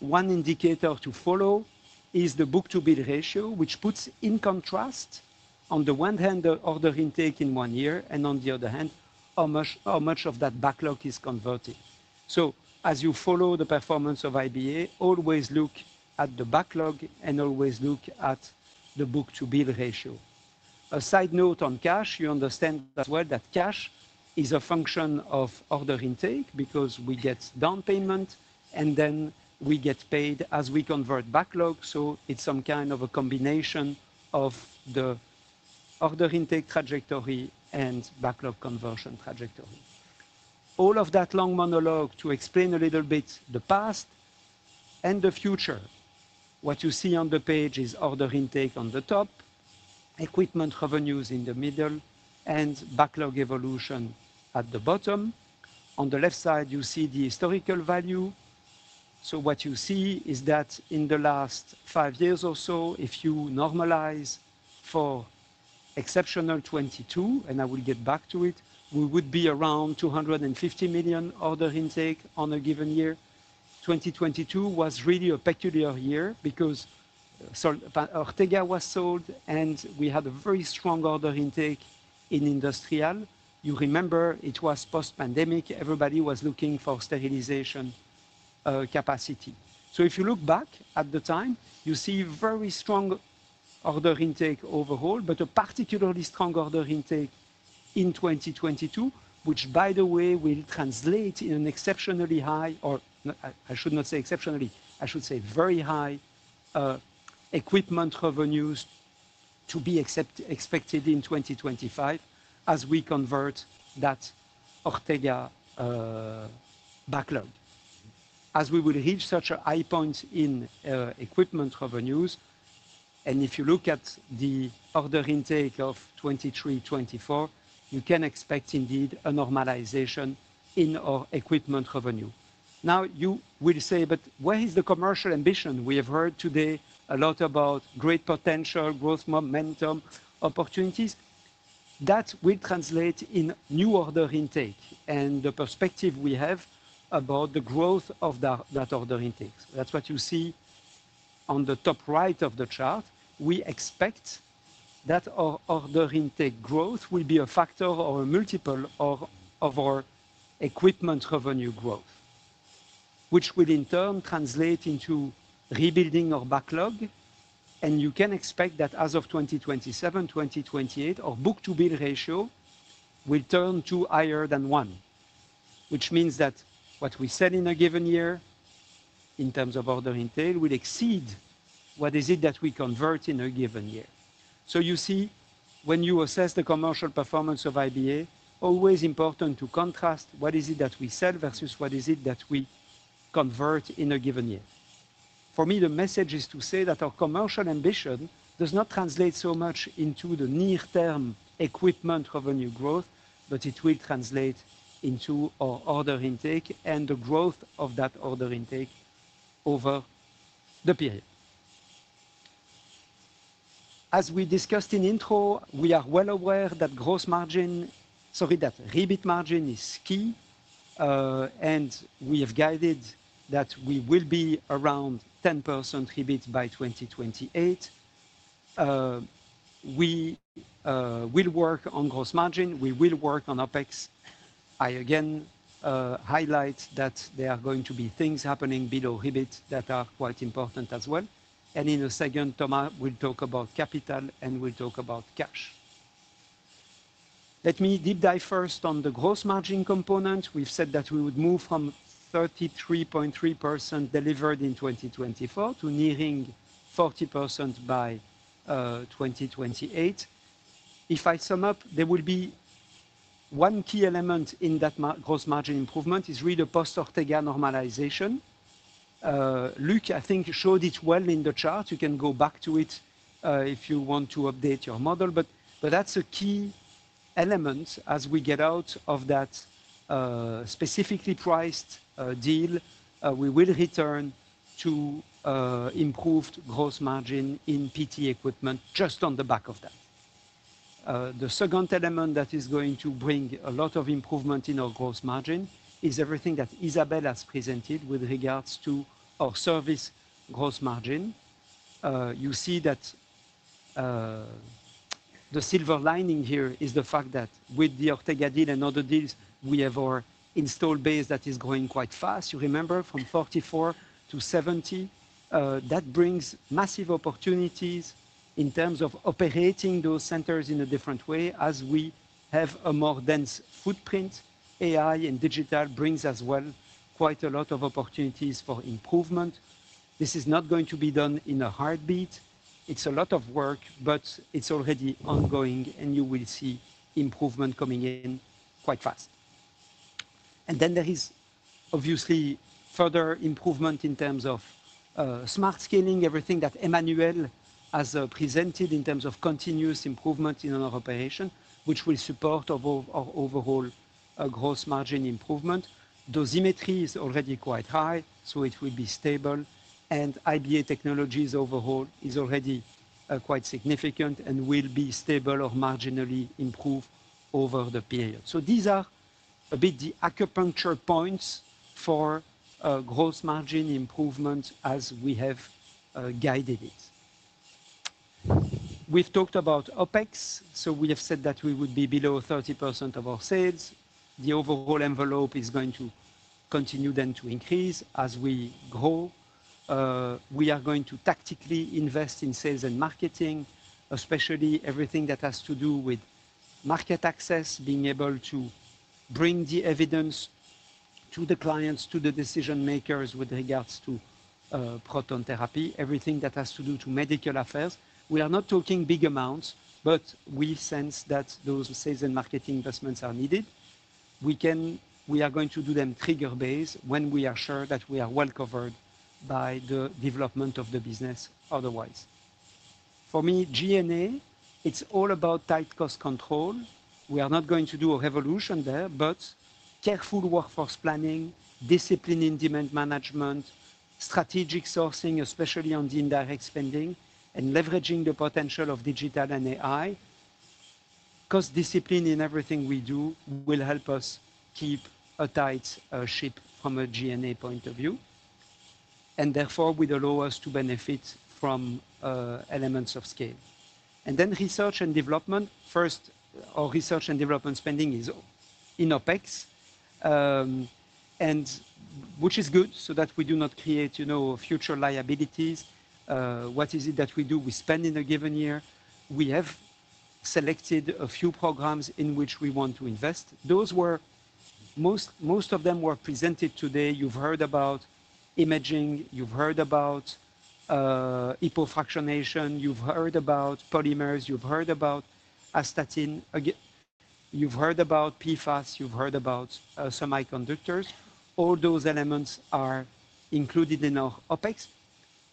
One indicator to follow is the book-to-bill ratio, which puts in contrast, on the one hand, the order intake in one year, and on the other hand, how much of that backlog is converted. As you follow the performance of IBA, always look at the backlog and always look at the book-to-bill ratio. A side note on cash, you understand as well that cash is a function of order intake because we get down payment, and then we get paid as we convert backlog. It is some kind of a combination of the order intake trajectory and backlog conversion trajectory. All of that long monologue to explain a little bit the past and the future. What you see on the page is order intake on the top, equipment revenues in the middle, and backlog evolution at the bottom. On the left side, you see the historical value. What you see is that in the last five years or so, if you normalize for exceptional 2022, and I will get back to it, we would be around 250 million order intake on a given year. 2022 was really a peculiar year because Ortega was sold, and we had a very strong order intake in industrial. You remember it was post-pandemic. Everybody was looking for sterilization capacity. If you look back at the time, you see very strong order intake overall, but a particularly strong order intake in 2022, which, by the way, will translate in an exceptionally high, or I should not say exceptionally, I should say very high equipment revenues to be expected in 2025 as we convert that Ortega backlog. As we will reach such a high point in equipment revenues, and if you look at the order intake of 2023-2024, you can expect indeed a normalization in our equipment revenue. Now, you will say, but where is the commercial ambition? We have heard today a lot about great potential, growth momentum, opportunities. That will translate in new order intake and the perspective we have about the growth of that order intake. That is what you see on the top right of the chart. We expect that our order intake growth will be a factor or a multiple of our equipment revenue growth, which will in turn translate into rebuilding our backlog. You can expect that as of 2027, 2028, our book-to-bill ratio will turn to higher than one, which means that what we said in a given year in terms of order intake will exceed what is it that we convert in a given year. You see, when you assess the commercial performance of IBA, always important to contrast what is it that we sell versus what is it that we convert in a given year. For me, the message is to say that our commercial ambition does not translate so much into the near-term equipment revenue growth, but it will translate into our order intake and the growth of that order intake over the period. As we discussed in intro, we are well aware that gross margin, sorry, that EBIT margin is key. We have guided that we will be around 10% EBIT by 2028. We will work on gross margin. We will work on OPEX. I again highlight that there are going to be things happening below EBIT that are quite important as well. In a second, Thomas will talk about capital and will talk about cash. Let me deep dive first on the gross margin component. We've said that we would move from 33.3% delivered in 2024 to nearing 40% by 2028. If I sum up, there will be one key element in that gross margin improvement is really the post-Ortega normalization. Luk, I think, showed it well in the chart. You can go back to it if you want to update your model. That is a key element as we get out of that specifically priced deal. We will return to improved gross margin in PT equipment just on the back of that. The second element that is going to bring a lot of improvement in our gross margin is everything that Isabelle has presented with regards to our service gross margin. You see that the silver lining here is the fact that with the Ortega deal and other deals, we have our install base that is growing quite fast. You remember from 44 to 70. That brings massive opportunities in terms of operating those centers in a different way as we have a more dense footprint. AI and digital brings as well quite a lot of opportunities for improvement. This is not going to be done in a heartbeat. It's a lot of work, but it's already ongoing, and you will see improvement coming in quite fast. There is obviously further improvement in terms of smart scaling, everything that Emmanuel has presented in terms of continuous improvement in our operation, which will support our overall gross margin improvement. Dosimetry is already quite high, so it will be stable. IBA Technologies overall is already quite significant and will be stable or marginally improved over the period. These are a bit the acupuncture points for gross margin improvement as we have guided it. We've talked about OPEX. We have said that we would be below 30% of our sales. The overall envelope is going to continue then to increase as we grow. We are going to tactically invest in sales and marketing, especially everything that has to do with market access, being able to bring the evidence to the clients, to the decision makers with regards to proton therapy, everything that has to do to medical affairs. We are not talking big amounts, but we sense that those sales and marketing investments are needed. We are going to do them trigger-based when we are sure that we are well covered by the development of the business otherwise. For me, G&A, it's all about tight cost control. We are not going to do a revolution there, but careful workforce planning, discipline in demand management, strategic sourcing, especially on the indirect spending, and leveraging the potential of digital and AI. Cost discipline in everything we do will help us keep a tight ship from a G&A point of view. Therefore, with the lowest to benefit from elements of scale. Then research and development. First, our research and development spending is in OPEX, which is good so that we do not create future liabilities. What is it that we do? We spend in a given year. We have selected a few programs in which we want to invest. Most of them were presented today. You've heard about imaging. You've heard about hypofractionation. You've heard about polymers. You've heard about Astatine. You've heard about PFAS. You've heard about semiconductors. All those elements are included in our OPEX.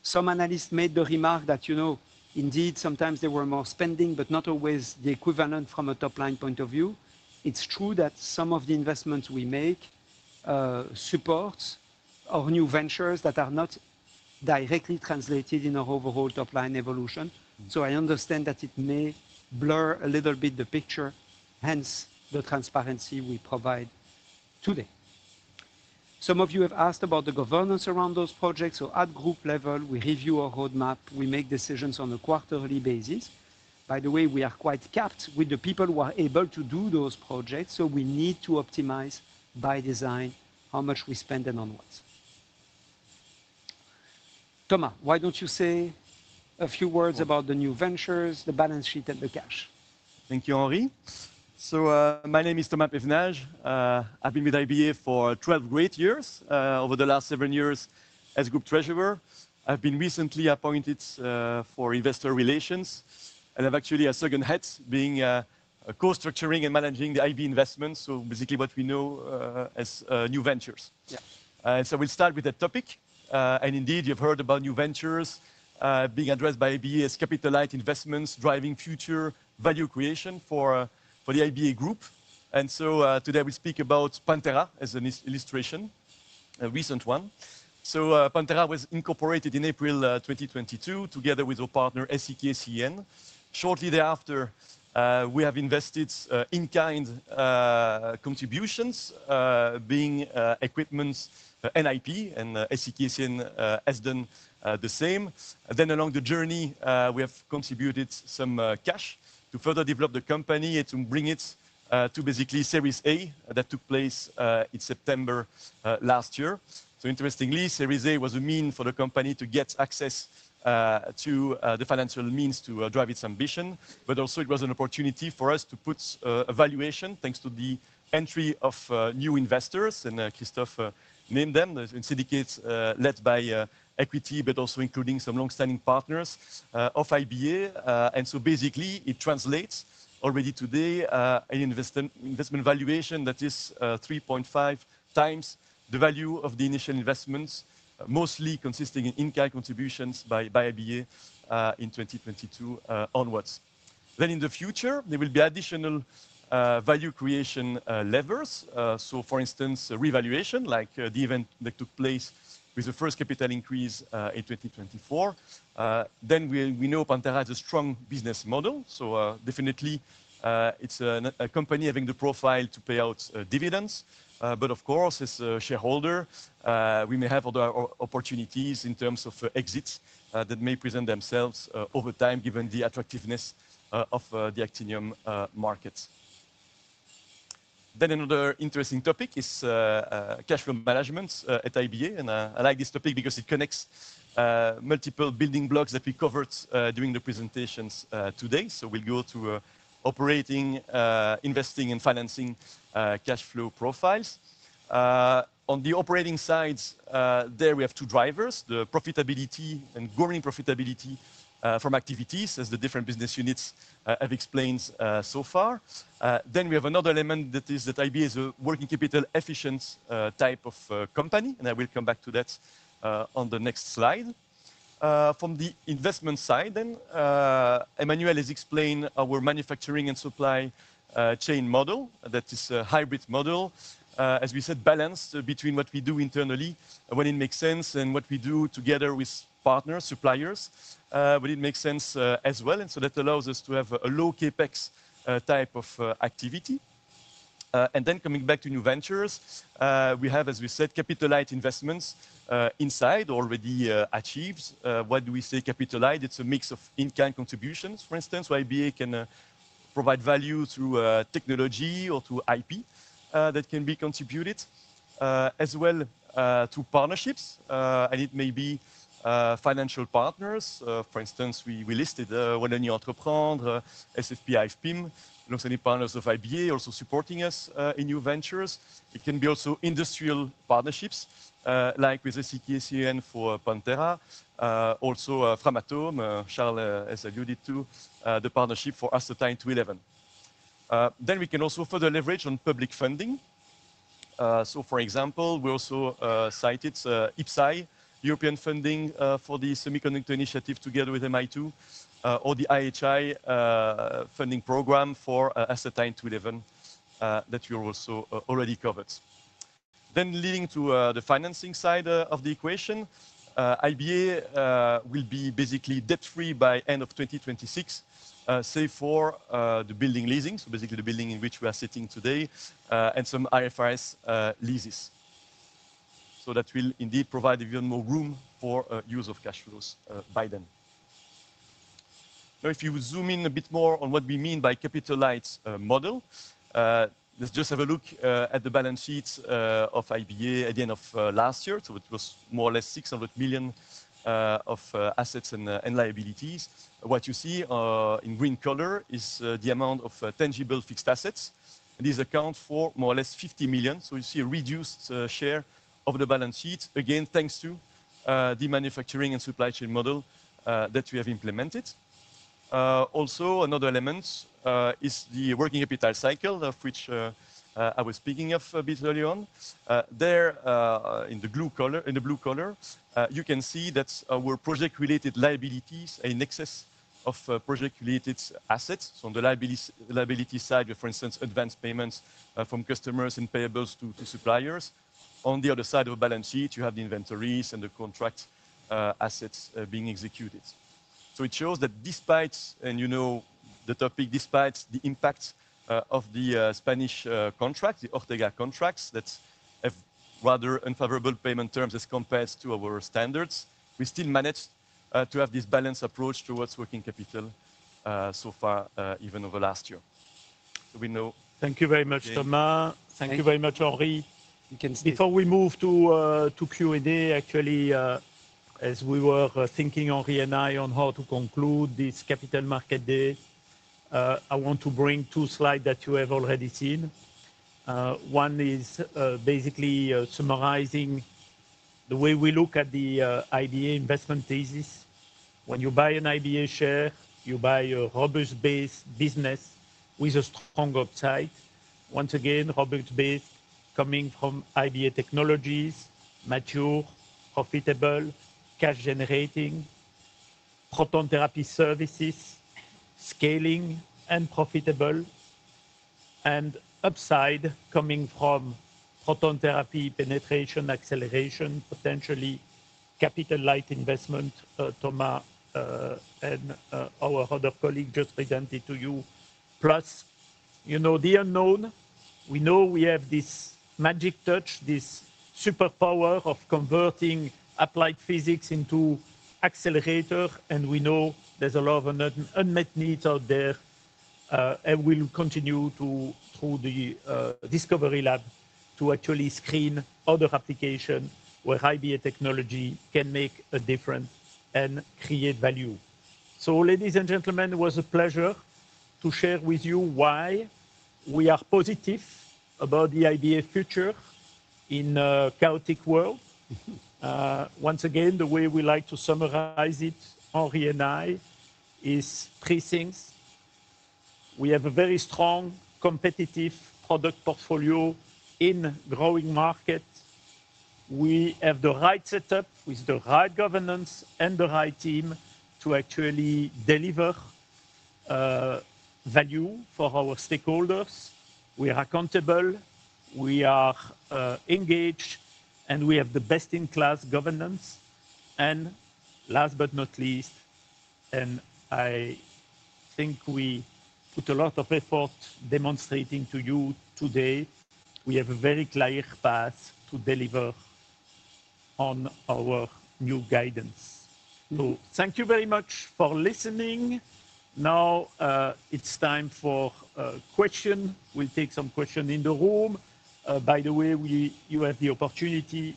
Some analysts made the remark that indeed sometimes there was more spending, but not always the equivalent from a top-line point of view. It's true that some of the investments we make support our new ventures that are not directly translated in our overall top-line evolution. I understand that it may blur a little bit the picture, hence the transparency we provide today. Some of you have asked about the governance around those projects. At group level, we review our roadmap. We make decisions on a quarterly basis. By the way, we are quite capped with the people who are able to do those projects. We need to optimize by design how much we spend and on what. Thomas, why don't you say a few words about the new ventures, the balance sheet, and the cash? Thank you, Henri. My name is Thomas Pevenage. I've been with IBA for 12 great years. Over the last seven years as Group Treasurer, I've been recently appointed for investor relations. I've actually a second hat being co-structuring and managing the IBA investments, so basically what we know as new ventures. We'll start with that topic. Indeed, you've heard about new ventures being addressed by IBA as capital-light investments driving future value creation for the IBA group. Today we'll speak about Pantera as an illustration, a recent one. Pantera was incorporated in April 2022 together with our partner SCK CEN. Shortly thereafter, we have invested in-kind contributions being equipment NIP, and SCK CEN has done the same. Along the journey, we have contributed some cash to further develop the company and to bring it to basically Series A that took place in September last year. Interestingly, Series A was a mean for the company to get access to the financial means to drive its ambition. It was also an opportunity for us to put a valuation thanks to the entry of new investors, and Christophe named them, a syndicate led by EQT, but also including some long-standing partners of IBA. Basically, it translates already today to an investment valuation that is 3.5x the value of the initial investments, mostly consisting in in-kind contributions by IBA in 2022 onwards. In the future, there will be additional value creation levers. For instance, revaluation like the event that took place with the first capital increase in 2024. We know Pantera has a strong business model. It is definitely a company having the profile to pay out dividends. Of course, as a shareholder, we may have other opportunities in terms of exits that may present themselves over time given the attractiveness of the actinium markets. Another interesting topic is cash flow management at IBA. I like this topic because it connects multiple building blocks that we covered during the presentations today. We will go to operating, investing, and financing cash flow profiles. On the operating side, there we have two drivers: the profitability and growing profitability from activities, as the different business units have explained so far. We have another element that is that IBA is a working capital efficient type of company. I will come back to that on the next slide. From the investment side, Emmanuel has explained our manufacturing and supply chain model. That is a hybrid model, as we said, balanced between what we do internally when it makes sense and what we do together with partners, suppliers, when it makes sense as well. That allows us to have a low CapEx type of activity. Coming back to new ventures, we have, as we said, capital-light investments inside already achieved. Why do we say capital-light? It's a mix of in-kind contributions, for instance, where IBA can provide value through technology or through IP that can be contributed as well to partnerships. It may be financial partners. For instance, we listed Wallonie Entreprise, SFPI-FIM, not only partners of IBA also supporting us in new ventures. It can be also industrial partnerships like with SCK CEN for Pantera, also Framatome. Charles has alluded to the partnership for Astatine-211. We can also further leverage on public funding. For example, we also cited IPSAI European funding for the semiconductor initiative together with Mi2-factory or the IHI funding program for Astatine-211 that we also already covered. Leading to the financing side of the equation, IBA will be basically debt-free by the end of 2026, save for the building leasing, so basically the building in which we are sitting today, and some IFRS leases. That will indeed provide even more room for use of cash flows by then. If you zoom in a bit more on what we mean by capital-light model, let's just have a look at the balance sheet of IBA at the end of last year. It was more or less 600 million of assets and liabilities. What you see in green color is the amount of tangible fixed assets. These account for more or less 50 million. You see a reduced share of the balance sheet, again, thanks to the manufacturing and supply chain model that we have implemented. Also, another element is the working capital cycle of which I was speaking of a bit earlier on. There, in the blue color, you can see that our project-related liabilities and excess of project-related assets. On the liability side, for instance, advance payments from customers and payables to suppliers. On the other side of the balance sheet, you have the inventories and the contract assets being executed. It shows that despite, and you know the topic, despite the impact of the Spanish contracts, the Ortega contracts that have rather unfavorable payment terms as compared to our standards, we still managed to have this balance approach towards working capital so far, even over last year. We know. Thank you very much, Thomas. Thank you very much, Henri. Before we move to Q&A, actually, as we were thinking, Henri and I, on how to conclude this Capital Market Day, I want to bring two slides that you have already seen. One is basically summarizing the way we look at the IBA investment thesis. When you buy an IBA share, you buy a robust-based business with a strong upside. Once again, robust-based coming from IBA technologies, mature, profitable, cash-generating, proton therapy services, scaling and profitable, and upside coming from proton therapy penetration, acceleration, potentially capital-light investment, Thomas, and our other colleague just presented to you. Plus, you know the unknown. We know we have this magic touch, this superpower of converting applied physics into accelerator, and we know there's a lot of unmet needs out there. We'll continue through the discovery lab to actually screen other applications where IBA technology can make a difference and create value. Ladies and gentlemen, it was a pleasure to share with you why we are positive about the IBA future in a chaotic world. Once again, the way we like to summarize it, Henri and I, is three things. We have a very strong competitive product portfolio in a growing market. We have the right setup with the right governance and the right team to actually deliver value for our stakeholders. We are accountable. We are engaged, and we have the best-in-class governance. Last but not least, and I think we put a lot of effort demonstrating to you today, we have a very clear path to deliver on our new guidance. Thank you very much for listening. Now, it's time for a question. We'll take some questions in the room. By the way, you have the opportunity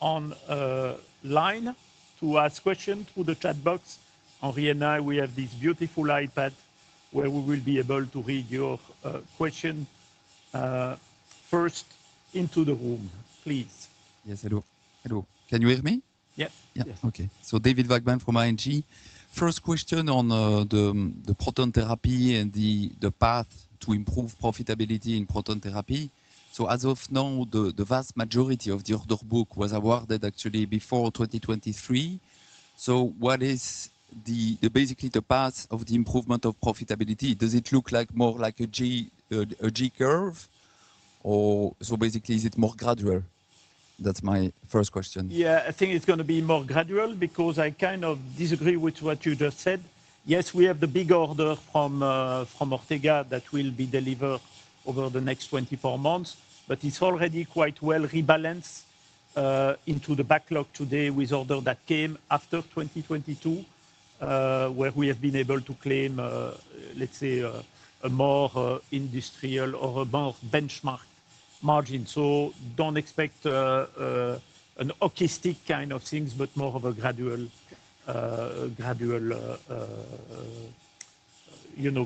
online to ask questions through the chat box. Henri and I, we have this beautiful iPad where we will be able to read your question. First into the room, please. Yes, hello. Can you hear me? Yes. Okay. So David Vagman from ING. First question on the proton therapy and the path to improve profitability in proton therapy. As of now, the vast majority of the order book was awarded actually before 2023. What is basically the path of the improvement of profitability? Does it look more like a G curve? Or basically, is it more gradual? That's my first question. Yeah, I think it's going to be more gradual because I kind of disagree with what you just said. Yes, we have the big order from Ortega that will be delivered over the next 24 months, but it's already quite well rebalanced into the backlog today with order that came after 2022, where we have been able to claim, let's say, a more industrial or a more benchmark margin. Do not expect a hockey stick kind of things, but more of a gradual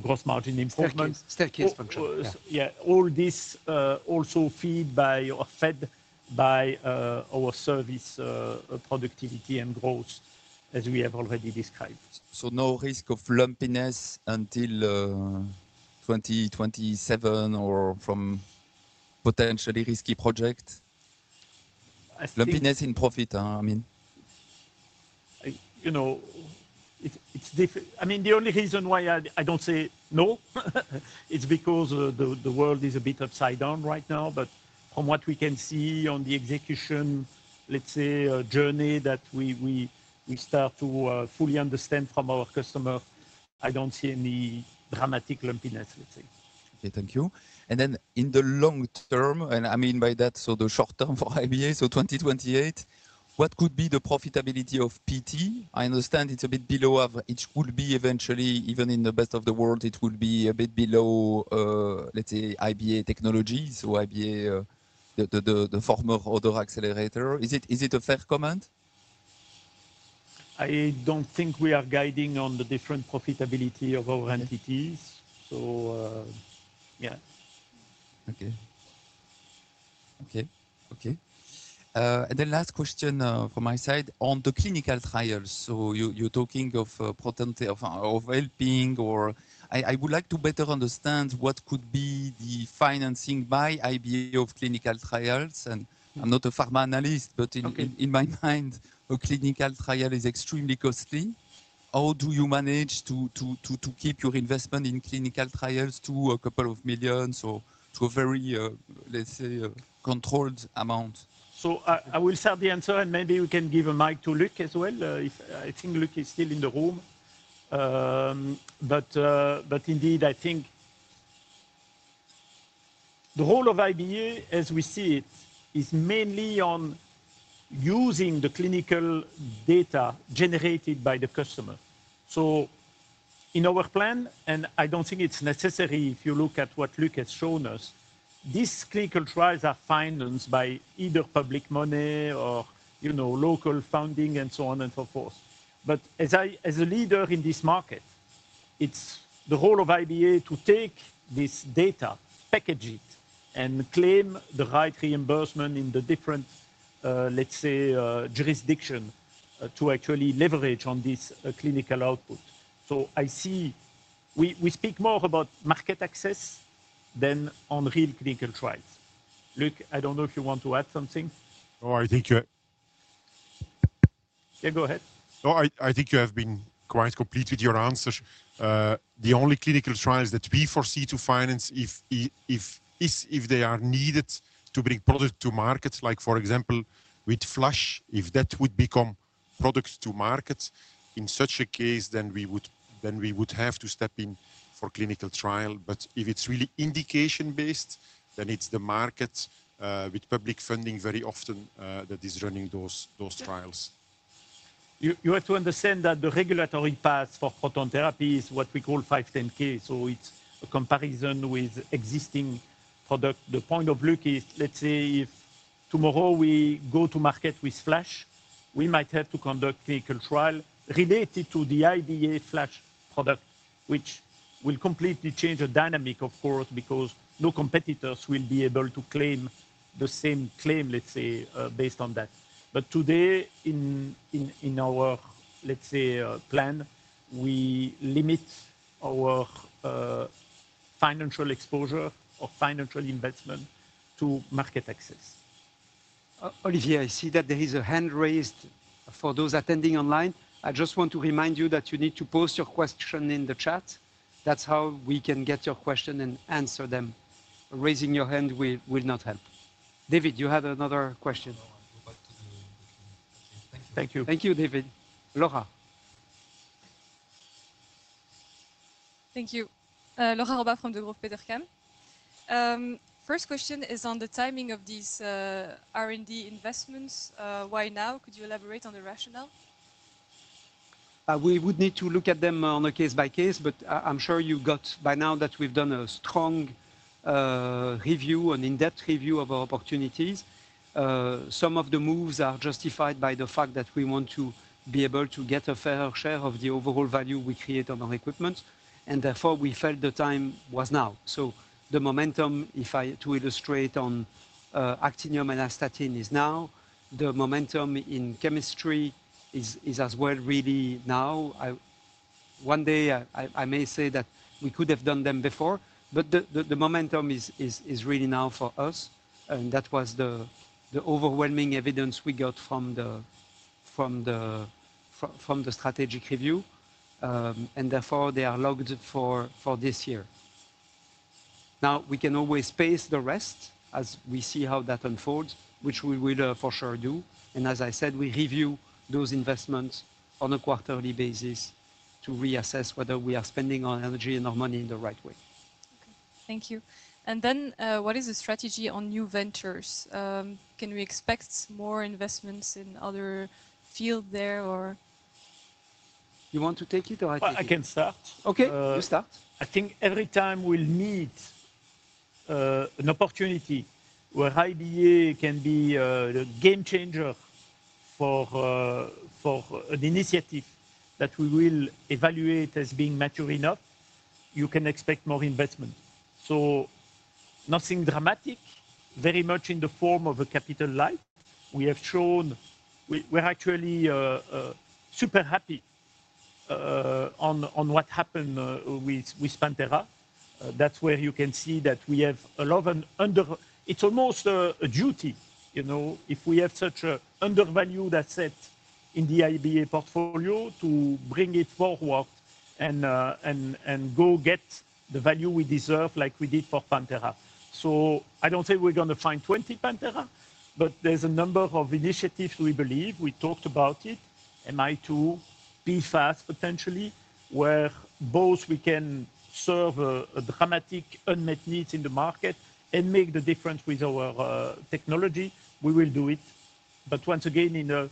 gross margin improvement. Yeah, all this also fed by our service productivity and growth, as we have already described. No risk of lumpiness until 2027 or from potentially risky projects? Lumpiness in profit, I mean. You know, I mean, the only reason why I do not say no is because the world is a bit upside down right now. From what we can see on the execution, let's say, journey that we start to fully understand from our customers, I don't see any dramatic lumpiness, let's say. Okay, thank you. In the long term, and I mean by that, so the short term for IBA, so 2028, what could be the profitability of PT? I understand it's a bit below average. It would be eventually, even in the best of the world, it would be a bit below, let's say, IBA technology, so IBA, the former order accelerator. Is it a fair comment? I don't think we are guiding on the different profitability of our entities. Yeah. Okay. Okay. Last question from my side on the clinical trials. You're talking of helping or I would like to better understand what could be the financing by IBA of clinical trials. I'm not a pharma analyst, but in my mind, a clinical trial is extremely costly. How do you manage to keep your investment in clinical trials to a couple of millions or to a very, let's say, controlled amount? I will start the answer, and maybe we can give a mic to Luk as well. I think Luk is still in the room. Indeed, I think the role of IBA, as we see it, is mainly on using the clinical data generated by the customer. In our plan, and I don't think it's necessary if you look at what Luk has shown us, these clinical trials are financed by either public money or local funding and so on and so forth. As a leader in this market, it's the role of IBA to take this data, package it, and claim the right reimbursement in the different, let's say, jurisdictions to actually leverage on this clinical output. I see we speak more about market access than on real clinical trials. Luk, I don't know if you want to add something. Oh, I think you're— yeah, go ahead. No, I think you have been quite complete with your answers. The only clinical trials that we foresee to finance, if they are needed to bring product to market, like for example, with Flash, if that would become products to market, in such a case, then we would have to step in for clinical trial. If it's really indication-based, then it's the market with public funding very often that is running those trials. You have to understand that the regulatory path for proton therapy is what we call 510K. So it's a comparison with existing product. The point of look is, let's say if tomorrow we go to market with Flash, we might have to conduct clinical trial related to the IBA Flash product, which will completely change the dynamic, of course, because no competitors will be able to claim the same claim, let's say, based on that. But today, in our, let's say, plan, we limit our financial exposure or financial investment to market access. Olivier, I see that there is a hand raised for those attending online. I just want to remind you that you need to post your question in the chat. That's how we can get your question and answer them. Raising your hand will not help. David, you had another question. Thank you. Thank you, David. Laura. Thank you. Laura Roba from Degroof Petercam. First question is on the timing of these R&D investments. Why now? Could you elaborate on the rationale? We would need to look at them on a case-by-case, but I'm sure you got by now that we've done a strong review, an in-depth review of our opportunities. Some of the moves are justified by the fact that we want to be able to get a fair share of the overall value we create on our equipment. Therefore, we felt the time was now. The momentum, if I to illustrate on actinium and astatine, is now. The momentum in chemistry is as well really now. One day, I may say that we could have done them before, but the momentum is really now for us. That was the overwhelming evidence we got from the strategic review. Therefore, they are logged for this year. We can always pace the rest as we see how that unfolds, which we will for sure do. As I said, we review those investments on a quarterly basis to reassess whether we are spending our energy and our money in the right way. Thank you. What is the strategy on new ventures? Can we expect more investments in other fields there or? You want to take it or I can? I can start. You start. I think every time we meet an opportunity where IBA can be a game changer for an initiative that we will evaluate as being mature enough, you can expect more investment. Nothing dramatic, very much in the form of a capital light. We have shown we are actually super happy on what happened with Pantera. That's where you can see that we have a lot of it's almost a duty. If we have such an undervalued asset in the IBA portfolio to bring it forward and go get the value we deserve like we did for Pantera. I don't say we're going to find 20 Pantera, but there's a number of initiatives we believe. We talked about it, MI2, PFAS potentially, where both we can serve a dramatic unmet needs in the market and make the difference with our technology. We will do it. Once again, in a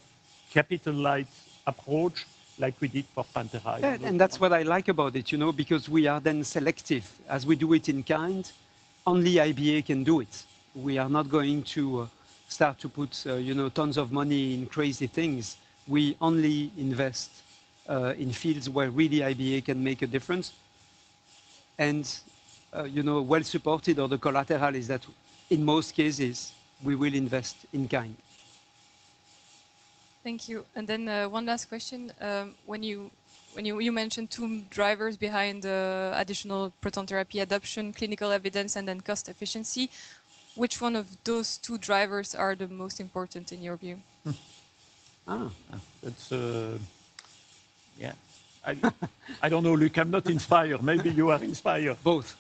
capital light approach like we did for Pantera. That's what I like about it, you know, because we are then selective. As we do it in kind, only IBA can do it. We are not going to start to put tons of money in crazy things. We only invest in fields where really IBA can make a difference. The collateral is that in most cases, we will invest in kind. Thank you. One last question. When you mentioned two drivers behind additional proton therapy adoption, clinical evidence and then cost efficiency, which one of those two drivers are the most important in your view? Yeah, I do not know, Luk. I am not inspired. Maybe you are inspired. Both.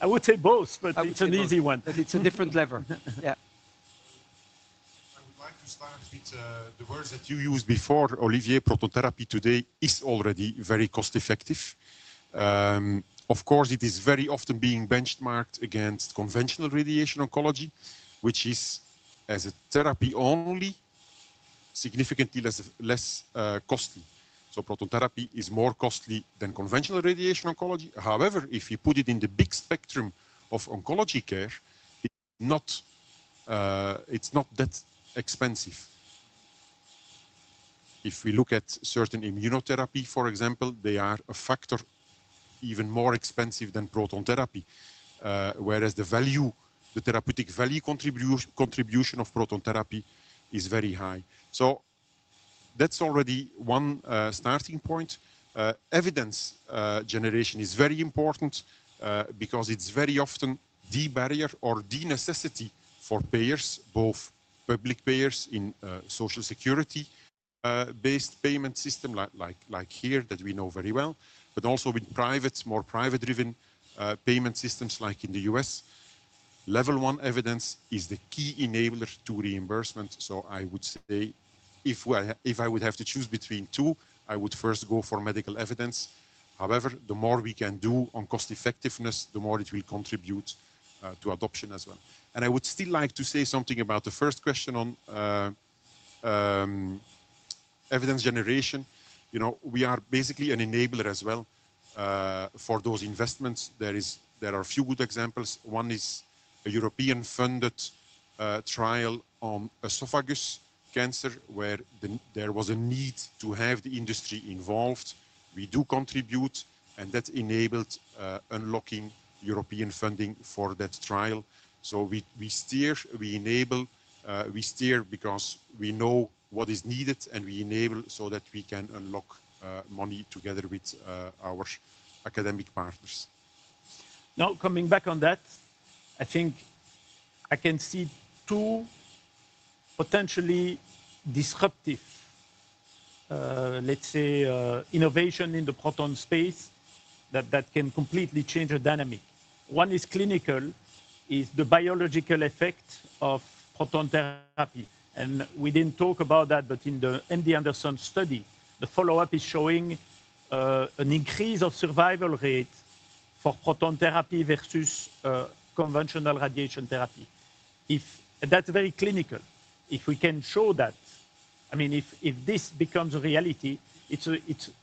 I would say both, but it is an easy one. It is a different lever. I would like to start with the words that you used before, Olivier, proton therapy today is already very cost-effective. Of course, it is very often being benchmarked against conventional radiation oncology, which is as a therapy only, significantly less costly. Proton therapy is more costly than conventional radiation oncology. However, if you put it in the big spectrum of oncology care, it's not that expensive. If we look at certain immunotherapy, for example, they are a factor even more expensive than proton therapy, whereas the therapeutic value contribution of proton therapy is very high. That's already one starting point. Evidence generation is very important because it's very often the barrier or the necessity for payers, both public payers in social security-based payment system like here that we know very well, but also with more private-driven payment systems like in the U.S. Level one evidence is the key enabler to reimbursement. I would say if I would have to choose between two, I would first go for medical evidence. However, the more we can do on cost-effectiveness, the more it will contribute to adoption as well. I would still like to say something about the first question on evidence generation. We are basically an enabler as well for those investments. There are a few good examples. One is a European-funded trial on esophagus cancer where there was a need to have the industry involved. We do contribute, and that enabled unlocking European funding for that trial. We steer, we enable, we steer because we know what is needed, and we enable so that we can unlock money together with our academic partners. Now, coming back on that, I think I can see two potentially disruptive, let's say, innovations in the proton space that can completely change the dynamic. One is clinical, is the biological effect of proton therapy. We did not talk about that, but in the MD Anderson study, the follow-up is showing an increase of survival rate for proton therapy versus conventional radiation therapy. That is very clinical. If we can show that, I mean, if this becomes a reality, it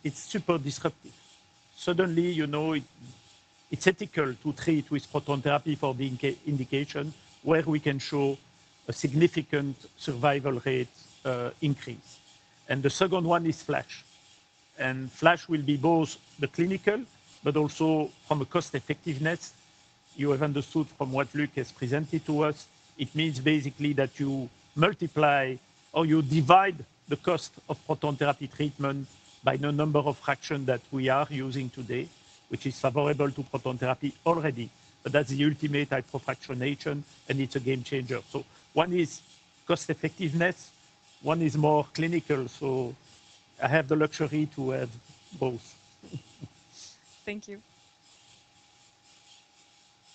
is super disruptive. Suddenly, it is ethical to treat with proton therapy for the indication where we can show a significant survival rate increase. The second one is flash. Flash will be both the clinical, but also from a cost-effectiveness. You have understood from what Luk has presented to us, it means basically that you multiply or you divide the cost of proton therapy treatment by the number of fractions that we are using today, which is favorable to proton therapy already. That is the ultimate hyperfractionation, and it is a game changer. One is cost-effectiveness. One is more clinical. I have the luxury to have both. Thank you.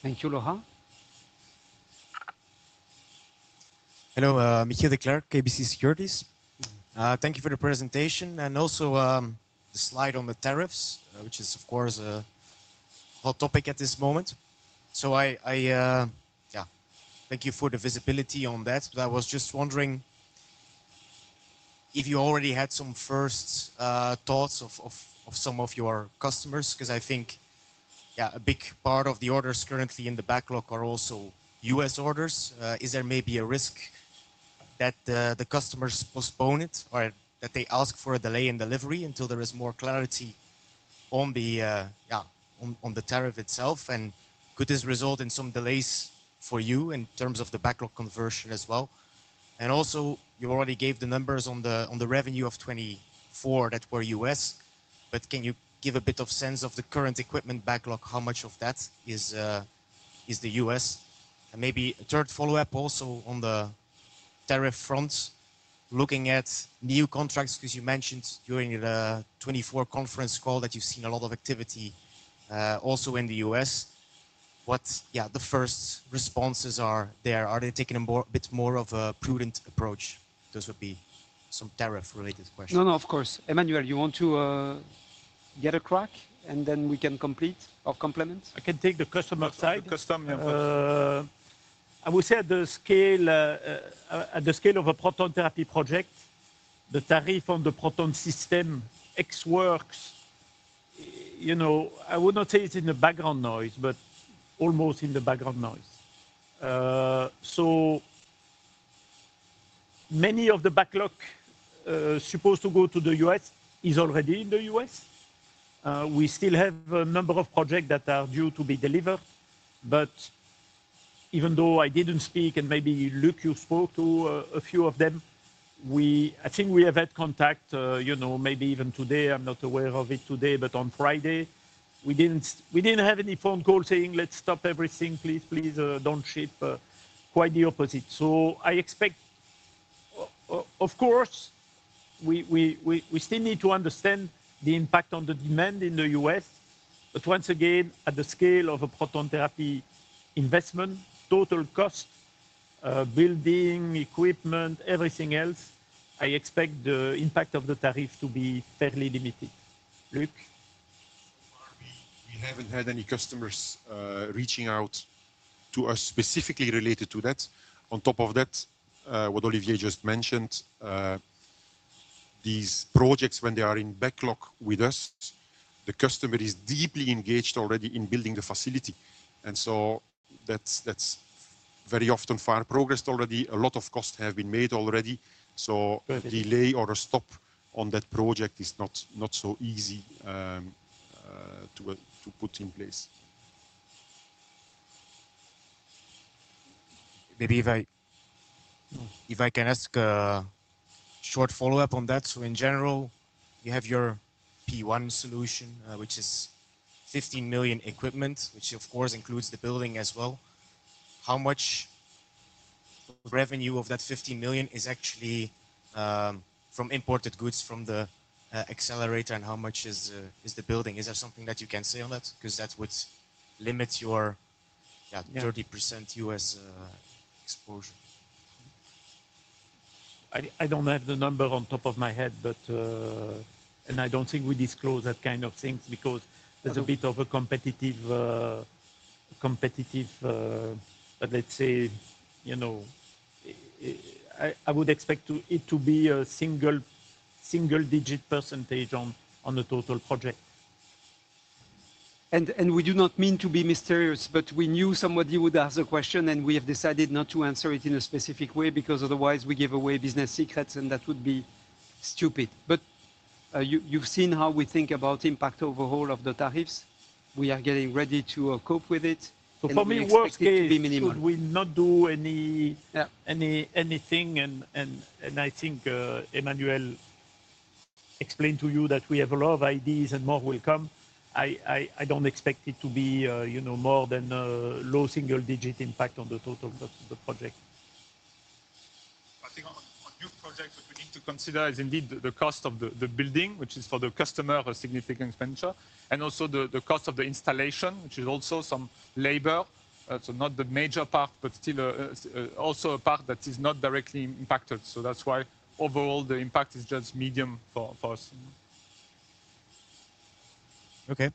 Thank you, Laura. Hello, Michiel Declercq, KBC Securities. Thank you for the presentation and also the slide on the tariffs, which is, of course, a hot topic at this moment. Thank you for the visibility on that. I was just wondering if you already had some first thoughts of some of your customers, because I think a big part of the orders currently in the backlog are also U.S. orders. Is there maybe a risk that the customers postpone it or that they ask for a delay in delivery until there is more clarity on the tariff itself? Could this result in some delays for you in terms of the backlog conversion as well? Also, you already gave the numbers on the revenue of 2024 that were U.S. Can you give a bit of sense of the current equipment backlog? How much of that is the U.S.? Maybe a third follow-up also on the tariff front, looking at new contracts, because you mentioned during the 2024 conference call that you've seen a lot of activity also in the U.S.. What, yeah, the first responses are there? Are they taking a bit more of a prudent approach? Those would be some tariff-related questions. No, no, of course. Emmanuel, you want to get a crack, and then we can complete or complement? I can take the customer side. I would say at the scale of a proton therapy project, the tariff on the proton system X works, I would not say it's in the background noise, but almost in the background noise. So many of the backlog supposed to go to the U.S. is already in the U.S. We still have a number of projects that are due to be delivered. Even though I didn't speak, and maybe Luk, you spoke to a few of them, I think we have had contact maybe even today. I'm not aware of it today, but on Friday, we didn't have any phone call saying, "Let's stop everything. Please, please don't ship." Quite the opposite. I expect, of course, we still need to understand the impact on the demand in the U.S. Once again, at the scale of a proton therapy investment, total cost, building, equipment, everything else, I expect the impact of the tariff to be fairly limited. Luk? We haven't had any customers reaching out to us specifically related to that. On top of that, what Olivier just mentioned, these projects, when they are in backlog with us, the customer is deeply engaged already in building the facility. That is very often far progressed already. A lot of costs have been made already. A delay or a stop on that project is not so easy to put in place. Maybe if I can ask a short follow-up on that. In general, you have your P1 solution, which is 15 million equipment, which of course includes the building as well. How much revenue of that 15 million is actually from imported goods from the accelerator, and how much is the building? Is there something that you can say on that? Because that would limit your 30% U.S. exposure. I don't have the number on top of my head, and I don't think we disclose that kind of thing because there's a bit of a competitive, let's say, I would expect it to be a single-digit percent on the total project. We do not mean to be mysterious, but we knew somebody would ask the question, and we have decided not to answer it in a specific way because otherwise we give away business secrets, and that would be stupid. You have seen how we think about impact overall of the tariffs. We are getting ready to cope with it. For me, it should be minimal. Should we not do anything? I think Emmanuel explained to you that we have a lot of ideas and more will come. I don't expect it to be more than a low single-digit impact on the total project. I think on new projects, what we need to consider is indeed the cost of the building, which is for the customer a significant venture, and also the cost of the installation, which is also some labor. Not the major part, but still also a part that is not directly impacted. That is why overall the impact is just medium for us. Okay.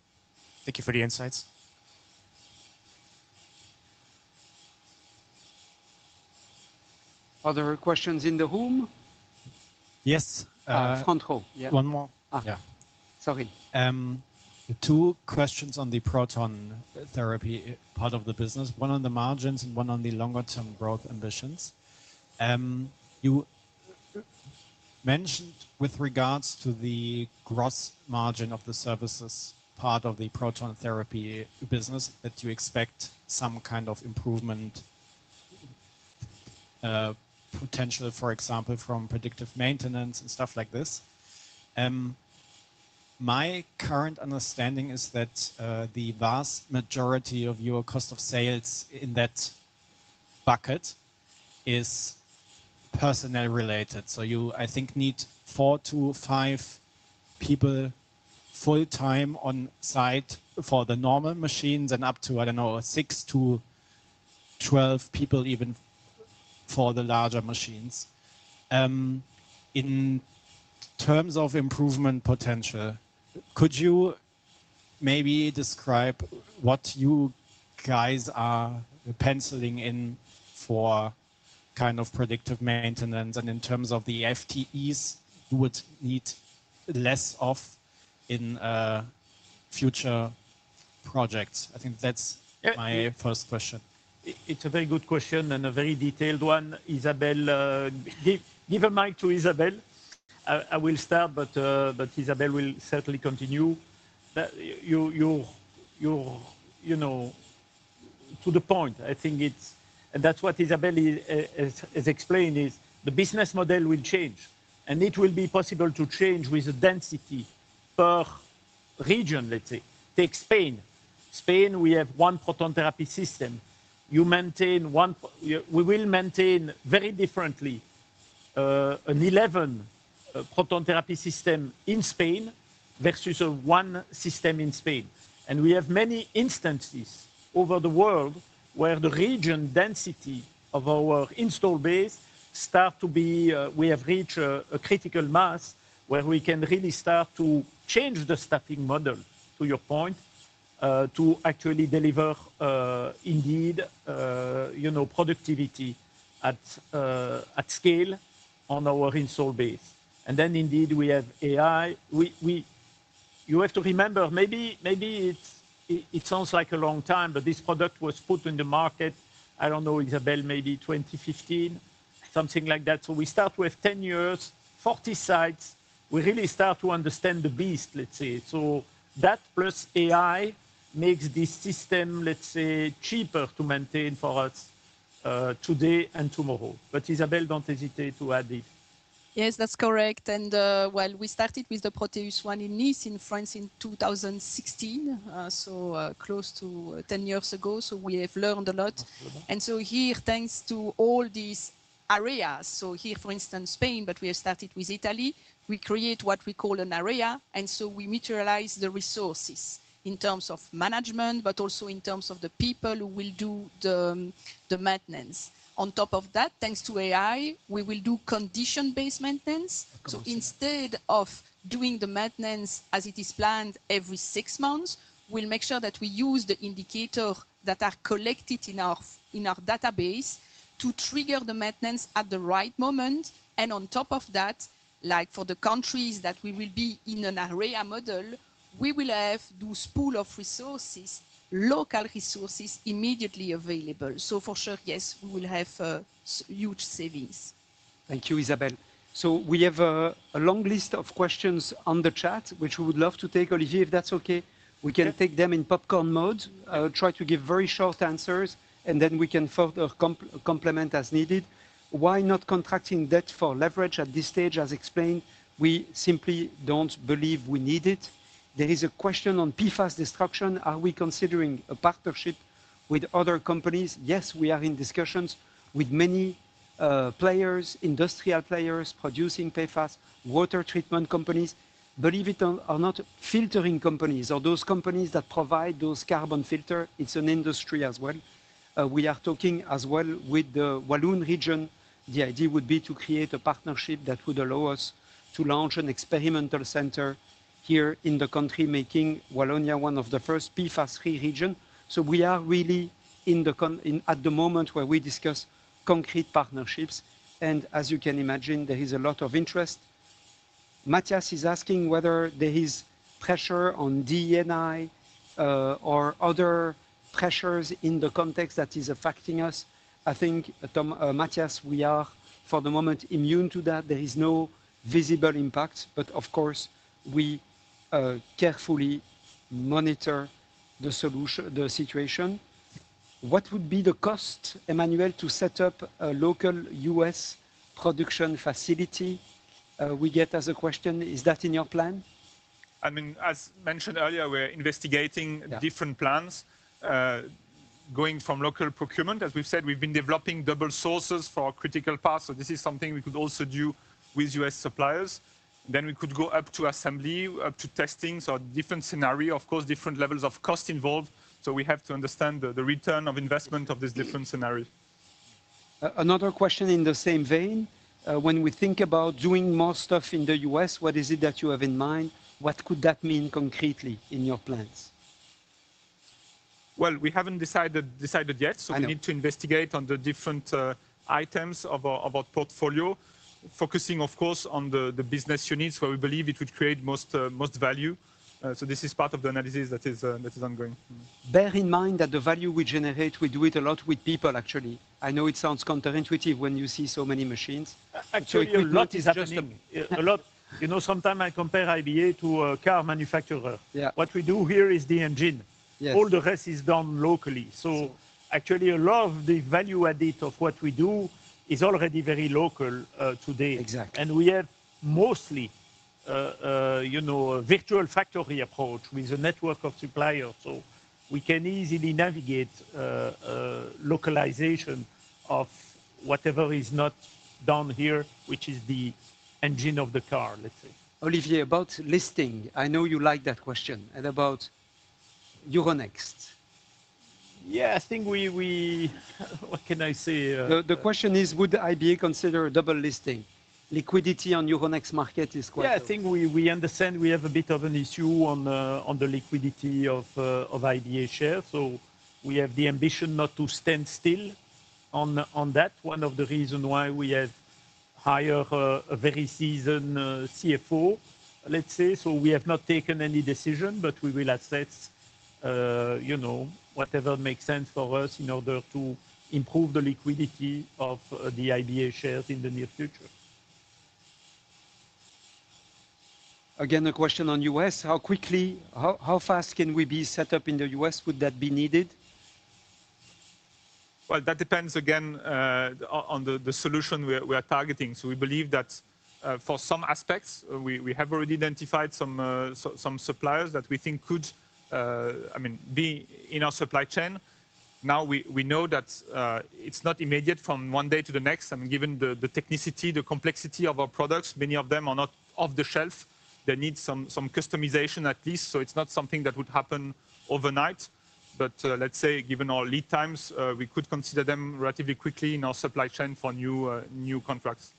Thank you for the insights. Other questions in the room? Yes. Front row. One more. Sorry. Two questions on the proton therapy part of the business. One on the margins and one on the longer-term growth ambitions. You mentioned with regards to the gross margin of the services part of the proton therapy business that you expect some kind of improvement potential, for example, from predictive maintenance and stuff like this. My current understanding is that the vast majority of your cost of sales in that bucket is personnel related. You, I think, need four to five people full-time on-site for the normal machines and up to, I do not know, 6-12 people even for the larger machines. In terms of improvement potential, could you maybe describe what you guys are penciling in for kind of predictive maintenance? In terms of the FTEs, you would need less of in future projects. I think that is my first question. It is a very good question and a very detailed one. Isabelle, give a mic to Isabelle. I will start, but Isabelle will certainly continue. To the point, I think it is, and that is what Isabelle has explained, is the business model will change. It will be possible to change with the density per region, let us say. Take Spain. Spain, we have one proton therapy system. We will maintain very differently an 11 proton therapy system in Spain versus one system in Spain. We have many instances over the world where the region density of our install base starts to be, we have reached a critical mass where we can really start to change the staffing model, to your point, to actually deliver indeed productivity at scale on our install base. Indeed we have AI. You have to remember, maybe it sounds like a long time, but this product was put in the market, I don't know, Isabelle, maybe 2015, something like that. We start with 10 years, 40 sites. We really start to understand the beast, let's say. That plus AI makes this system, let's say, cheaper to maintain for us today and tomorrow. Isabelle, don't hesitate to add it. Yes, that's correct. We started with the ProteusONE in Nice, in France, in 2016, so close to 10 years ago. We have learned a lot. Here, thanks to all these areas, for instance, Spain, but we have started with Italy, we create what we call an area. We materialize the resources in terms of management, but also in terms of the people who will do the maintenance. On top of that, thanks to AI, we will do condition-based maintenance. Instead of doing the maintenance as it is planned every six months, we'll make sure that we use the indicators that are collected in our database to trigger the maintenance at the right moment. On top of that, like for the countries that we will be in an area model, we will have those pools of resources, local resources immediately available. For sure, yes, we will have huge savings. Thank you, Isabelle. We have a long list of questions on the chat, which we would love to take, Olivier, if that's okay. We can take them in popcorn mode, try to give very short answers, and then we can further complement as needed. Why not contracting debt for leverage at this stage? As explained, we simply don't believe we need it. There is a question on PFAS destruction. Are we considering a partnership with other companies? Yes, we are in discussions with many players, industrial players producing PFAS, water treatment companies. Believe it or not, filtering companies are those companies that provide those carbon filters. It's an industry as well. We are talking as well with the Walloon region. The idea would be to create a partnership that would allow us to launch an experimental center here in the country, making Wallonia one of the first PFAS-free regions. We are really at the moment where we discuss concrete partnerships. As you can imagine, there is a lot of interest. Matthias is asking whether there is pressure on DNI or other pressures in the context that is affecting us. I think, Matthias, we are for the moment immune to that. There is no visible impact, but of course, we carefully monitor the situation. What would be the cost, Emmanuel, to set up a local U.S. production facility? We get as a question, is that in your plan? I mean, as mentioned earlier, we're investigating different plans going from local procurement. As we've said, we've been developing double sources for critical parts. This is something we could also do with U.S. suppliers. We could go up to assembly, up to testing. Different scenarios, of course, different levels of cost involved. We have to understand the return of investment of this different scenario. Another question in the same vein. When we think about doing more stuff in the U.S., what is it that you have in mind? What could that mean concretely in your plans? We haven't decided yet. We need to investigate on the different items of our portfolio, focusing, of course, on the business units where we believe it would create most value. This is part of the analysis that is ongoing. Bear in mind that the value we generate, we do it a lot with people, actually. I know it sounds counterintuitive when you see so many machines. Actually, a lot is happening. Sometimes I compare IBA to a car manufacturer. What we do here is the engine. All the rest is done locally. Actually, a lot of the value added of what we do is already very local today. We have mostly a virtual factory approach with a network of suppliers. We can easily navigate localization of whatever is not done here, which is the engine of the car, let's say. Olivier, about listing, I know you like that question. About Euronext? Yeah, I think we, what can I say? The question is, would IBA consider double listing? Liquidity on Euronext market is questionable. Yeah, I think we understand we have a bit of an issue on the liquidity of IBA shares. We have the ambition not to stand still on that. One of the reasons why we have hired a very seasoned CFO, let's say. We have not taken any decision, but we will assess whatever makes sense for us in order to improve the liquidity of the IBA shares in the near future. Again, a question on U.S. How fast can we be set up in the US? Would that be needed? That depends again on the solution we are targeting. We believe that for some aspects, we have already identified some suppliers that we think could, I mean, be in our supply chain. Now we know that it's not immediate from one day to the next. I mean, given the technicity, the complexity of our products, many of them are not off the shelf. They need some customization at least. It is not something that would happen overnight. Let's say, given our lead times, we could consider them relatively quickly in our supply chain for new contracts.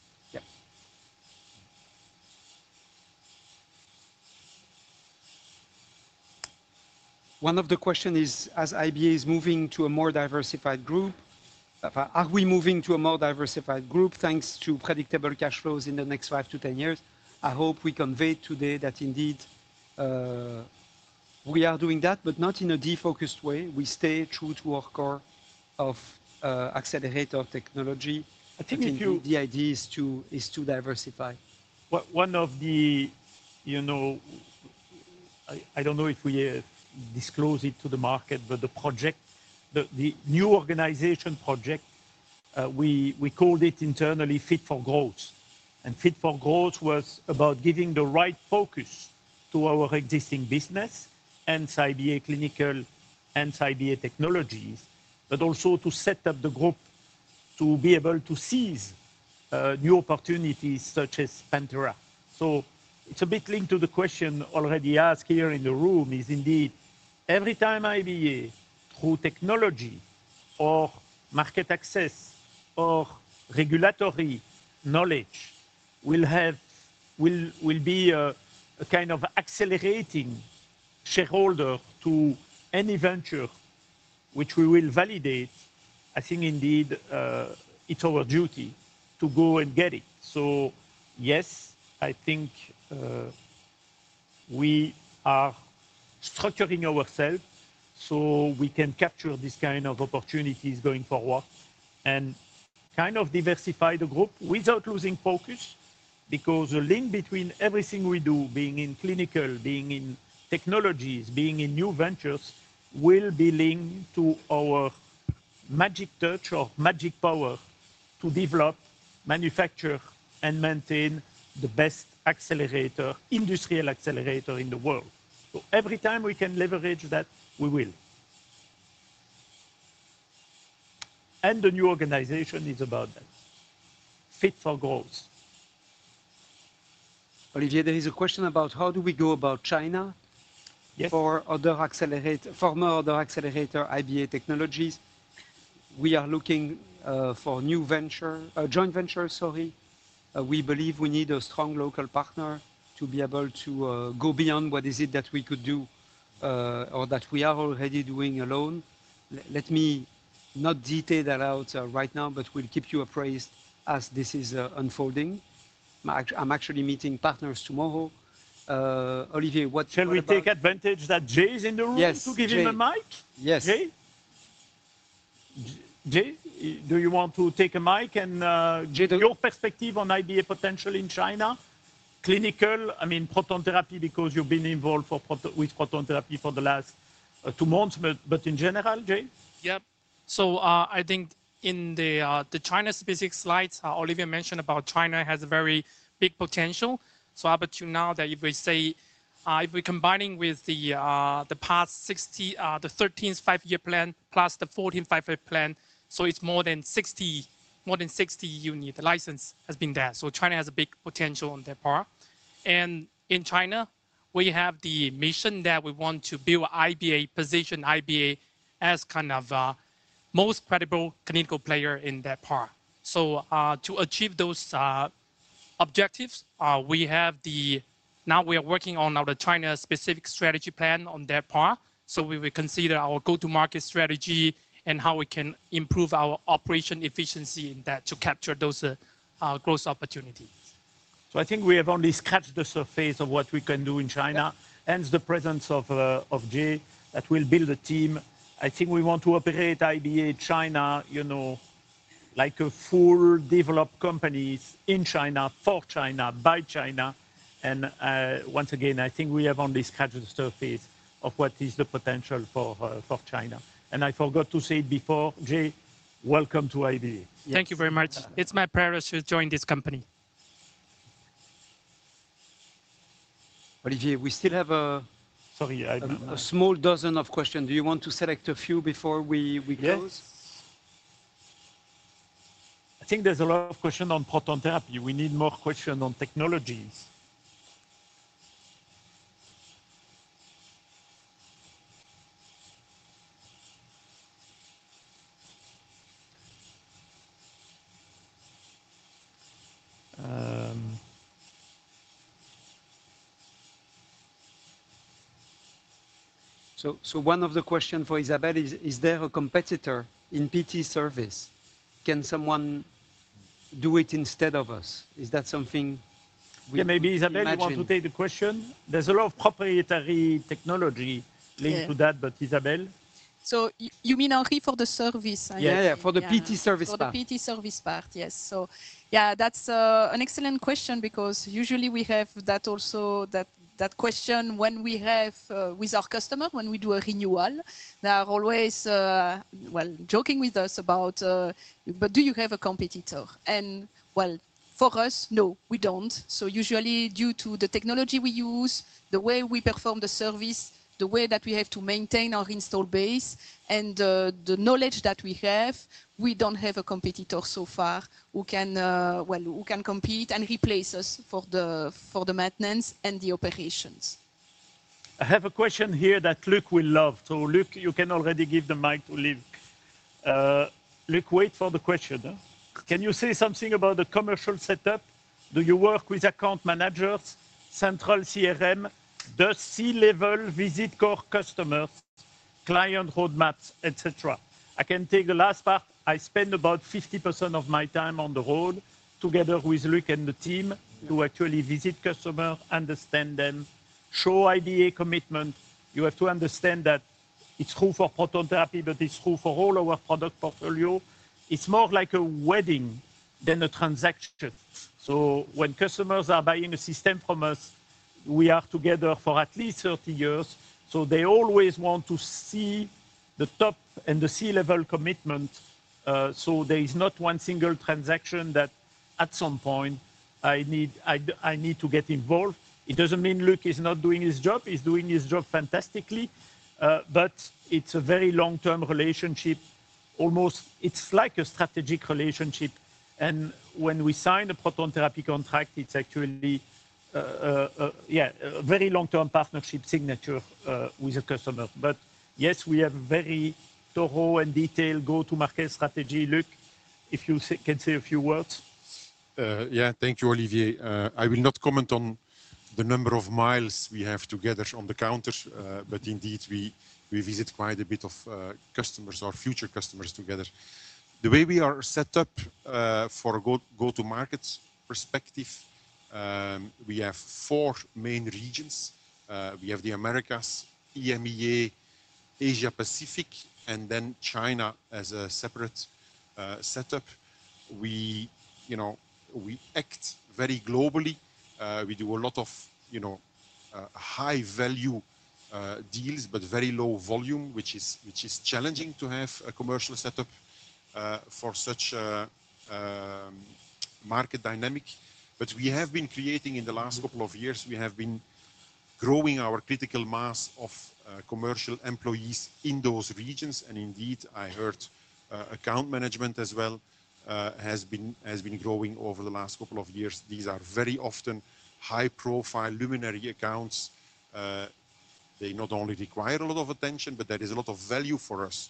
One of the questions is, as IBA is moving to a more diversified group, are we moving to a more diversified group thanks to predictable cash flows in the next 5 to 10 years? I hope we convey today that indeed we are doing that, but not in a defocused way. We stay true to our core of accelerator technology. I think the idea is to diversify. One of the, I do not know if we disclose it to the market, but the project, the new organization project, we called it internally Fit for Growth. Fit for Growth was about giving the right focus to our existing business and IBA Clinical and IBA Technologies, but also to set up the group to be able to seize new opportunities such as Pantera. It is a bit linked to the question already asked here in the room. It is indeed every time IBA, through technology or market access or regulatory knowledge, will be a kind of accelerating shareholder to any venture which we will validate. I think indeed it is our duty to go and get it. Yes, I think we are structuring ourselves so we can capture these kinds of opportunities going forward and kind of diversify the group without losing focus because the link between everything we do, being in clinical, being in technologies, being in new ventures will be linked to our magic touch or magic power to develop, manufacture, and maintain the best accelerator, industrial accelerator in the world. Every time we can leverage that, we will. The new organization is about that. Fit for Growth. Olivier, there is a question about how do we go about China for other accelerator, former other accelerator IBA Technologies. We are looking for new joint ventures, sorry. We believe we need a strong local partner to be able to go beyond what is it that we could do or that we are already doing alone. Let me not detail that out right now, but we'll keep you appraised as this is unfolding. I'm actually meeting partners tomorrow. Olivier, what can we do? Shall we take advantage that Jay is in the room to give him a mic? Yes. Jay, do you want to take a mic and give your perspective on IBA potential in China? Clinical, I mean, proton therapy because you've been involved with proton therapy for the last two months, but in general, Jay? Yep. I think in the China specific slides, Olivier mentioned about China has a very big potential. Up to now, if we say, if we're combining with the past 13-5 year plan plus the 14-5 year plan, it's more than 60 unit license has been there. China has a big potential on that part. In China, we have the mission that we want to build IBA, position IBA as kind of the most credible clinical player in that part. To achieve those objectives, we are working on our China specific strategy plan on that part. We will consider our go-to-market strategy and how we can improve our operation efficiency in that to capture those growth opportunities. I think we have only scratched the surface of what we can do in China. Hence the presence of Jay that will build a team. I think we want to operate IBA China like a fully developed company in China, for China, by China. Once again, I think we have only scratched the surface of what is the potential for China. I forgot to say it before, Jay, welcome to IBA. Thank you very much. It's my privilege to join this company. Olivier, we still have a small dozen of questions. Do you want to select a few before we close? I think there's a lot of questions on proton therapy. We need more questions on technologies. One of the questions for Isabelle is, is there a competitor in PT service? Can someone do it instead of us? Is that something we can ask? Maybe Isabelle wants to take the question. There's a lot of proprietary technology linked to that, but Isabelle? You mean only for the service? Yeah, for the PT service part. For the PT service part, yes. That's an excellent question because usually we have that also, that question when we have with our customer, when we do a renewal, they are always, joking with us about, but do you have a competitor? For us, no, we do not. Usually, due to the technology we use, the way we perform the service, the way that we have to maintain our install base, and the knowledge that we have, we do not have a competitor so far who can compete and replace us for the maintenance and the operations. I have a question here that Luk will love. Luk, you can already give the mic to Luk. Luk, wait for the question. Can you say something about the commercial setup? Do you work with account managers, central CRM, the C-level visit core customers, client roadmaps, etc.? I can take the last part. I spend about 50% of my time on the road together with Luk and the team to actually visit customers, understand them, show IBA commitment. You have to understand that it's true for proton therapy, but it's true for all our product portfolio. It's more like a wedding than a transaction. When customers are buying a system from us, we are together for at least 30 years. They always want to see the top and the C-level commitment. There is not one single transaction that at some point I need to get involved. It doesn't mean Luk is not doing his job. He's doing his job fantastically. It's a very long-term relationship. Almost it's like a strategic relationship. When we sign a proton therapy contract, it's actually, yeah, a very long-term partnership signature with a customer. Yes, we have a very thorough and detailed go-to-market strategy. Luk, if you can say a few words. Yeah, thank you, Olivier. I will not comment on the number of miles we have together on the counter, but indeed we visit quite a bit of customers or future customers together. The way we are set up for a go-to-market perspective, we have four main regions. We have the Americas, EMEA, Asia-Pacific, and then China as a separate setup. We act very globally. We do a lot of high-value deals, but very low volume, which is challenging to have a commercial setup for such market dynamic. We have been creating in the last couple of years, we have been growing our critical mass of commercial employees in those regions. Indeed, I heard account management as well has been growing over the last couple of years. These are very often high-profile luminary accounts. They not only require a lot of attention, but there is a lot of value for us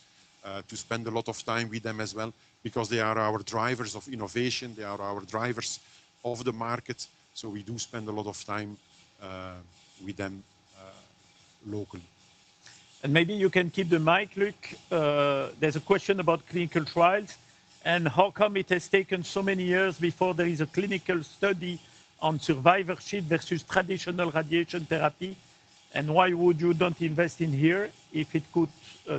to spend a lot of time with them as well because they are our drivers of innovation. They are our drivers of the market. We do spend a lot of time with them locally. Maybe you can keep the mic, Luk. There's a question about clinical trials and how come it has taken so many years before there is a clinical study on survivorship versus traditional radiation therapy? Why would you not invest in here if it could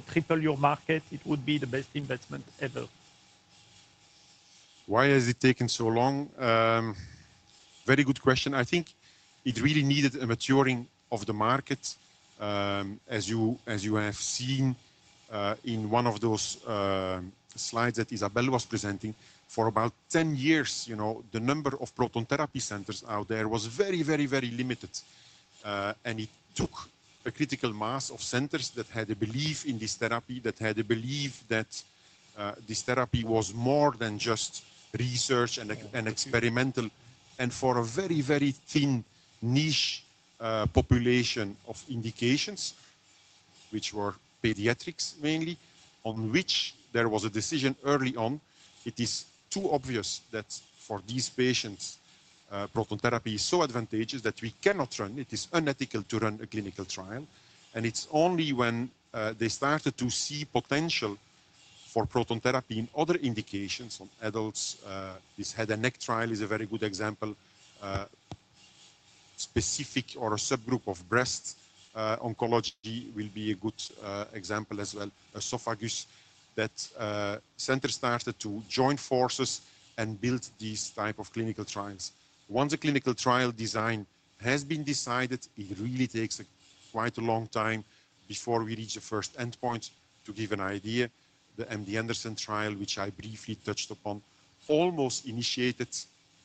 triple your market? It would be the best investment ever. Why has it taken so long? Very good question. I think it really needed a maturing of the market. As you have seen in one of those slides that Isabelle was presenting, for about 10 years, the number of proton therapy centers out there was very, very, very limited. It took a critical mass of centers that had a belief in this therapy, that had a belief that this therapy was more than just research and experimental. For a very, very thin niche population of indications, which were pediatrics mainly, on which there was a decision early on, it is too obvious that for these patients, proton therapy is so advantageous that we cannot run. It is unethical to run a clinical trial. It's only when they started to see potential for proton therapy in other indications on adults. This head and neck trial is a very good example. Specific or a subgroup of breast oncology will be a good example as well. Esophagus, that center started to join forces and build these types of clinical trials. Once a clinical trial design has been decided, it really takes quite a long time before we reach the first endpoint to give an idea. The MD Anderson trial, which I briefly touched upon, almost initiated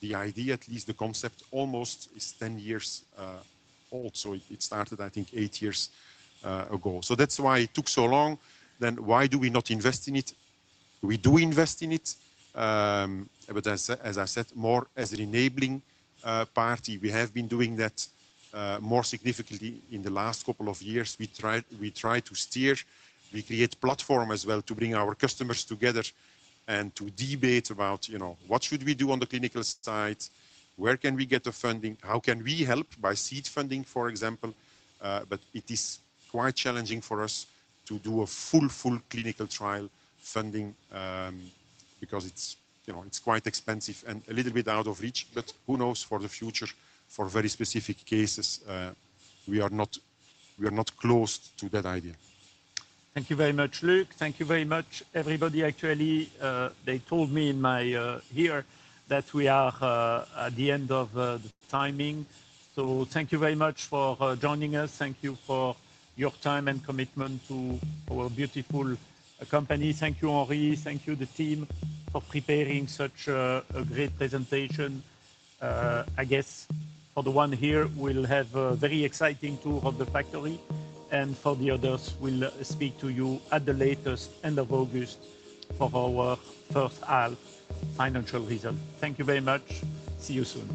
the idea, at least the concept almost is 10 years old. It started, I think, eight years ago. That is why it took so long. Why do we not invest in it? We do invest in it, but as I said, more as an enabling party. We have been doing that more significantly in the last couple of years. We try to steer, we create platforms as well to bring our customers together and to debate about what should we do on the clinical side, where can we get the funding, how can we help by seed funding, for example. It is quite challenging for us to do a full, full clinical trial funding because it's quite expensive and a little bit out of reach. Who knows for the future, for very specific cases, we are not closed to that idea. Thank you very much, Luk. Thank you very much, everybody. Actually, they told me here that we are at the end of the timing. Thank you very much for joining us. Thank you for your time and commitment to our beautiful company. Thank you, Henri. Thank you, the team, for preparing such a great presentation. I guess for the one here, we'll have a very exciting tour of the factory. For the others, we'll speak to you at the latest end of August for our first half financial result. Thank you very much. See you soon.